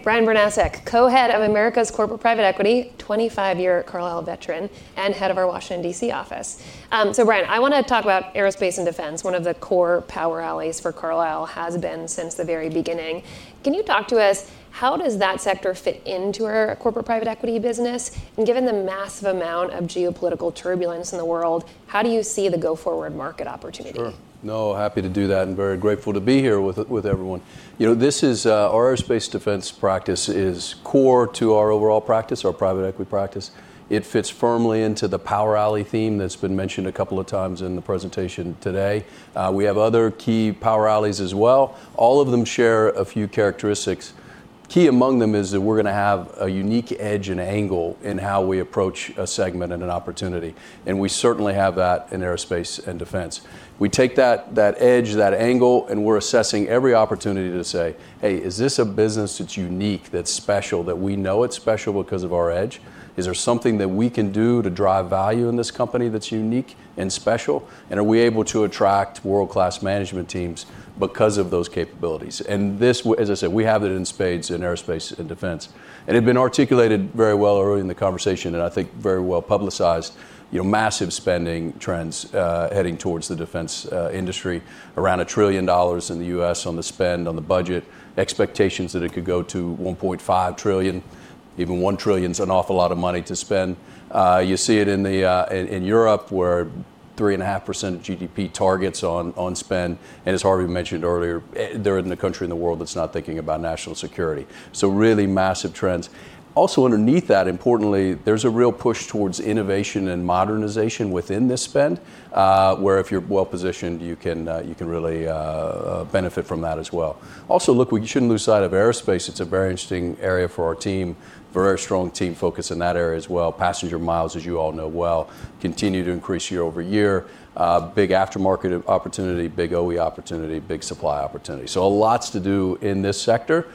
Brian Bernasek, Co-Head of Americas Corporate Private Equity, 25-year Carlyle veteran, and Head of our Washington, D.C. office. Brian, I wanna talk about aerospace and defense. One of the core power alleys for Carlyle has been since the very beginning. Can you talk to us, how does that sector fit into our corporate private equity business? Given the massive amount of geopolitical turbulence in the world, how do you see the go-forward market opportunity? Sure. No, happy to do that, and very grateful to be here with everyone. You know, this is our aerospace defense practice is core to our overall practice, our private equity practice. It fits firmly into the power alley theme that's been mentioned a couple of times in the presentation today. We have other key power alleys as well. All of them share a few characteristics. Key among them is that we're gonna have a unique edge and angle in how we approach a segment and an opportunity, and we certainly have that in aerospace and defense. We take that edge, that angle, and we're assessing every opportunity to say, "Hey, is this a business that's unique, that's special, that we know it's special because of our edge? Is there something that we can do to drive value in this company that's unique and special? Are we able to attract world-class management teams because of those capabilities?" As I said, we have it in spades in aerospace and defense. It's been articulated very well early in the conversation, and I think very well publicized, you know, massive spending trends heading towards the defense industry. Around $1 trillion in the U.S. on the spend, on the budget, expectations that it could go to $1.5 trillion. Even $1 trillion is an awful lot of money to spend. You see it in the in Europe, where 3.5% GDP targets on spend, and as Harvey mentioned earlier, there isn't a country in the world that's not thinking about national security. Really massive trends. Underneath that, importantly, there's a real push towards innovation and modernization within this spend, where if you're well-positioned, you can really benefit from that as well. Look, we shouldn't lose sight of aerospace. It's a very interesting area for our team. Very strong team focus in that area as well. Passenger miles, as you all know well, continue to increase year-over-year. Big aftermarket opportunity, big OE opportunity, big supply opportunity. Lots to do in this sector.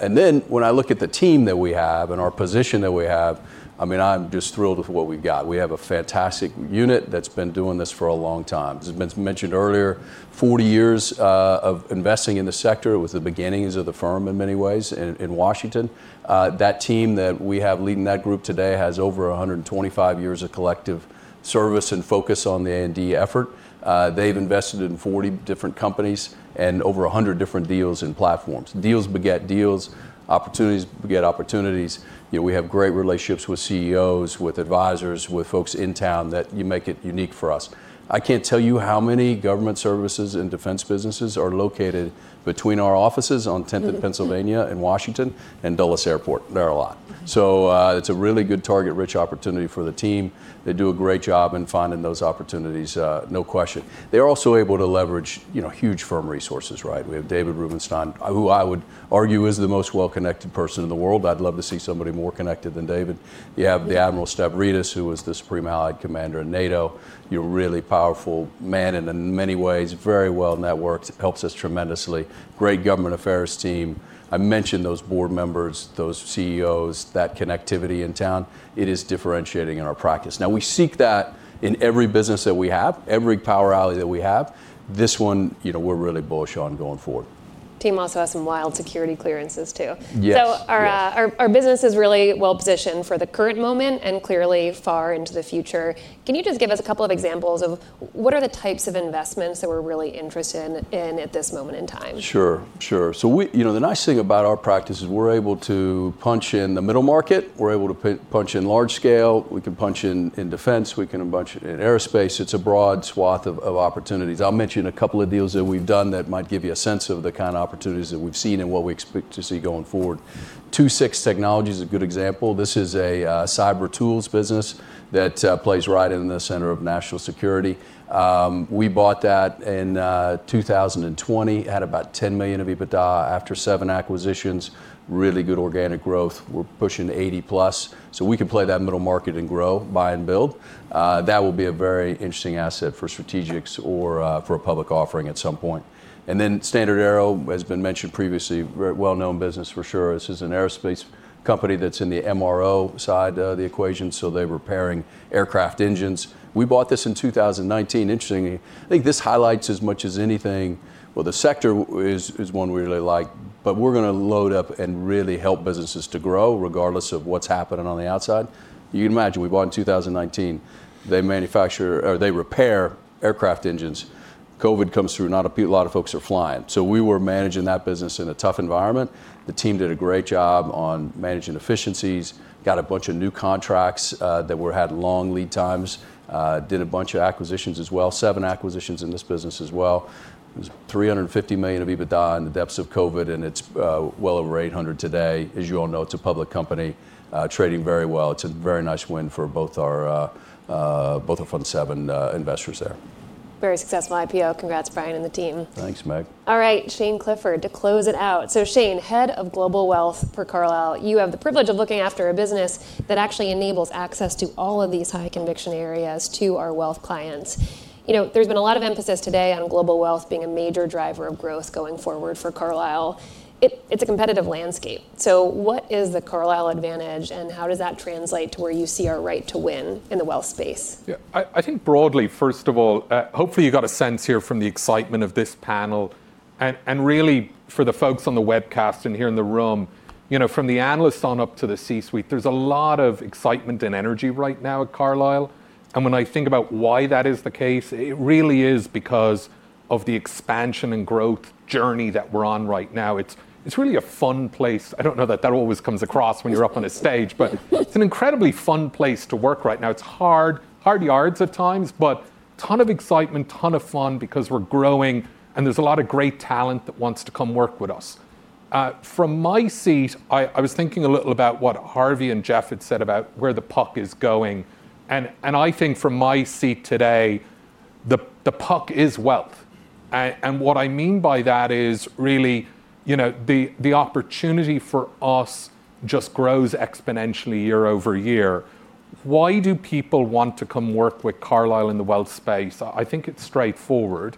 When I look at the team that we have and our position that we have, I mean, I'm just thrilled with what we've got. We have a fantastic unit that's been doing this for a long time. As has been mentioned earlier, 40 years of investing in the sector. It was the beginnings of the firm in many ways, in Washington. That team that we have leading that group today has over 125 years of collective service and focus on the A&D effort. They've invested in 40 different companies and over 100 different deals and platforms. Deals beget deals, opportunities beget opportunities. You know, we have great relationships with CEOs, with advisors, with folks in town, that you make it unique for us. I can't tell you how many government services and defense businesses are located between our offices on 10th and Pennsylvania in Washington and Dulles Airport. There are a lot. Mm-hmm. It's a really good target-rich opportunity for the team. They do a great job in finding those opportunities, no question. They're also able to leverage, you know, huge firm resources, right? We have David Rubenstein, who I would argue is the most well-connected person in the world. I'd love to see somebody more connected than David. You have the Admiral Stavridis, who was the Supreme Allied Commander in NATO. You know, a really powerful man, and in many ways, very well-networked, helps us tremendously. Great government affairs team. I mentioned those board members, those CEOs, that connectivity in town, it is differentiating in our practice. We seek that in every business that we have, every power alley that we have. This one, you know, we're really bullish on going forward.... team also has some wild security clearances, too. Yes, yes. Our business is really well-positioned for the current moment and clearly far into the future. Can you just give us a couple of examples of what are the types of investments that we're really interested in at this moment in time? Sure, sure. you know, the nice thing about our practice is we're able to punch in the middle market, we're able to punch in large scale, we can punch in defense, we can punch in aerospace. It's a broad swath of opportunities. I'll mention a couple of deals that we've done that might give you a sense of the kind of opportunities that we've seen and what we expect to see going forward. Two Six Technologies is a good example. This is a cyber tools business that plays right in the center of national security. We bought that in 2020, had about $10 million of EBITDA after seven acquisitions, really good organic growth. We're pushing 80+, so we can play that middle market and grow, buy, and build. That will be a very interesting asset for strategics or for a public offering at some point. StandardAero has been mentioned previously, very well-known business for sure. This is an aerospace company that's in the MRO side of the equation, so they're repairing aircraft engines. We bought this in 2019. Interestingly, I think this highlights as much as anything... Well, the sector is one we really like, but we're going to load up and really help businesses to grow, regardless of what's happening on the outside. You can imagine, we bought in 2019, they or they repair aircraft engines. COVID comes through, not a lot of folks are flying. We were managing that business in a tough environment. The team did a great job on managing efficiencies, got a bunch of new contracts that had long lead times, did a bunch of acquisitions as well, seven acquisitions in this business as well. It was $350 million of EBITDA in the depths of COVID, and it's well over $800 million today. As you all know, it's a public company, trading very well. It's a very nice win for both our, both of Fund VII investors there. Very successful IPO. Congrats, Brian, and the team. Thanks, Meg. Shane Clifford, to close it out. Shane, Head of Global Wealth for Carlyle, you have the privilege of looking after a business that actually enables access to all of these high conviction areas to our wealth clients. You know, there's been a lot of emphasis today on global wealth being a major driver of growth going forward for Carlyle. It's a competitive landscape, what is the Carlyle advantage, and how does that translate to where you see our right to win in the wealth space? Yeah. I think broadly, first of all, hopefully, you got a sense here from the excitement of this panel, and really for the folks on the webcast and here in the room, you know, from the analysts on up to the C-suite, there's a lot of excitement and energy right now at Carlyle. When I think about why that is the case, it really is because of the expansion and growth journey that we're on right now. It's really a fun place. I don't know that that always comes across when you're up on a stage, but it's an incredibly fun place to work right now. It's hard yards at times, but ton of excitement, ton of fun because we're growing, and there's a lot of great talent that wants to come work with us. From my seat, I was thinking a little about what Harvey and Jeff had said about where the puck is going. I think from my seat today, the puck is wealth. And what I mean by that is really, you know, the opportunity for us just grows exponentially year-over-year. Why do people want to come work with Carlyle in the wealth space? I think it's straightforward.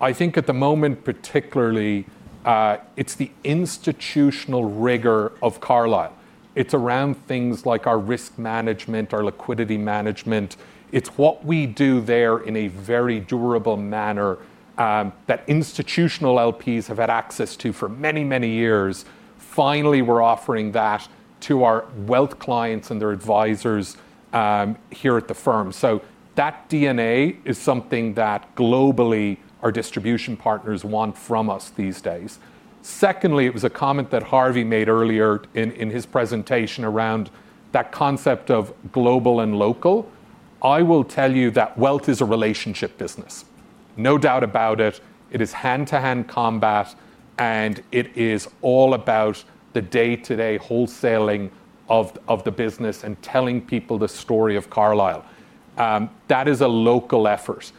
I think at the moment, particularly, it's the institutional rigor of Carlyle. It's around things like our risk management, our liquidity management. It's what we do there in a very durable manner, that institutional LPs have had access to for many, many years. Finally, we're offering that to our wealth clients and their advisors here at the firm. That DNA is something that globally our distribution partners want from us these days. Secondly, it was a comment that Harvey made earlier in his presentation around that concept of global and local. I will tell you that wealth is a relationship business. No doubt about it. It is hand-to-hand combat, and it is all about the day-to-day wholesaling of the business and telling people the story of Carlyle. That is a local effort.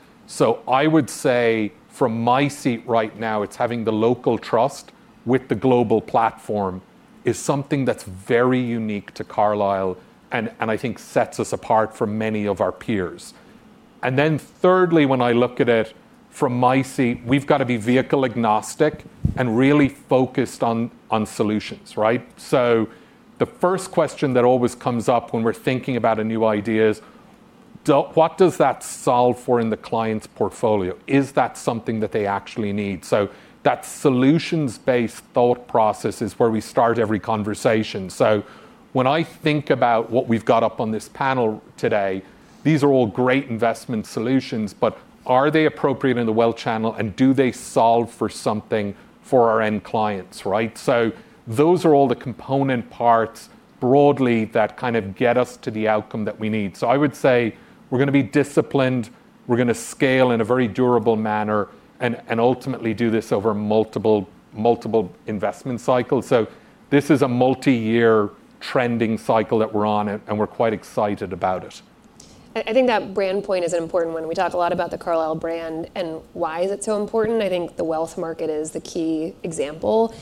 I would say from my seat right now, it's having the local trust with the global platform is something that's very unique to Carlyle, and I think sets us apart from many of our peers. Then thirdly, when I look at it from my seat, we've got to be vehicle agnostic and really focused on solutions, right? The first question that always comes up when we're thinking about a new idea is, what does that solve for in the client's portfolio? Is that something that they actually need? That solutions-based thought process is where we start every conversation. When I think about what we've got up on this panel today, these are all great investment solutions, but are they appropriate in the wealth channel, and do they solve for something for our end clients, right? Those are all the component parts broadly that kind of get us to the outcome that we need. I would say we're going to be disciplined, we're going to scale in a very durable manner and ultimately do this over multiple investment cycles. This is a multi-year trending cycle that we're on, and we're quite excited about it. I think that brand point is an important one. We talk a lot about the Carlyle brand and why is it so important. I think the wealth market is the key example.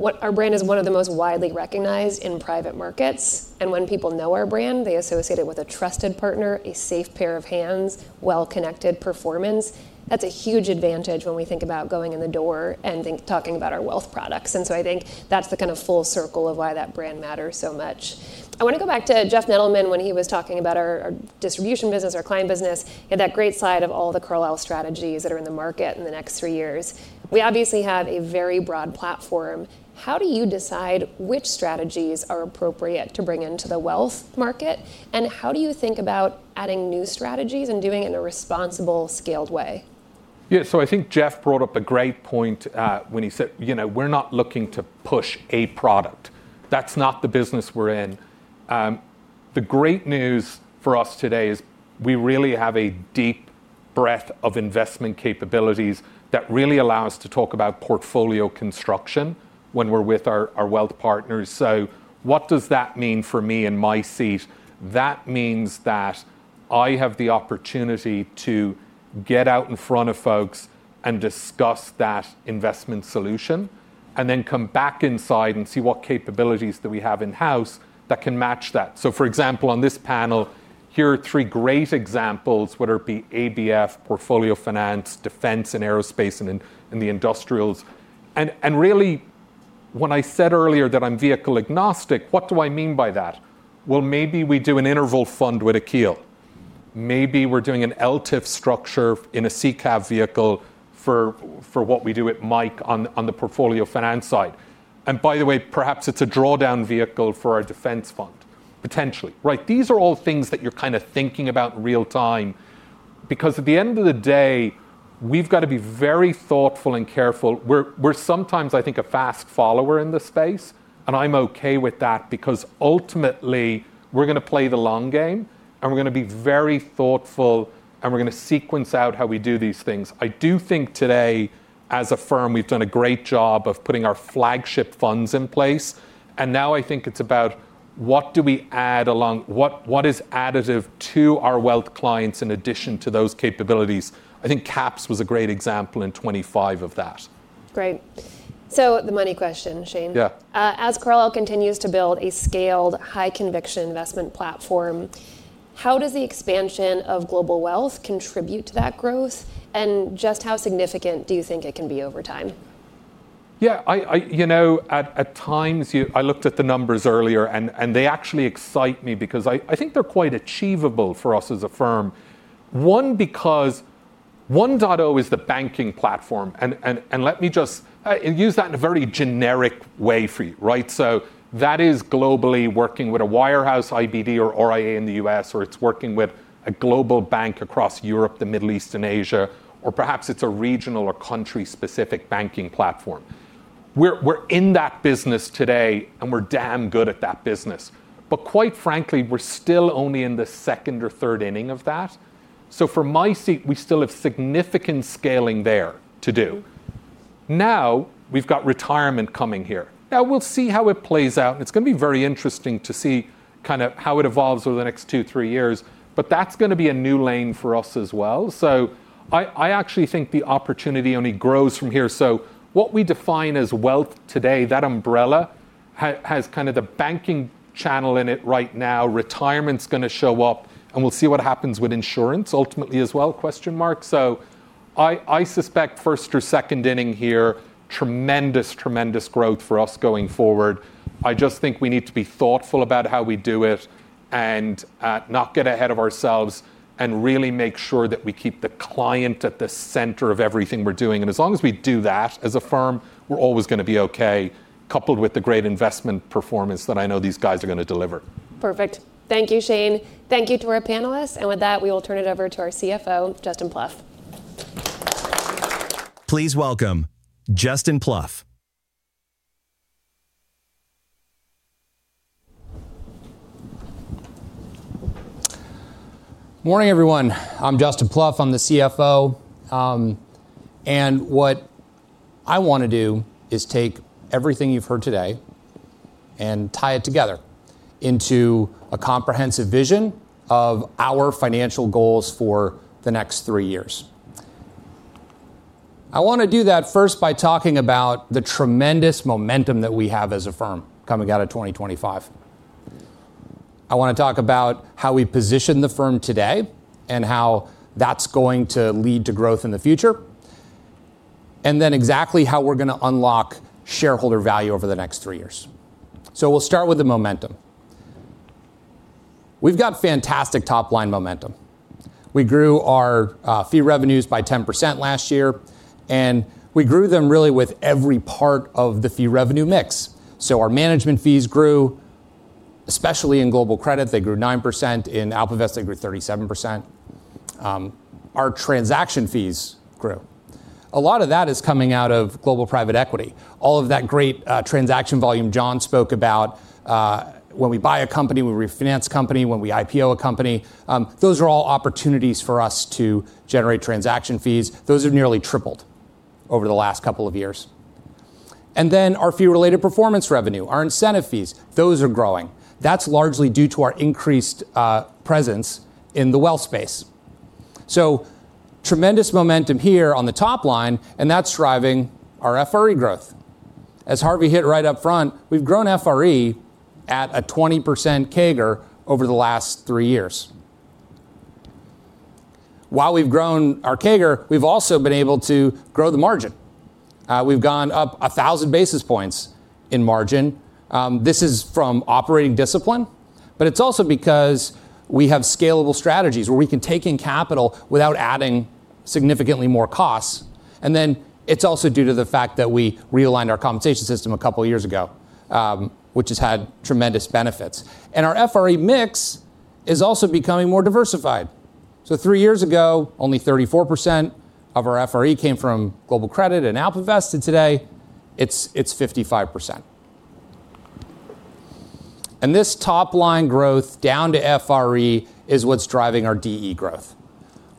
Our brand is one of the most widely recognized in private markets, and when people know our brand, they associate it with a trusted partner, a safe pair of hands, well-connected performance. That's a huge advantage when we think about going in the door and talking about our wealth products. I think that's the kind of full circle of why that brand matters so much. I want to go back to Jeff Nedelman when he was talking about our distribution business, our client business, he had that great slide of all the Carlyle strategies that are in the market in the next three years. We obviously have a very broad platform. How do you decide which strategies are appropriate to bring into the wealth market, and how do you think about adding new strategies and doing it in a responsible, scaled way? Yeah, I think Jeff brought up a great point, when he said, you know, we're not looking to push a product. That's not the business we're in. The great news for us today is we really have a deep breadth of investment capabilities that really allow us to talk about portfolio construction when we're with our wealth partners. What does that mean for me in my seat? That means that I have the opportunity to get out in front of folks and discuss that investment solution, and then come back inside and see what capabilities do we have in-house that can match that. For example, on this panel, here are three great examples, whether it be ABF, portfolio finance, defense, and aerospace, and in the industrials. Really, when I said earlier that I'm vehicle-agnostic, what do I mean by that? Well, maybe we do an interval fund with Akil. Maybe we're doing an LTIF structure in a ICAV vehicle for what we do at Michael Hacker on the portfolio finance side. By the way, perhaps it's a drawdown vehicle for our defense fund, potentially, right? These are all things that you're kind of thinking about in real time, because at the end of the day, we've got to be very thoughtful and careful. We're sometimes, I think, a fast follower in this space, and I'm okay with that, because ultimately, we're going to play the long game, and we're going to be very thoughtful, and we're going to sequence out how we do these things. I do think today, as a firm, we've done a great job of putting our flagship funds in place, and now I think it's about what do we add along what is additive to our wealth clients in addition to those capabilities? I think CAPS was a great example in 2025 of that. Great. The money question, Shane. Yeah. As Carlyle continues to build a scaled, high-conviction investment platform, how does the expansion of global wealth contribute to that growth? Just how significant do you think it can be over time? Yeah. You know, at times, I looked at the numbers earlier, and they actually excite me because I think they're quite achievable for us as a firm. One, because one data is the banking platform, and let me just use that in a very generic way for you, right? That is globally working with a wirehouse IBD or RIA in the U.S., or it's working with a global bank across Europe, the Middle East and Asia, or perhaps it's a regional or country-specific banking platform. We're in that business today, and we're damn good at that business. Quite frankly, we're still only in the second or third inning of that. From my seat, we still have significant scaling there to do. Now, we've got retirement coming here. We'll see how it plays out, and it's going to be very interesting to see kind of how it evolves over the next two, three years, but that's going to be a new lane for us as well. I actually think the opportunity only grows from here. What we define as wealth today, that umbrella has kind of the banking channel in it right now. Retirement's going to show up, and we'll see what happens with insurance ultimately as well, question mark. I suspect first or second inning here, tremendous growth for us going forward. I just think we need to be thoughtful about how we do it and not get ahead of ourselves, and really make sure that we keep the client at the center of everything we're doing. As long as we do that, as a firm, we're always going to be okay, coupled with the great investment performance that I know these guys are going to deliver. Perfect. Thank you, Shane. Thank you to our panelists, and with that, we will turn it over to our CFO, Justin Plouffe. Please welcome Justin Plouffe. Morning, everyone. I'm Justin Plouffe, I'm the CFO. What I want to do is take everything you've heard today and tie it together into a comprehensive vision of our financial goals for the next three years. I want to do that first by talking about the tremendous momentum that we have as a firm coming out of 2025. I want to talk about how we position the firm today and how that's going to lead to growth in the future, and then exactly how we're going to unlock shareholder value over the next three years. We'll start with the momentum. We've got fantastic top-line momentum. We grew our fee revenues by 10% last year, and we grew them really with every part of the fee revenue mix. Our management fees grew, especially in global credit, they grew 9%, in AlpInvest, they grew 37%. Our transaction fees grew. A lot of that is coming out of global private equity. All of that great transaction volume John spoke about, when we buy a company, when we refinance a company, when we IPO a company, those are all opportunities for us to generate transaction fees. Those have nearly tripled over the last couple of years. Our fee-related performance revenue, our incentive fees, those are growing. That's largely due to our increased presence in the wealth space. Tremendous momentum here on the top line, and that's driving our FRE growth. As Harvey hit right up front, we've grown FRE at a 20% CAGR over the last three years. While we've grown our CAGR, we've also been able to grow the margin. We've gone up 1,000 basis points in margin. This is from operating discipline, but it's also because we have scalable strategies where we can take in capital without adding significantly more costs. It's also due to the fact that we realigned our compensation system a couple of years ago, which has had tremendous benefits. Our FRE is also becoming more diversified. Three years ago, only 34% of our FRE came from global credit and AlpInvest, and today it's 55%. This top-line growth down to FRE is what's driving our DE growth.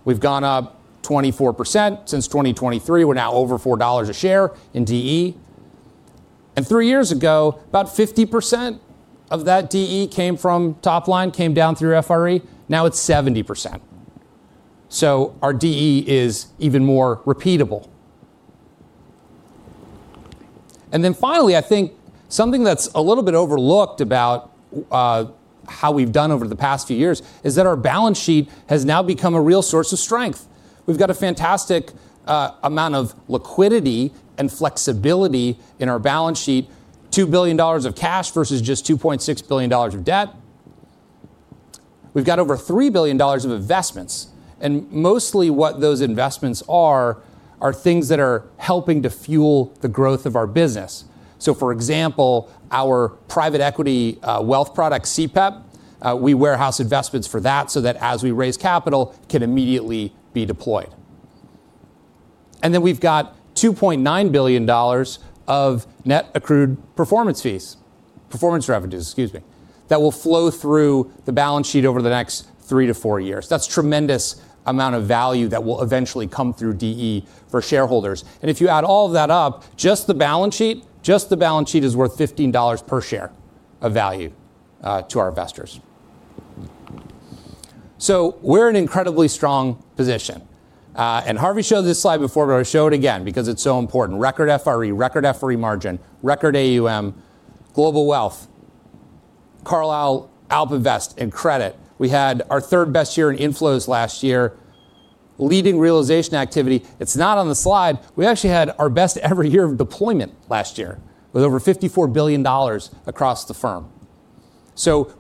We've gone up 24% since 2023. We're now over $4 a share in DE. Three years ago, about 50% of that DE came from top line, came down through FRE. Now it's 70%. Our DE is even more repeatable. Finally, I think something that's a little bit overlooked about how we've done over the past few years is that our balance sheet has now become a real source of strength. We've got a fantastic amount of liquidity and flexibility in our balance sheet. $2 billion of cash versus just $2.6 billion of debt. We've got over $3 billion of investments, and mostly what those investments are things that are helping to fuel the growth of our business. For example, our private equity wealth product, CPEP, we warehouse investments for that, so that as we raise capital, can immediately be deployed. We've got $2.9 billion of net accrued performance revenues, excuse me, that will flow through the balance sheet over the next three years-four years. That's tremendous amount of value that will eventually come through DE for shareholders. If you add all of that up, just the balance sheet is worth $15 per share of value to our investors. We're in an incredibly strong position. Harvey showed this slide before, but I'll show it again because it's so important. Record FRE, record FRE margin, record AUM, Global Wealth, Carlyle, AlpInvest, and Credit. We had our third best year in inflows last year, leading realization activity. It's not on the slide, we actually had our best ever year of deployment last year, with over $54 billion across the firm.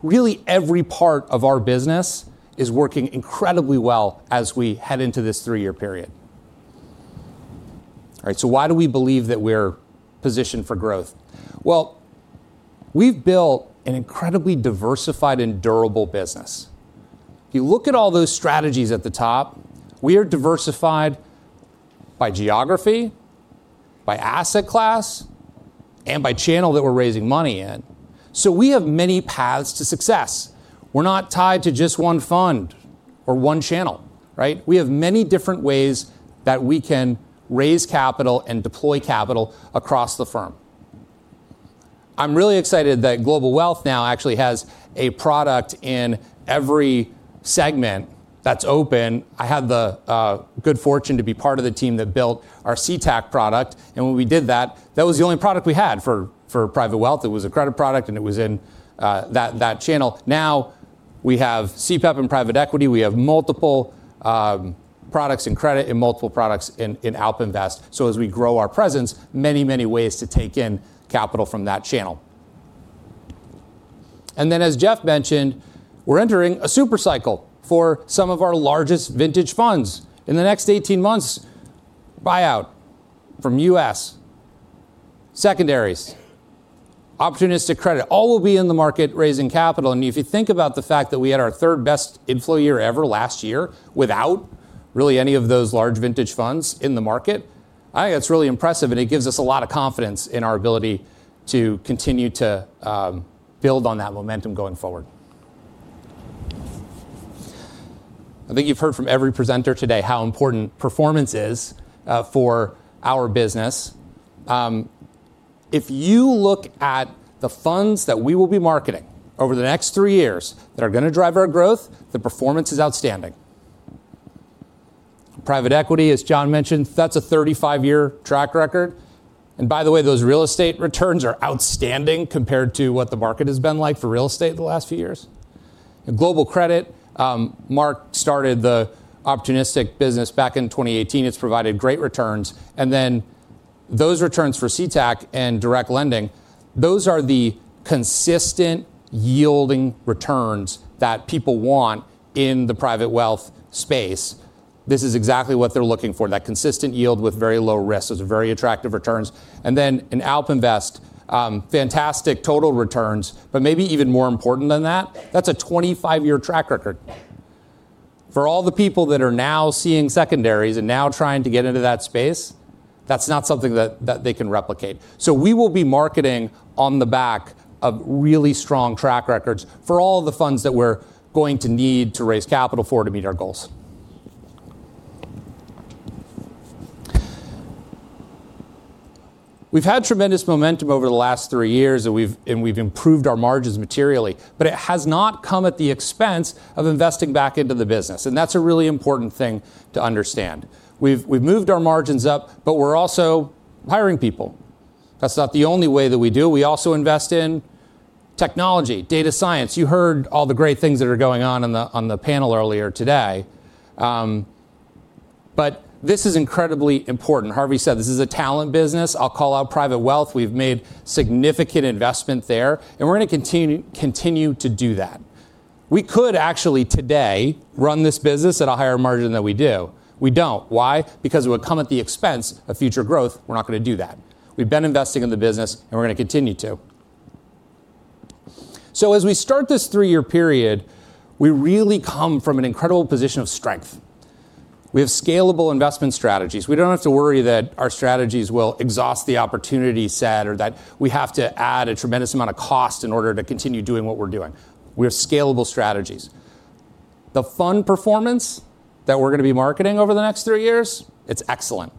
Really, every part of our business is working incredibly well as we head into this three-year period. All right, why do we believe that we're positioned for growth? We've built an incredibly diversified and durable business. If you look at all those strategies at the top, we are diversified by geography, by asset class, and by channel that we're raising money in. We have many paths to success. We're not tied to just one fund or one channel, right? We have many different ways that we can raise capital and deploy capital across the firm. I'm really excited that Global Wealth now actually has a product in every segment that's open. I had the good fortune to be part of the team that built our CTAC product, and when we did that was the only product we had for private wealth. It was a credit product, and it was in that channel. Now, we have CPEP and private equity. We have multiple products in credit and multiple products in AlpInvest. As we grow our presence, many ways to take in capital from that channel. As Jeff mentioned, we're entering a super cycle for some of our largest vintage funds. In the next 18 months, buyout from U.S., secondaries, opportunistic credit, all will be in the market raising capital. If you think about the fact that we had our third best inflow year ever last year without really any of those large vintage funds in the market, I think that's really impressive, and it gives us a lot of confidence in our ability to continue to build on that momentum going forward. I think you've heard from every presenter today how important performance is for our business. If you look at the funds that we will be marketing over the next three years that are going to drive our growth, the performance is outstanding. Private equity, as John mentioned, that's a 35-year track record. By the way, those real estate returns are outstanding compared to what the market has been like for real estate the last few years. Global Credit, Mark started the opportunistic business back in 2018. It's provided great returns. Then those returns for CTAC and direct lending, those are the consistent yielding returns that people want in the private wealth space. This is exactly what they're looking for, that consistent yield with very low risk. Those are very attractive returns. In AlpInvest, fantastic total returns, maybe even more important than that's a 25-year track record. For all the people that are now seeing secondaries and now trying to get into that space, that's not something that they can replicate. We will be marketing on the back of really strong track records for all the funds that we're going to need to raise capital for to meet our goals. We've had tremendous momentum over the last three years, and we've improved our margins materially, but it has not come at the expense of investing back into the business, and that's a really important thing to understand. We've moved our margins up, but we're also hiring people. That's not the only way that we do. We also invest in technology, data science. You heard all the great things that are going on on the panel earlier today. This is incredibly important. Harvey said, "This is a talent business." I'll call out private wealth. We've made significant investment there, and we're going to continue to do that. We could actually today run this business at a higher margin than we do. We don't. Why? Because it would come at the expense of future growth. We're not going to do that. We've been investing in the business, and we're gonna continue to. As we start this three-year period, we really come from an incredible position of strength. We have scalable investment strategies. We don't have to worry that our strategies will exhaust the opportunity set or that we have to add a tremendous amount of cost in order to continue doing what we're doing. We have scalable strategies. The fund performance that we're gonna be marketing over the next three years, it's excellent.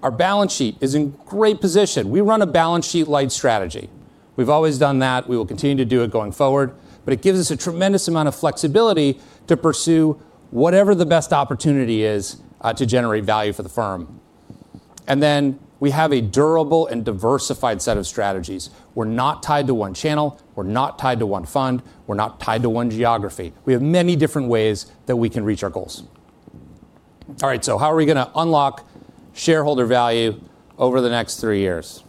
Our balance sheet is in great position. We run a balance sheet light strategy. We've always done that, we will continue to do it going forward, but it gives us a tremendous amount of flexibility to pursue whatever the best opportunity is to generate value for the firm. We have a durable and diversified set of strategies. We're not tied to one channel, we're not tied to one fund, we're not tied to one geography. We have many different ways that we can reach our goals. How are we gonna unlock shareholder value over the next three years?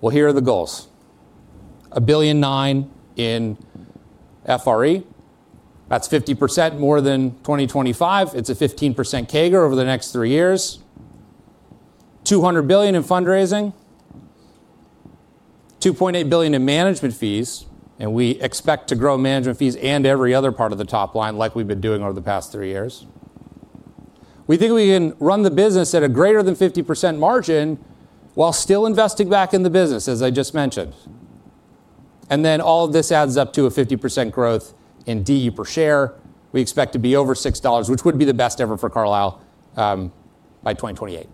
Well, here are the goals: $1.9 billion in FRE. That's 50% more than 2025. It's a 15% CAGR over the next three years. $200 billion in fundraising, $2.8 billion in management fees, We expect to grow management fees and every other part of the top line like we've been doing over the past three years. We think we can run the business at a greater than 50% margin, while still investing back in the business, as I just mentioned. All of this adds up to a 50% growth in DE per share. We expect to be over $6, which would be the best ever for Carlyle, by 2028.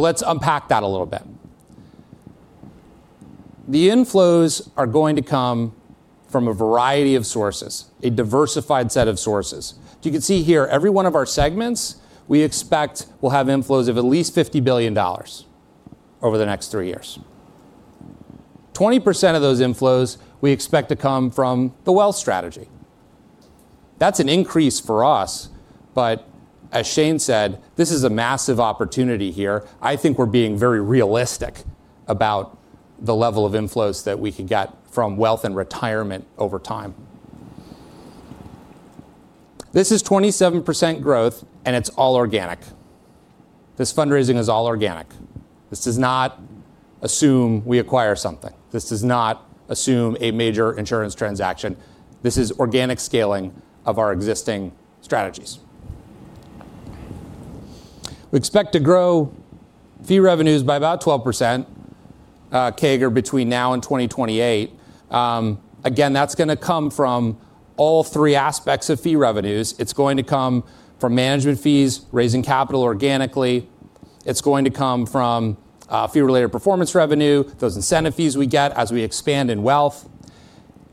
Let's unpack that a little bit. The inflows are going to come from a variety of sources, a diversified set of sources. You can see here, every one of our segments, we expect will have inflows of at least $50 billion over the next three years. 20% of those inflows, we expect to come from the wealth strategy. That's an increase for us, but as Shane said, this is a massive opportunity here. I think we're being very realistic about the level of inflows that we can get from wealth and retirement over time. This is 27% growth, and it's all organic. This fundraising is all organic. This does not assume we acquire something. This does not assume a major insurance transaction. This is organic scaling of our existing strategies. We expect to grow fee revenues by about 12% CAGR between now and 2028. Again, that's gonna come from all three aspects of fee revenues. It's going to come from management fees, raising capital organically. It's going to come from fee-related performance revenue, those incentive fees we get as we expand in wealth.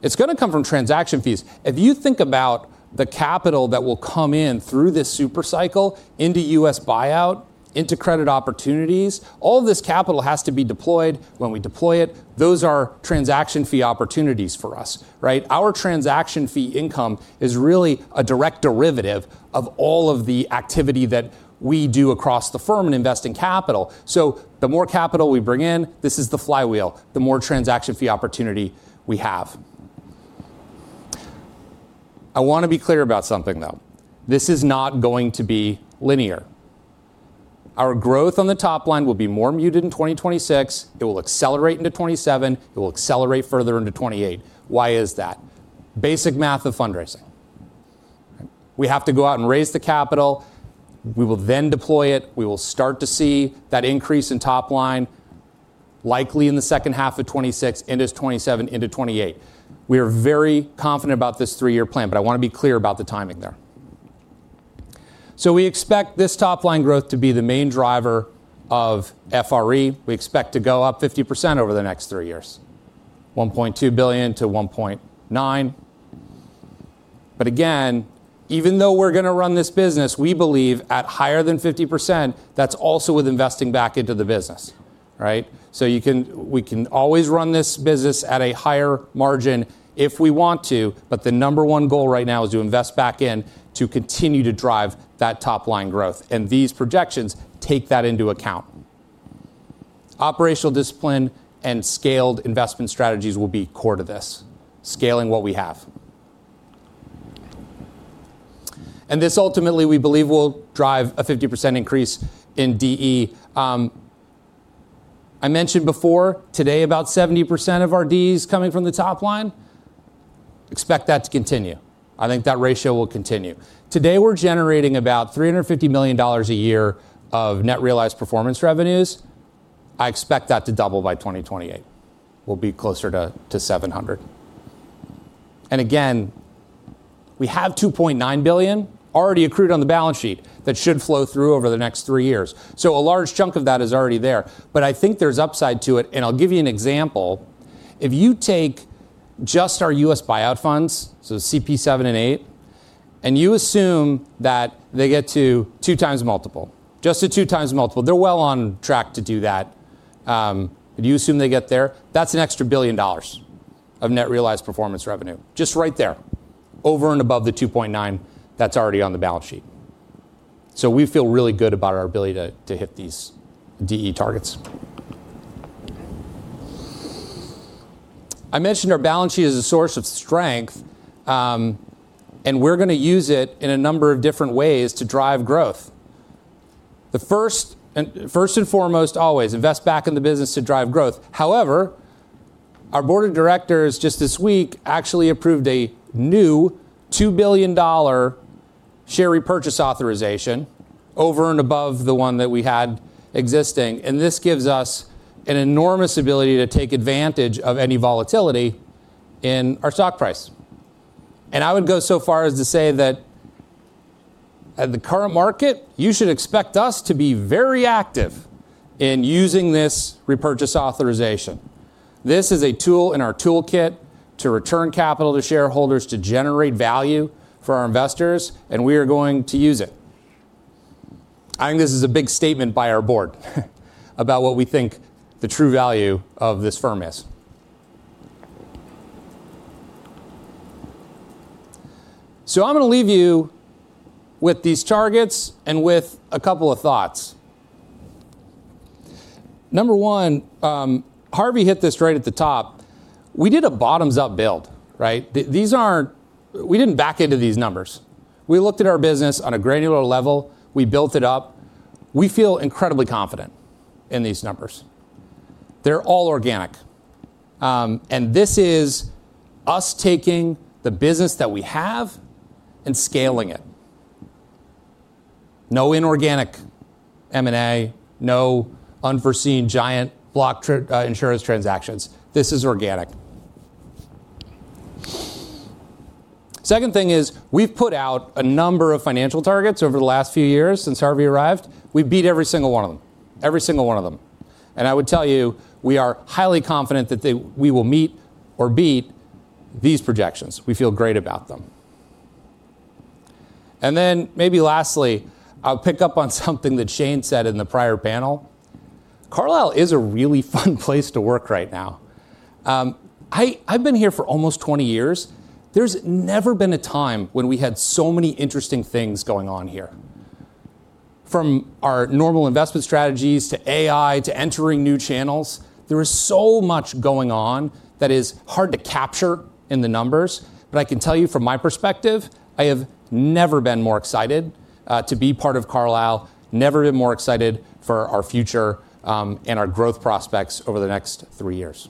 It's gonna come from transaction fees. If you think about the capital that will come in through this super cycle into U.S. buyout, into credit opportunities, all this capital has to be deployed. When we deploy it, those are transaction fee opportunities for us, right? Our transaction fee income is really a direct derivative of all of the activity that we do across the firm and investing capital. The more capital we bring in, this is the flywheel, the more transaction fee opportunity we have. I want to be clear about something, though. This is not going to be linear. Our growth on the top line will be more muted in 2026, it will accelerate into 2027, it will accelerate further into 2028. Why is that? Basic math of fundraising. We have to go out and raise the capital. We will then deploy it. We will start to see that increase in top line, likely in the second half of 2026, into 2027, into 2028. We are very confident about this 3-year plan, I want to be clear about the timing there. We expect this top-line growth to be the main driver of FRE. We expect to go up 50% over the next three years, $1.2 billion-$1.9 billion. Again, even though we're gonna run this business, we believe at higher than 50%, that's also with investing back into the business, right? we can always run this business at a higher margin if we want to, but the number 1 goal right now is to invest back in, to continue to drive that top-line growth. These projections take that into account. Operational discipline and scaled investment strategies will be core to this, scaling what we have. This, ultimately, we believe, will drive a 50% increase in DE. I mentioned before, today, about 70% of our DE is coming from the top line. Expect that to continue. I think that ratio will continue. Today, we're generating about $350 million a year of net realized performance revenues. I expect that to double by 2028. We'll be closer to $700 million. Again, we have $2.9 billion already accrued on the balance sheet that should flow through over the next three years. A large chunk of that is already there, but I think there's upside to it, and I'll give you an example. If you take just our US buyout funds, CP VII and VIII, and you assume that they get to 2x multiple, just a 2x multiple, they're well on track to do that. If you assume they get there, that's an extra $1 billion of net realized performance revenue, just right there, over and above the $2.9 that's already on the balance sheet. We feel really good about our ability to hit these DE targets. I mentioned our balance sheet is a source of strength, and we're gonna use it in a number of different ways to drive growth. The first and foremost, always, invest back in the business to drive growth. However, our board of directors just this week actually approved a new $2 billion share repurchase authorization over and above the one that we had existing. This gives us an enormous ability to take advantage of any volatility in our stock price. I would go so far as to say that at the current market, you should expect us to be very active in using this repurchase authorization. This is a tool in our toolkit to return capital to shareholders, to generate value for our investors. We are going to use it. I think this is a big statement by our board about what we think the true value of this firm is. I'm gonna leave you with these targets and with a couple of thoughts. Number 1, Harvey hit this right at the top: We did a bottoms-up build, right? These aren't... We didn't back into these numbers. We looked at our business on a granular level. We built it up. We feel incredibly confident in these numbers. They're all organic. This is us taking the business that we have and scaling it. No inorganic M&A, no unforeseen giant block insurance transactions. This is organic. Second thing is, we've put out a number of financial targets over the last few years since Harvey arrived. We've beat every single one of them. Every single one of them. I would tell you, we are highly confident that we will meet or beat these projections. We feel great about them. Maybe lastly, I'll pick up on something that Shane said in the prior panel. Carlyle is a really fun place to work right now. I've been here for almost 20 years. There's never been a time when we had so many interesting things going on here. From our normal investment strategies to AI, to entering new channels, there is so much going on that is hard to capture in the numbers. I can tell you from my perspective, I have never been more excited to be part of Carlyle, never been more excited for our future, and our growth prospects over the next three years.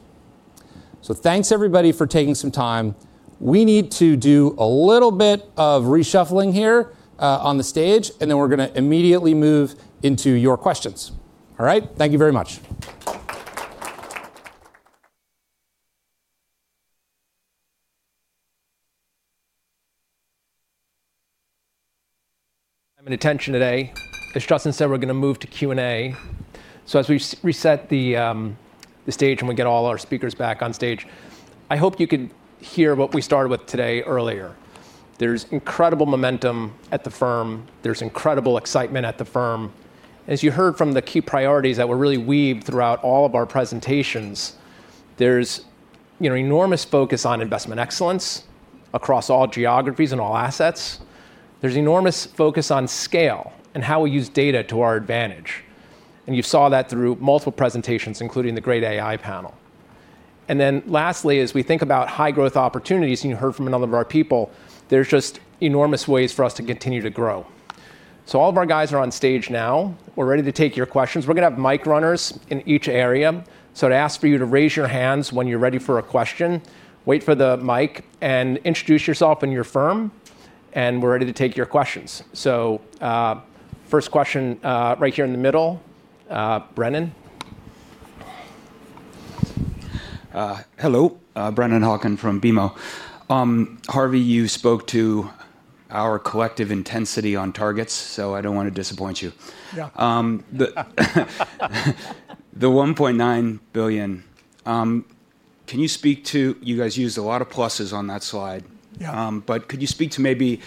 Thanks, everybody, for taking some time. We need to do a little bit of reshuffling here on the stage, we're going to immediately move into your questions. All right? Thank you very much. I mean, attention today. As Justin said, we're going to move to Q&A. As we reset the stage and we get all our speakers back on stage, I hope you can hear what we started with today earlier. There's incredible momentum at the firm. There's incredible excitement at the firm. As you heard from the key priorities that were really weaved throughout all of our presentations, there's, you know, enormous focus on investment excellence across all geographies and all assets. There's enormous focus on scale and how we use data to our advantage, and you saw that through multiple presentations, including the great AI panel. Lastly, as we think about high-growth opportunities, and you heard from a number of our people, there's just enormous ways for us to continue to grow. All of our guys are on stage now. We're ready to take your questions. We're gonna have mic runners in each area, so I'd ask for you to raise your hands when you're ready for a question, wait for the mic, and introduce yourself and your firm, and we're ready to take your questions. First question, right here in the middle, Brennan? Hello, Brennan Hawkin from BMO. Harvey, you spoke to our collective intensity on targets. I don't want to disappoint you. Yeah. The $1.9 billion, can you speak to? You guys used a lot of pluses on that slide. Yeah. Could you speak to maybe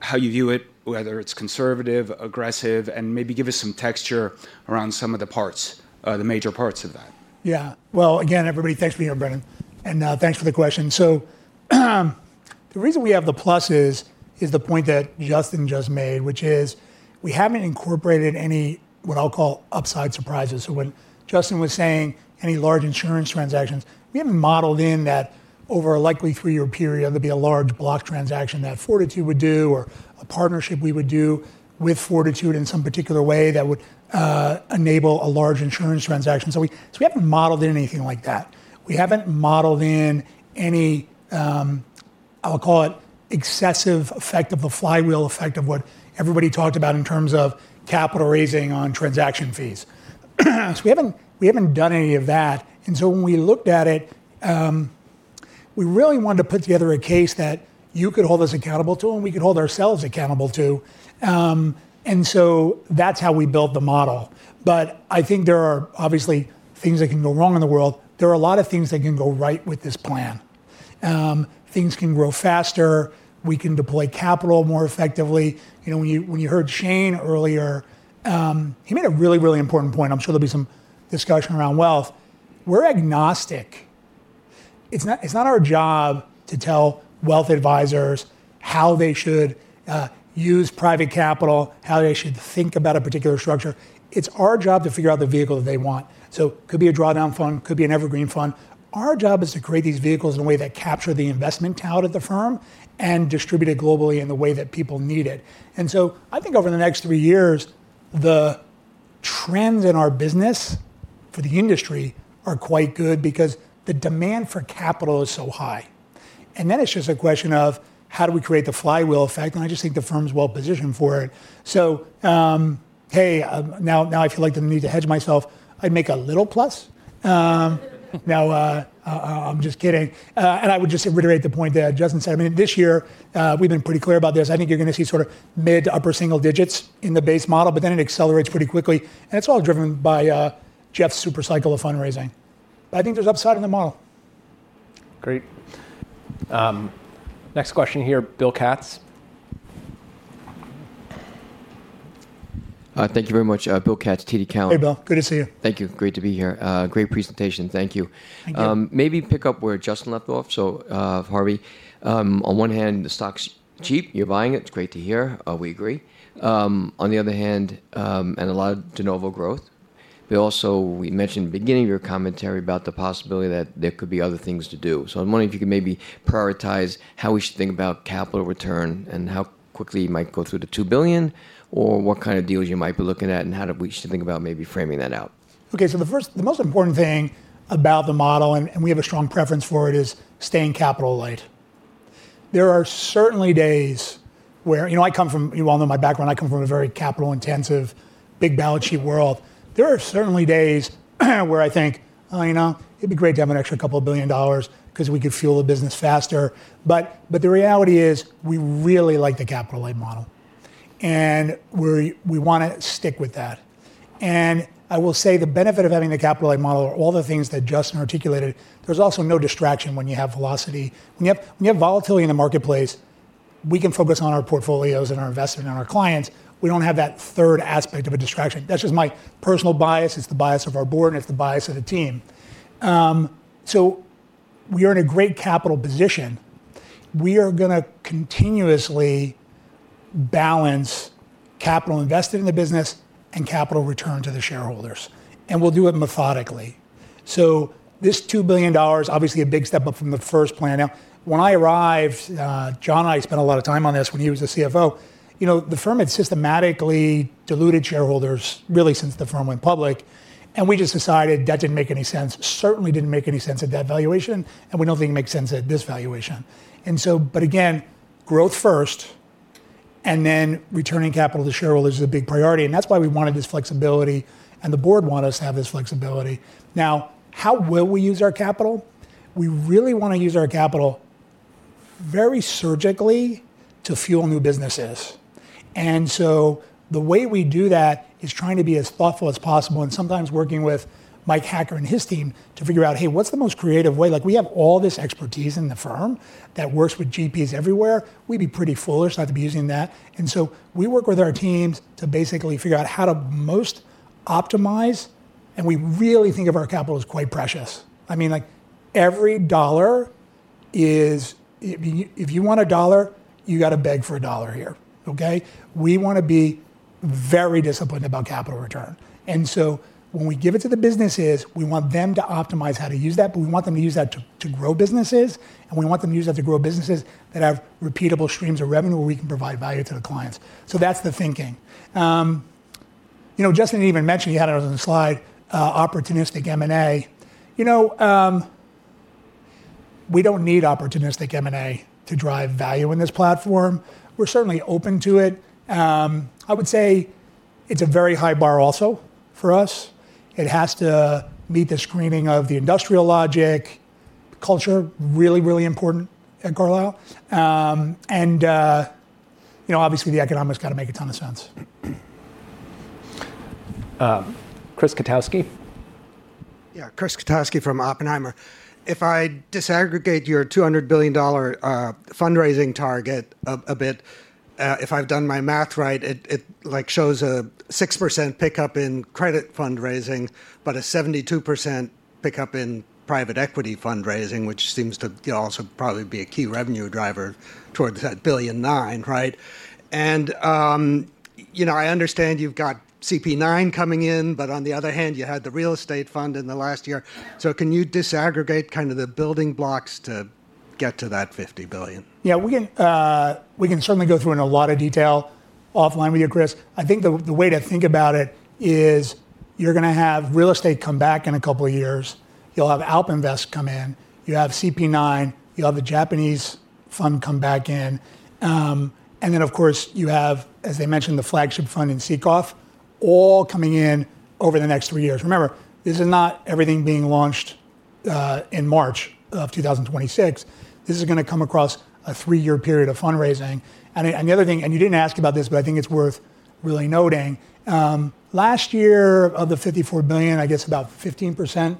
how you view it, whether it's conservative, aggressive, and maybe give us some texture around some of the parts, the major parts of that? Well, again, everybody, thanks for being here, Brennan, and thanks for the question. The reason we have the pluses is the point that Justin just made, which is we haven't incorporated any, what I'll call, upside surprises. When Justin was saying any large insurance transactions, we haven't modeled in that over a likely three-year period, there'd be a large block transaction that Fortitude would do or a partnership we would do with Fortitude in some particular way that would enable a large insurance transaction. We haven't modeled in anything like that. We haven't modeled in any, I'll call it, excessive effect of the flywheel effect of what everybody talked about in terms of capital raising on transaction fees. We haven't done any of that, and so when we looked at it, we really wanted to put together a case that you could hold us accountable to and we could hold ourselves accountable to. That's how we built the model, but I think there are obviously things that can go wrong in the world. There are a lot of things that can go right with this plan. Things can grow faster. We can deploy capital more effectively. You know, when you heard Shane earlier, he made a really, really important point. I'm sure there'll be some discussion around wealth. We're agnostic. It's not our job to tell wealth advisors how they should use private capital, how they should think about a particular structure. It's our job to figure out the vehicle that they want. Could be a drawdown fund, could be an evergreen fund. Our job is to create these vehicles in a way that capture the investment talent of the firm and distribute it globally in the way that people need it. I think over the next three years, the trends in our business for the industry are quite good because the demand for capital is so high. It's just a question of: how do we create the flywheel effect? I just think the firm's well positioned for it. hey, now I feel like the need to hedge myself, I'd make a little plus. I'm just kidding. I would just reiterate the point that Justin said. I mean, this year, we've been pretty clear about this. I think you're going to see sort of mid to upper single digits in the base model, but then it accelerates pretty quickly, and it's all driven by Jeff's super cycle of fundraising. I think there's upside in the model. Great. Next question here, Bill Katz. Thank you very much. Bill Katz, TD Cowen. Hey, Bill, good to see you. Thank you. Great to be here. Great presentation. Thank you. Thank you. Maybe pick up where Justin left off, so, Harvey. On one hand, the stock's cheap, you're buying it's great to hear. We agree. On the other hand, and a lot of de novo growth, but also, we mentioned at the beginning of your commentary about the possibility that there could be other things to do. I'm wondering if you could maybe prioritize how we should think about capital return and how quickly you might go through the $2 billion, or what kind of deals you might be looking at, and how do we should think about maybe framing that out? The most important thing about the model, and we have a strong preference for it, is staying capital light. There are certainly days where. You know, you all know my background. I come from a very capital-intensive, big balance sheet world. There are certainly days where I think, "Oh, you know, it'd be great to have an extra couple of billion dollars 'cause we could fuel the business faster." The reality is, we really like the capital light model, and we want to stick with that. I will say, the benefit of having the capital light model are all the things that Justin articulated. There's also no distraction when you have velocity. When you have volatility in the marketplace, we can focus on our portfolios and our investment and our clients. We don't have that third aspect of a distraction. That's just my personal bias, it's the bias of our board, and it's the bias of the team. We are in a great capital position. We are gonna continuously balance capital invested in the business and capital return to the shareholders, and we'll do it methodically. This $2 billion, obviously a big step up from the first plan. When I arrived, John and I spent a lot of time on this when he was the CFO. You know, the firm had systematically diluted shareholders, really, since the firm went public, and we just decided that didn't make any sense. Certainly didn't make any sense at that valuation, and we don't think it makes sense at this valuation. But again, growth first, and then returning capital to shareholders is a big priority, and that's why we wanted this flexibility, and the board want us to have this flexibility. Now, how will we use our capital? We really want to use our capital very surgically to fuel new businesses. The way we do that is trying to be as thoughtful as possible, and sometimes working with Mike Hacker and his team to figure out, hey, what's the most creative way? Like, we have all this expertise in the firm that works with GPs everywhere. We'd be pretty foolish not to be using that. We work with our teams to basically figure out how to most optimize, and we really think of our capital as quite precious. I mean, like, every dollar is... If you want $1, you got to beg for $1 here, okay? We want to be very disciplined about capital return. When we give it to the businesses, we want them to optimize how to use that, but we want them to use that to grow businesses, and we want them to use that to grow businesses that have repeatable streams of revenue, where we can provide value to the clients. That's the thinking. You know, Justin even mentioned, you had it on the slide, opportunistic M&A. You know, we don't need opportunistic M&A to drive value in this platform. We're certainly open to it. I would say it's a very high bar also for us. It has to meet the screening of the industrial logic, culture, really important at Carlyle. You know, obviously, the economics got to make a ton of sense. Chris Kotowski? Chris Kotowski from Oppenheimer. If I disaggregate your $200 billion fundraising target a bit, if I've done my math right, it, like, shows a 6% pickup in credit fundraising, but a 72% pickup in private equity fundraising, which seems to, you know, also probably be a key revenue driver towards that $1.9 billion, right? You know, I understand you've got CP IX coming in, but on the other hand, you had the real estate fund in the last year. Can you disaggregate kind of the building blocks to get to that $50 billion? Yeah, we can certainly go through in a lot of detail offline with you, Chris. I think the way to think about it is, you're gonna have real estate come back in a couple of years, you'll have AlpInvest come in, you have CP IX, you'll have the Japanese fund come back in. Then, of course, you have, as I mentioned, the flagship fund in SECF, all coming in over the next three years. Remember, this is not everything being launched in March of 2026. This is gonna come across a three-year period of fundraising. The other thing, you didn't ask about this, but I think it's worth really noting, last year, of the $54 billion, I guess about 15%,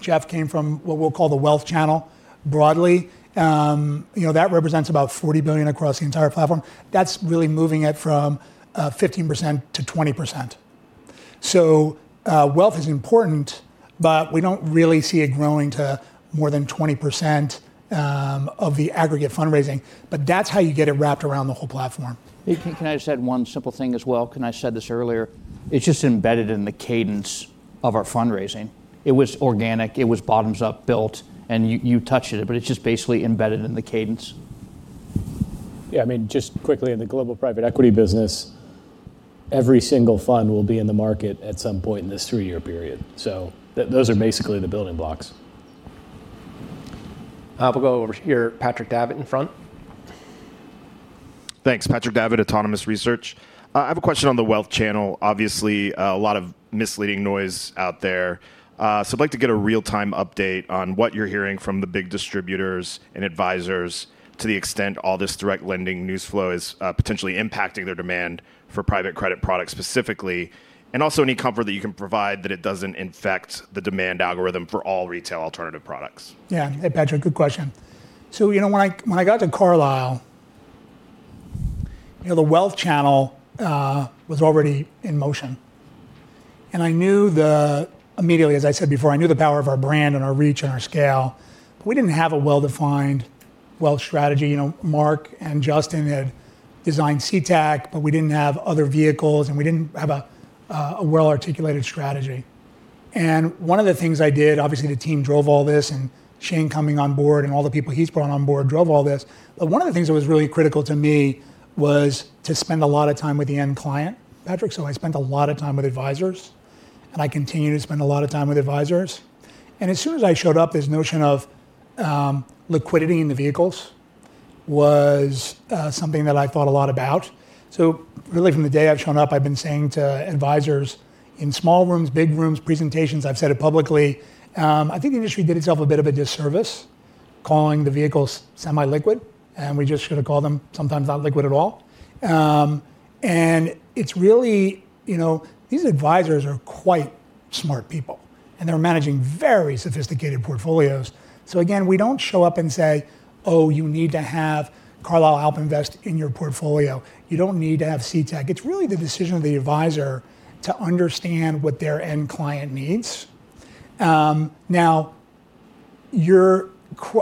Jeff, came from what we'll call the wealth channel, broadly. You know, that represents about $40 billion across the entire platform. That's really moving it from 15% to 20%. Wealth is important, but we don't really see it growing to more than 20% of the aggregate fundraising. That's how you get it wrapped around the whole platform. Hey, can I just add one simple thing as well? I said this earlier, it's just embedded in the cadence of our fundraising. It was organic, it was bottoms-up built, and you touched it's just basically embedded in the cadence. Yeah, I mean, just quickly, in the global private equity business, every single fund will be in the market at some point in this three-year period, those are basically the building blocks. We'll go over here. Patrick Davitt in front. Thanks. Patrick Davitt, Autonomous Research. I have a question on the wealth channel. Obviously, a lot of misleading noise out there, so I'd like to get a real-time update on what you're hearing from the big distributors and advisors to the extent all this direct lending news flow is potentially impacting their demand for private credit products specifically, and also any comfort that you can provide that it doesn't infect the demand algorithm for all retail alternative products. Yeah. Hey, Patrick, good question. You know, when I, when I got to Carlyle, you know, the wealth channel, was already in motion, and I knew immediately, as I said before, I knew the power of our brand and our reach and our scale, but we didn't have a well-defined wealth strategy. You know, Mark and Justin had designed CTAC, but we didn't have other vehicles, and we didn't have a well-articulated strategy. One of the things I did. Obviously, the team drove all this, and Shane coming on board and all the people he's brought on board drove all this, but one of the things that was really critical to me was to spend a lot of time with the end client, Patrick, so I spent a lot of time with advisors, and I continue to spend a lot of time with advisors. As soon as I showed up, this notion of liquidity in the vehicles was something that I thought a lot about. Really, from the day I've shown up, I've been saying to advisors in small rooms, big rooms, presentations, I've said it publicly, I think the industry did itself a bit of a disservice, calling the vehicles semi-liquid, and we just should have called them sometimes not liquid at all. And it's you know, these advisors are quite smart people, and they're managing very sophisticated portfolios. Again, we don't show up and say, "Oh, you need to have Carlyle AlpInvest in your portfolio. You don't need to have CTAC." It's really the decision of the advisor to understand what their end client needs. Now,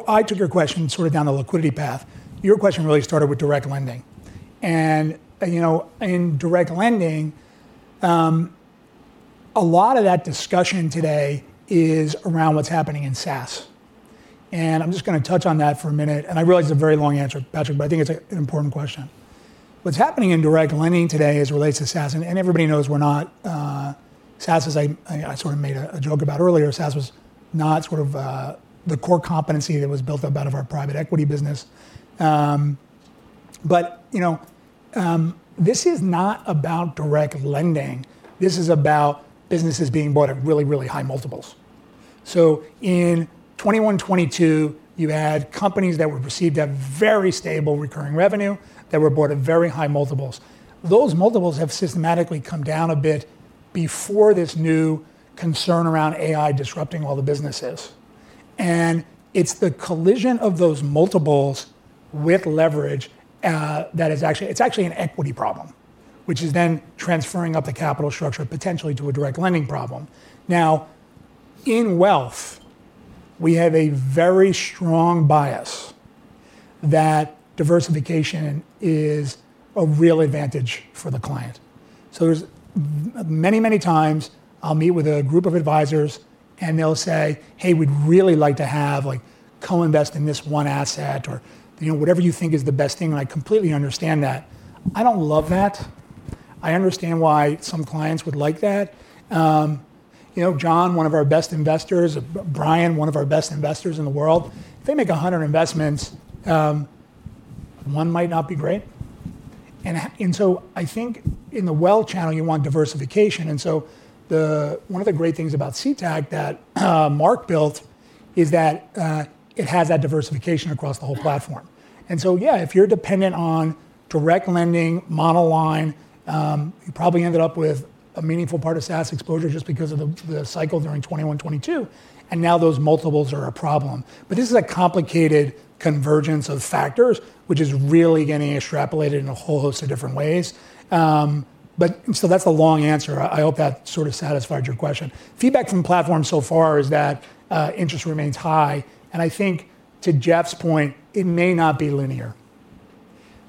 I took your question sort of down the liquidity path. Your question really started with direct lending. You know, in direct lending, a lot of that discussion today is around what's happening in SaaS, and I'm just gonna touch on that for a minute, and I realize it's a very long answer, Patrick, but I think it's an important question. What's happening in direct lending today as it relates to SaaS, and everybody knows we're not. SaaS, as I sort of made a joke about earlier, SaaS was not the core competency that was built up out of our private equity business. You know, this is not about direct lending, this is about businesses being bought at really, really high multiples. In 2021, 2022, you had companies that were perceived to have very stable recurring revenue, that were bought at very high multiples. Those multiples have systematically come down a bit before this new concern around AI disrupting all the businesses. It's actually an equity problem, which is then transferring up the capital structure, potentially to a direct lending problem. In wealth, we have a very strong bias that diversification is a real advantage for the client. There's many times I'll meet with a group of advisors and they'll say, "Hey, we'd really like to have, like, co-invest in this one asset," or, you know, "Whatever you think is the best thing," and I completely understand that. I don't love that. I understand why some clients would like that. You know, John, one of our best investors, Brian, one of our best investors in the world, if they make 100 investments, one might not be great. I think in the wealth channel, you want diversification, one of the great things about CTAC that Mark built is that it has that diversification across the whole platform. Yeah, if you're dependent on direct lending, monoline, you probably ended up with a meaningful part of SaaS exposure just because of the cycle during 2021, 2022, and now those multiples are a problem. This is a complicated convergence of factors, which is really getting extrapolated in a whole host of different ways. That's the long answer. I hope that sort of satisfied your question. Feedback from the platform so far is that interest remains high, and I think to Jeff's point, it may not be linear.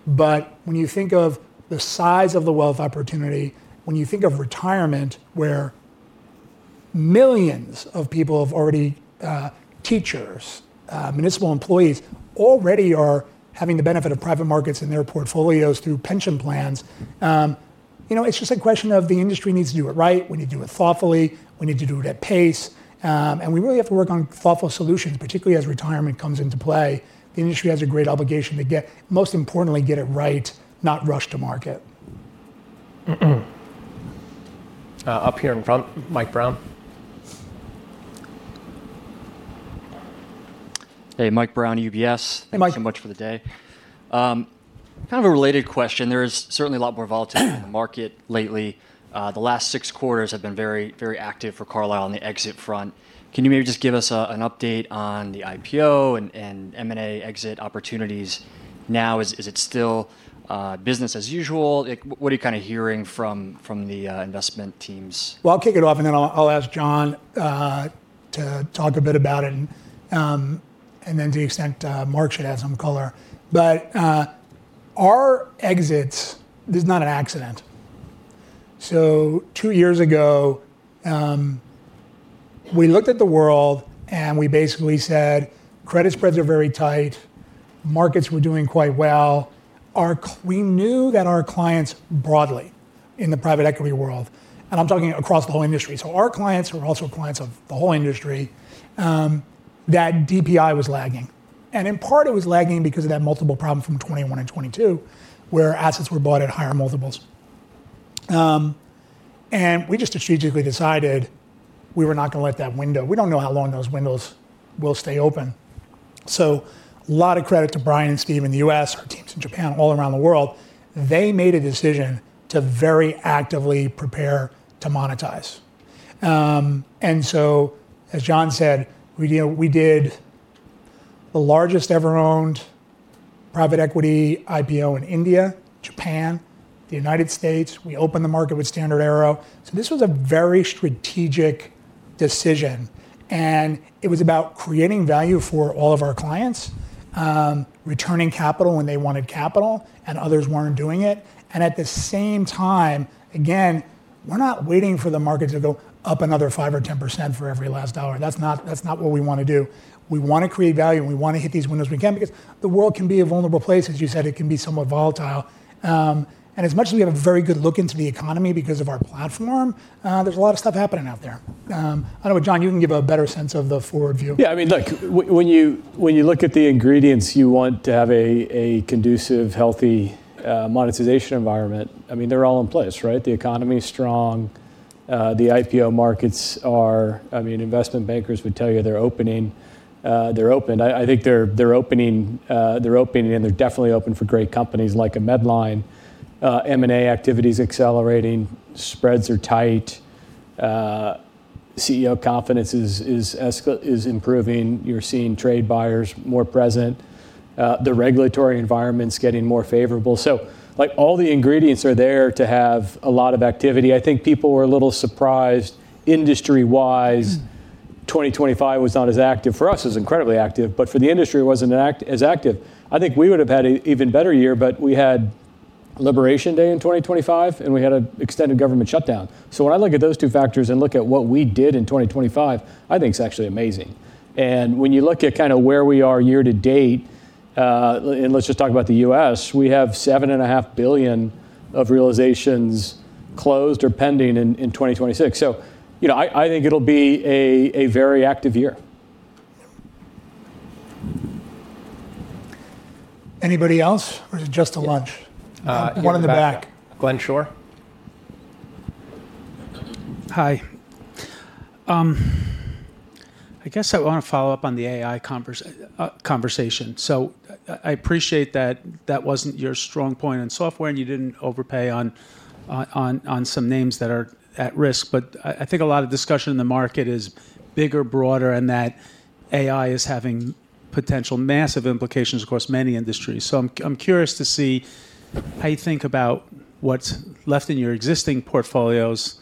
When you think of the size of the wealth opportunity, when you think of retirement, where millions of people have already, teachers, municipal employees, already are having the benefit of private markets in their portfolios through pension plans, you know, it's just a question of the industry needs to do it right, we need to do it thoughtfully, we need to do it at pace, and we really have to work on thoughtful solutions, particularly as retirement comes into play. The industry has a great obligation to most importantly, get it right, not rush to market. up here in front, Michael Brown. Hey, Michael Brown, UBS. Hey, Mike. Thank you so much for the day. Kind of a related question. There is certainly a lot more volatility in the market lately. The last six quarters have been very, very active for Carlyle on the exit front. Can you maybe just give us an update on the IPO and M&A exit opportunities now? Is it still business as usual? Like, what are you kind of hearing from the investment teams? I'll kick it off, and then I'll ask John to talk a bit about it, and then to the extent Mark should add some color. Our exits, this is not an accident. Two years ago, we looked at the world, and we basically said: credit spreads are very tight, markets were doing quite well. We knew that our clients, broadly, in the private equity world, and I'm talking across the whole industry, so our clients were also clients of the whole industry, that DPI was lagging. In part, it was lagging because of that multiple problem from 2021 and 2022, where assets were bought at higher multiples. We just strategically decided we were not gonna let that window. We don't know how long those windows will stay open. A lot of credit to Brian and Steve in the U.S., our teams in Japan, all around the world, they made a decision to very actively prepare to monetize. As John said, we did the largest ever owned private equity IPO in India, Japan, the United States. We opened the market with StandardAero. This was a very strategic decision, and it was about creating value for all of our clients, returning capital when they wanted capital and others weren't doing it. At the same time, again, we're not waiting for the market to go up another 5% or 10% for every last dollar. That's not, that's not what we wanna do. We wanna create value, and we wanna hit these windows when we can, because the world can be a vulnerable place. As you said, it can be somewhat volatile. As much as we have a very good look into the economy because of our platform, there's a lot of stuff happening out there. I don't know, John, you can give a better sense of the forward view. Yeah, I mean, look, when you look at the ingredients, you want to have a conducive, healthy monetization environment. I mean, they're all in place, right? The economy is strong. The IPO markets are. I mean, investment bankers would tell you, they're opening, they're open. I think they're opening, they're opening, and they're definitely open for great companies like a Medline. M&A activity is accelerating, spreads are tight, CEO confidence is improving. You're seeing trade buyers more present. The regulatory environment's getting more favorable. Like, all the ingredients are there to have a lot of activity. I think people were a little surprised, industry-wise. Mm... 2025 was not as active. For us, it was incredibly active, but for the industry, it wasn't as active. I think we would have had a even better year. We had Liberation Day in 2025, and we had an extended government shutdown. When I look at those two factors and look at what we did in 2025, I think it's actually amazing. When you look at kinda where we are year to date, and let's just talk about the U.S., we have $7.5 billion of realizations closed or pending in 2026. You know, I think it'll be a very active year. Anybody else, or is it just to lunch? One in the back. Glenn Schorr. Hi. I guess I want to follow up on the AI conversation. I appreciate that that wasn't your strong point in software, and you didn't overpay on some names that are at risk. I think a lot of discussion in the market is bigger, broader, and that AI is having potential massive implications across many industries. I'm curious to see how you think about what's left in your existing portfolios,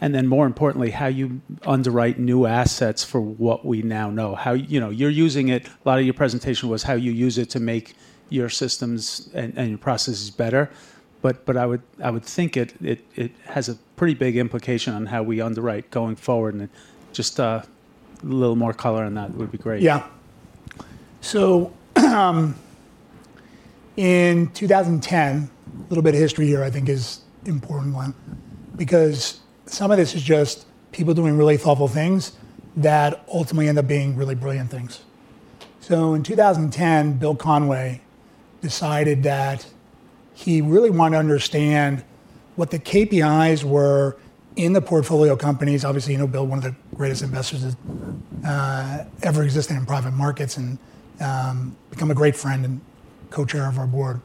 and then, more importantly, how you underwrite new assets for what we now know. You know, you're using it. A lot of your presentation was how you use it to make your systems and your processes better, but I would think it has a pretty big implication on how we underwrite going forward, and just a little more color on that would be great. Yeah. In 2010, little bit of history here I think is important one, because some of this is just people doing really thoughtful things that ultimately end up being really brilliant things. In 2010, Bill Conway decided that he really wanted to understand what the KPIs were in the portfolio companies. Obviously, you know, Bill, one of the greatest investors ever existing in private markets and become a great friend and co-chair of our board.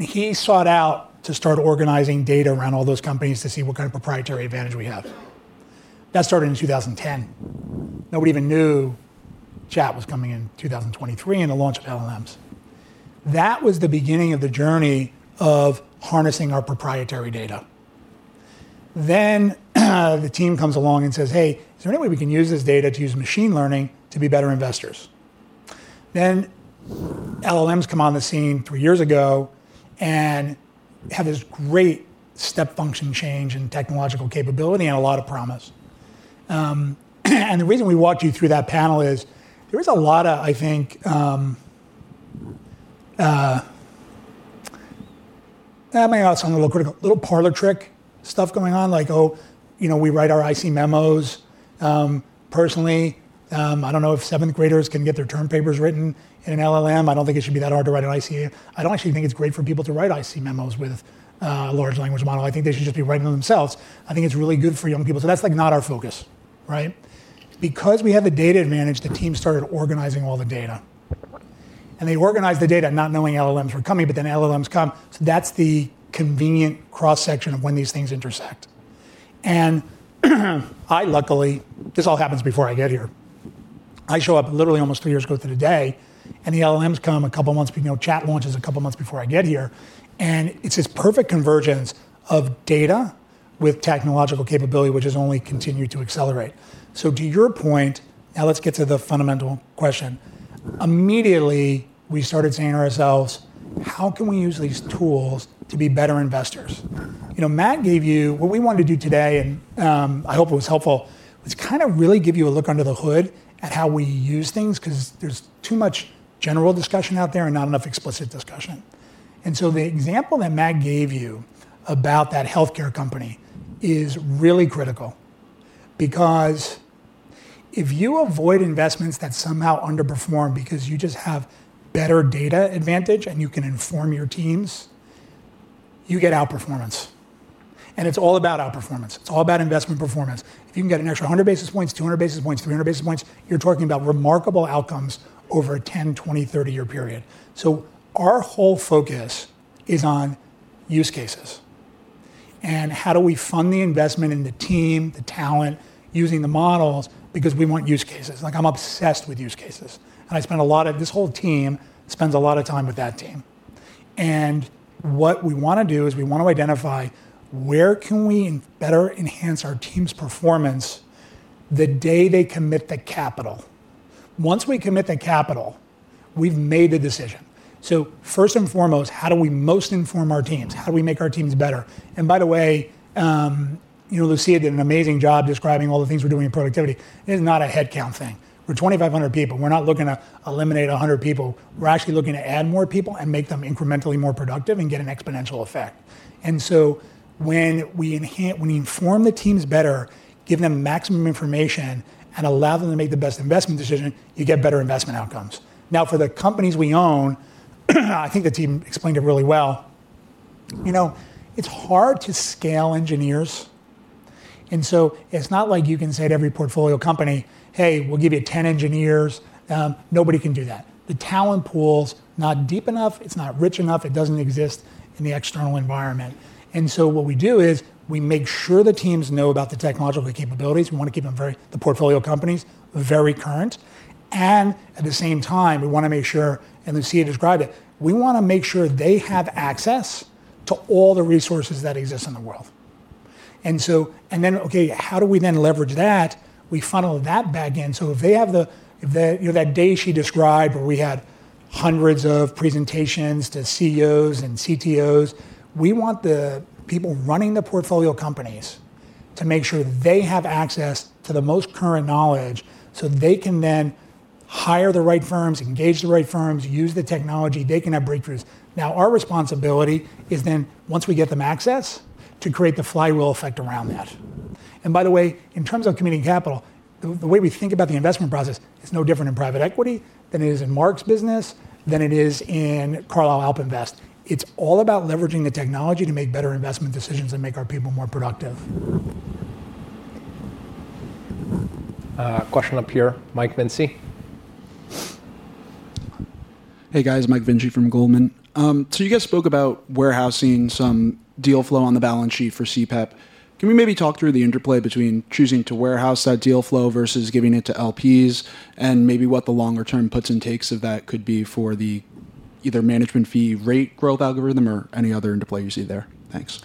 He sought out to start organizing data around all those companies to see what kind of proprietary advantage we have. That started in 2010. Nobody even knew chat was coming in 2023 and the launch of LLMs. That was the beginning of the journey of harnessing our proprietary data. The team comes along and says: "Hey, is there any way we can use this data to use machine learning to be better investors?" LLMs come on the scene three years ago and have this great step function change in technological capability and a lot of promise. The reason we walked you through that panel is there is a lot of, I think, It may sound a little critical, little parlor trick stuff going on, like, oh, you know, we write our IC memos. Personally, I don't know if 7th graders can get their term papers written in an LLM. I don't think it should be that hard to write an IC. I don't actually think it's great for people to write IC memos with large language model. I think they should just be writing them themselves. I think it's really good for young people. That's, like, not our focus, right? Because we have a data advantage, the team started organizing all the data. They organized the data not knowing LLMs were coming. LLMs come. That's the convenient cross-section of when these things intersect. I luckily. This all happens before I get here. I show up literally almost two years ago to the day. The LLMs come a couple of months, you know, Chat launches a couple of months before I get here. It's this perfect convergence of data with technological capability, which has only continued to accelerate. To your point, now let's get to the fundamental question. Immediately, we started saying to ourselves: How can we use these tools to be better investors? You know, what we wanted to do today, and I hope it was helpful, was kind of really give you a look under the hood at how we use things, 'cause there's too much general discussion out there and not enough explicit discussion. The example that Matt gave you about that healthcare company is really critical, because if you avoid investments that somehow underperform because you just have better data advantage and you can inform your teams, you get outperformance. It's all about outperformance. It's all about investment performance. If you can get an extra 100 basis points, 200 basis points, 300 basis points, you're talking about remarkable outcomes over a 10-year, 20-year, 30-year period. Our whole focus is on use cases and how do we fund the investment in the team, the talent, using the models, because we want use cases. Like, I'm obsessed with use cases, and this whole team spends a lot of time with that team. What we wanna do is we want to identify where can we better enhance our team's performance the day they commit the capital? Once we commit the capital, we've made a decision. First and foremost, how do we most inform our teams? How do we make our teams better? By the way, you know, Lúcia did an amazing job describing all the things we're doing in productivity. It is not a headcount thing. We're 2,500 people. We're not looking to eliminate 100 people. We're actually looking to add more people and make them incrementally more productive and get an exponential effect. When we inform the teams better, give them maximum information, and allow them to make the best investment decision, you get better investment outcomes. For the companies we own, I think the team explained it really well. You know, it's hard to scale engineers, and so it's not like you can say to every portfolio company, "Hey, we'll give you 10 engineers." Nobody can do that. The talent pool's not deep enough, it's not rich enough, it doesn't exist in the external environment. What we do is, we make sure the teams know about the technological capabilities. We want to keep them very, the portfolio companies, very current, and at the same time, we wanna make sure, and Lucia described it, we wanna make sure they have access to all the resources that exist in the world. Okay, how do we then leverage that? We funnel that back in. If they have the, you know, that day she described where we had hundreds of presentations to CEOs and CTOs, we want the people running the portfolio companies to make sure they have access to the most current knowledge, so they can then hire the right firms, engage the right firms, use the technology, they can have breakthroughs. Now, our responsibility is then, once we get them access, to create the flywheel effect around that. By the way, in terms of committing capital, the way we think about the investment process is no different in private equity than it is in Mark's business, than it is in Carlyle AlpInvest. It's all about leveraging the technology to make better investment decisions and make our people more productive. Question up here. Mike Vinci. Hey, guys. Mike Vinci from Goldman. You guys spoke about warehousing some deal flow on the balance sheet for CPEP. Can we maybe talk through the interplay between choosing to warehouse that deal flow versus giving it to LPs, and maybe what the longer-term puts and takes of that could be for the either management fee rate growth algorithm or any other interplay you see there? Thanks.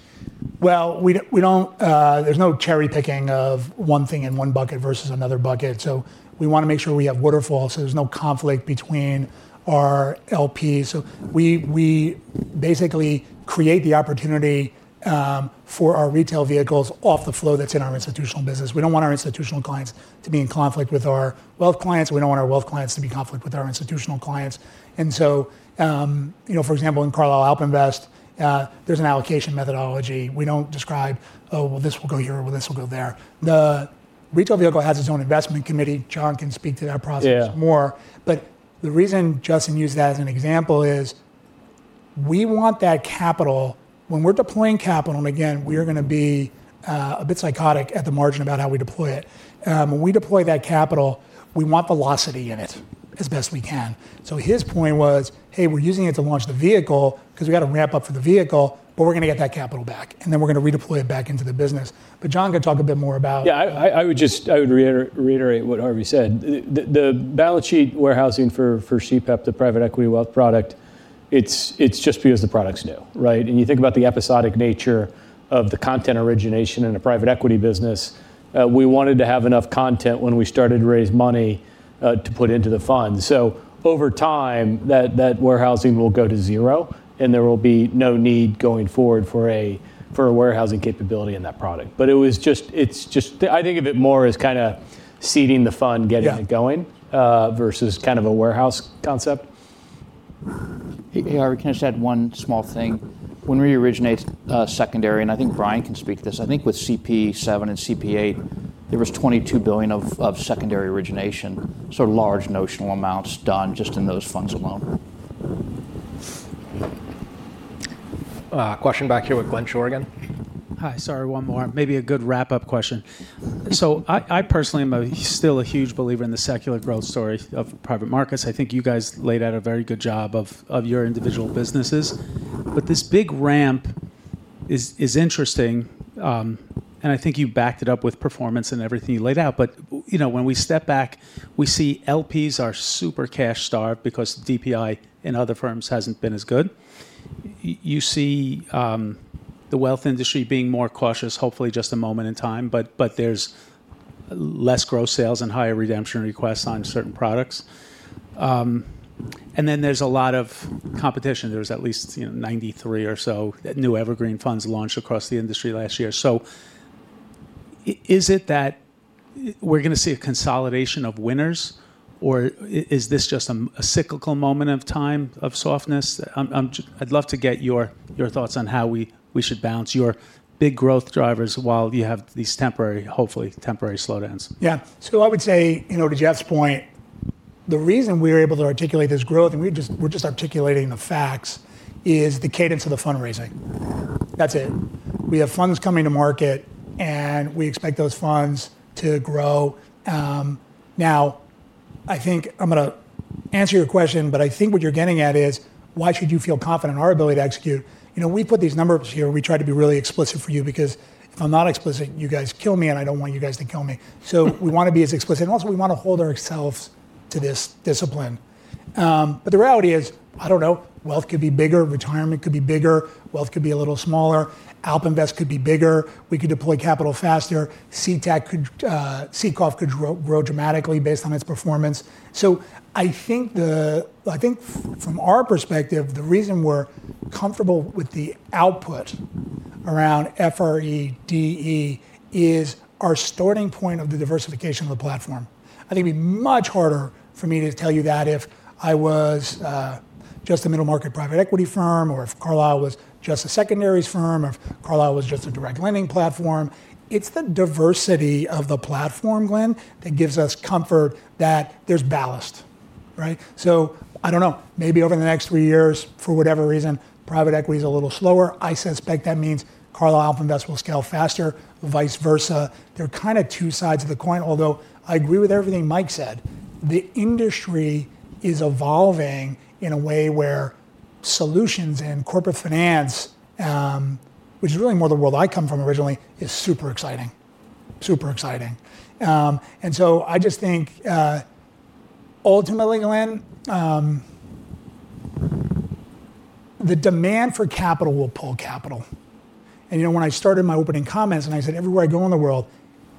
Well, we don't, we don't, there's no cherry-picking of one thing in one bucket versus another bucket, so we wanna make sure we have waterfalls, so there's no conflict between our LPs. We basically create the opportunity for our retail vehicles off the flow that's in our institutional business. We don't want our institutional clients to be in conflict with our wealth clients. We don't want our wealth clients to be in conflict with our institutional clients. You know, for example, in Carlyle AlpInvest, there's an allocation methodology. We don't describe, "Oh, well, this will go here, or this will go there." The retail vehicle has its own investment committee. John can speak to that process more. Yeah. The reason Justin used that as an example is, we want that capital... When we're deploying capital, and again, we are gonna be a bit psychotic at the margin about how we deploy it. When we deploy that capital, we want velocity in it as best we can. His point was, "Hey, we're using it to launch the vehicle, 'cause we've got to ramp up for the vehicle, but we're gonna get that capital back, and then we're gonna redeploy it back into the business." John can talk a bit more about- Yeah, I would just reiterate what Harvey said. The balance sheet warehousing for CPEP, the private equity wealth product, it's just because the product's new, right? You think about the episodic nature of the content origination in a private equity business, we wanted to have enough content when we started to raise money to put into the fund. Over time, that warehousing will go to zero, and there will be no need going forward for a warehousing capability in that product. It was just I think of it more as kinda seeding the fund, getting it going. Yeah... versus kind of a warehouse concept. Hey, Harvey, can I just add one small thing? When we originated secondary, and I think Brian can speak to this, I think with CP VII and CP VIII, there was $22 billion of secondary origination, so large notional amounts done just in those funds alone. Question back here with Glenn Schorr. Hi, sorry, one more. Maybe a good wrap-up question. I personally am still a huge believer in the secular growth story of private markets. I think you guys laid out a very good job of your individual businesses. This big ramp- is interesting, and I think you backed it up with performance and everything you laid out. You know, when we step back, we see LPs are super cash-starved because DPI in other firms hasn't been as good. You see, the wealth industry being more cautious, hopefully just a moment in time, but there's less gross sales and higher redemption requests on certain products. Then there's a lot of competition. There's at least, you know, 93 or so new evergreen funds launched across the industry last year. Is it that we're gonna see a consolidation of winners, or is this just a cyclical moment of time, of softness? I'd love to get your thoughts on how we should balance your big growth drivers while you have these temporary, hopefully temporary, slowdowns. I would say, you know, to Jeff's point, the reason we're able to articulate this growth, and we're just articulating the facts, is the cadence of the fundraising. That's it. We have funds coming to market, and we expect those funds to grow. I think I'm gonna answer your question, but I think what you're getting at is: why should you feel confident in our ability to execute? You know, we put these numbers here, we try to be really explicit for you, because if I'm not explicit, you guys kill me, and I don't want you guys to kill me. We want to be as explicit. Also, we want to hold ourselves to this discipline. The reality is, I don't know, wealth could be bigger, retirement could be bigger, wealth could be a little smaller, AlpInvest could be bigger, we could deploy capital faster, CTAC could SECF could grow dramatically based on its performance. I think from our perspective, the reason we're comfortable with the output around FREDE is our starting point of the diversification of the platform. I think it'd be much harder for me to tell you that if I was just a middle-market private equity firm, or if Carlyle was just a secondaries firm, or if Carlyle was just a direct lending platform. It's the diversity of the platform, Glenn, that gives us comfort that there's ballast, right? I don't know, maybe over the next three years, for whatever reason, private equity is a little slower. I suspect that means Carlyle AlpInvest will scale faster, vice versa. They're kinda two sides of the coin, although I agree with everything Mike said. The industry is evolving in a way where solutions and corporate finance, which is really more the world I come from originally, is super exciting. Super exciting. I just think, ultimately, Glenn, the demand for capital will pull capital. You know, when I started my opening comments, I said, everywhere I go in the world,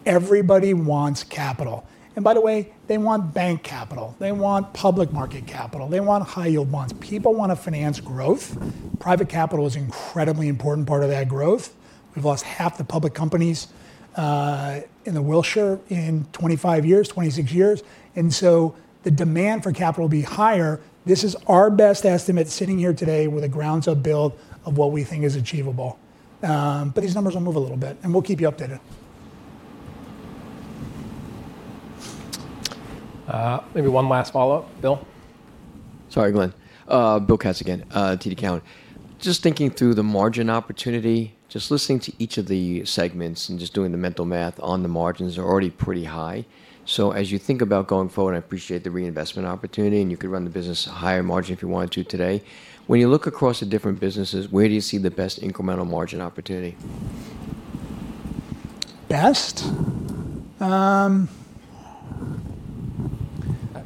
everybody wants capital. by the way, they want bank capital, they want public market capital, they want high-yield bonds. People want to finance growth. Private capital is an incredibly important part of that growth. We've lost half the public companies in the Wilshire in 25 years, 26 years, the demand for capital will be higher. This is our best estimate sitting here today with a ground-up build of what we think is achievable. These numbers will move a little bit, and we'll keep you updated. Maybe one last follow-up. Bill? Sorry, Glenn. Bill Katz again, TD Cowen. Just thinking through the margin opportunity, just listening to each of the segments and just doing the mental math on the margins are already pretty high. As you think about going forward, I appreciate the reinvestment opportunity, and you could run the business at a higher margin if you wanted to today. When you look across the different businesses, where do you see the best incremental margin opportunity? Best?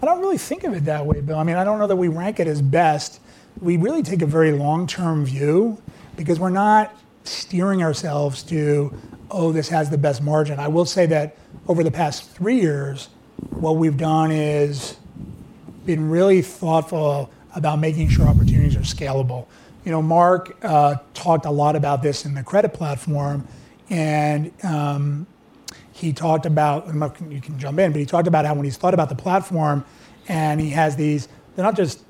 I don't really think of it that way, Bill. I mean, I don't know that we rank it as best. We really take a very long-term view because we're not steering ourselves to, oh, this has the best margin. I will say that over the past three years, what we've done is been really thoughtful about making sure opportunities are scalable. You know, Mark, talked a lot about this in the credit platform, and he talked about. Mark, you can jump in, but he talked about how when he's thought about the platform, and he has these, they're not just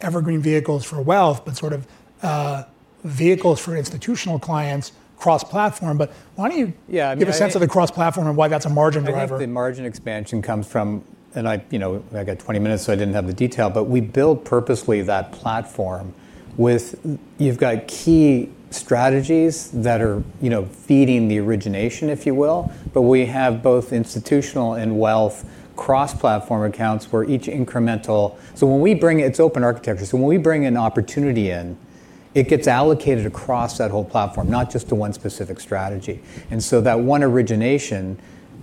evergreen vehicles for wealth, but sort of vehicles for institutional clients, cross-platform. Why don't you- Yeah give a sense of the cross-platform and why that's a margin driver? I think the margin expansion comes from. I, you know, I got 20 minutes, so I didn't have the detail, but we built purposely that platform with, you've got key strategies that are, you know, feeding the origination, if you will, but we have both institutional and wealth cross-platform accounts for each incremental. It's open architecture, so when we bring an opportunity in, it gets allocated across that whole platform, not just to one specific strategy. That one origination,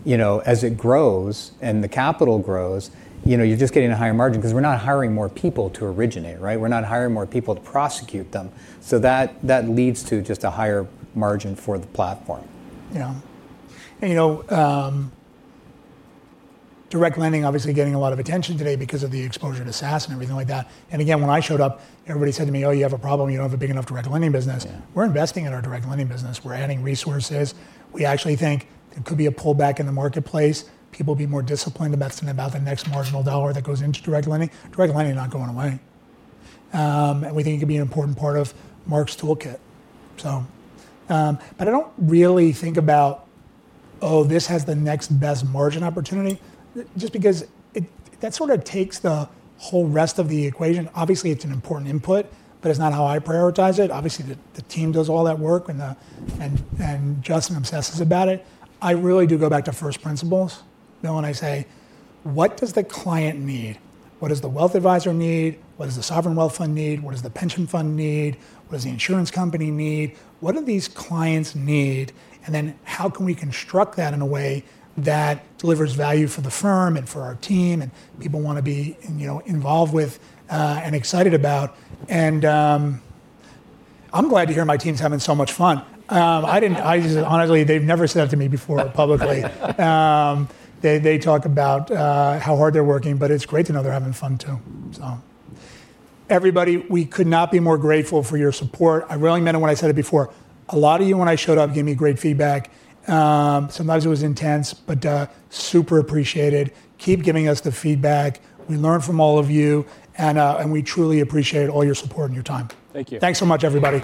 you know, as it grows and the capital grows, you know, you're just getting a higher margin because we're not hiring more people to originate, right? We're not hiring more people to prosecute them. That leads to just a higher margin for the platform. Yeah. You know, direct lending, obviously getting a lot of attention today because of the exposure to SaaS and everything like that. Again, when I showed up, everybody said to me, "Oh, you have a problem. You don't have a big enough direct lending business. Yeah. We're investing in our direct lending business. We're adding resources. We actually think there could be a pullback in the marketplace, people will be more disciplined about spending, about the next marginal dollar that goes into direct lending. Direct lending is not going away. We think it could be an important part of Mark's toolkit. I don't really think about, oh, this has the next best margin opportunity, just because that sort of takes the whole rest of the equation. Obviously, it's an important input, but it's not how I prioritize it. Obviously, the team does all that work, and Justin obsesses about it. I really do go back to first principles, Bill, and I say: "What does the client need? What does the wealth advisor need? What does the sovereign wealth fund need? What does the pension fund need? What does the insurance company need? What do these clients need? How can we construct that in a way that delivers value for the firm and for our team, and people wanna be, you know, involved with and excited about? Honestly, they've never said that to me before publicly. They talk about how hard they're working, but it's great to know they're having fun, too. Everybody, we could not be more grateful for your support. I really meant it when I said it before. A lot of you, when I showed up, gave me great feedback. Sometimes it was intense, but super appreciated. Keep giving us the feedback. We learn from all of you, and we truly appreciate all your support and your time. Thank you. Thanks so much, everybody.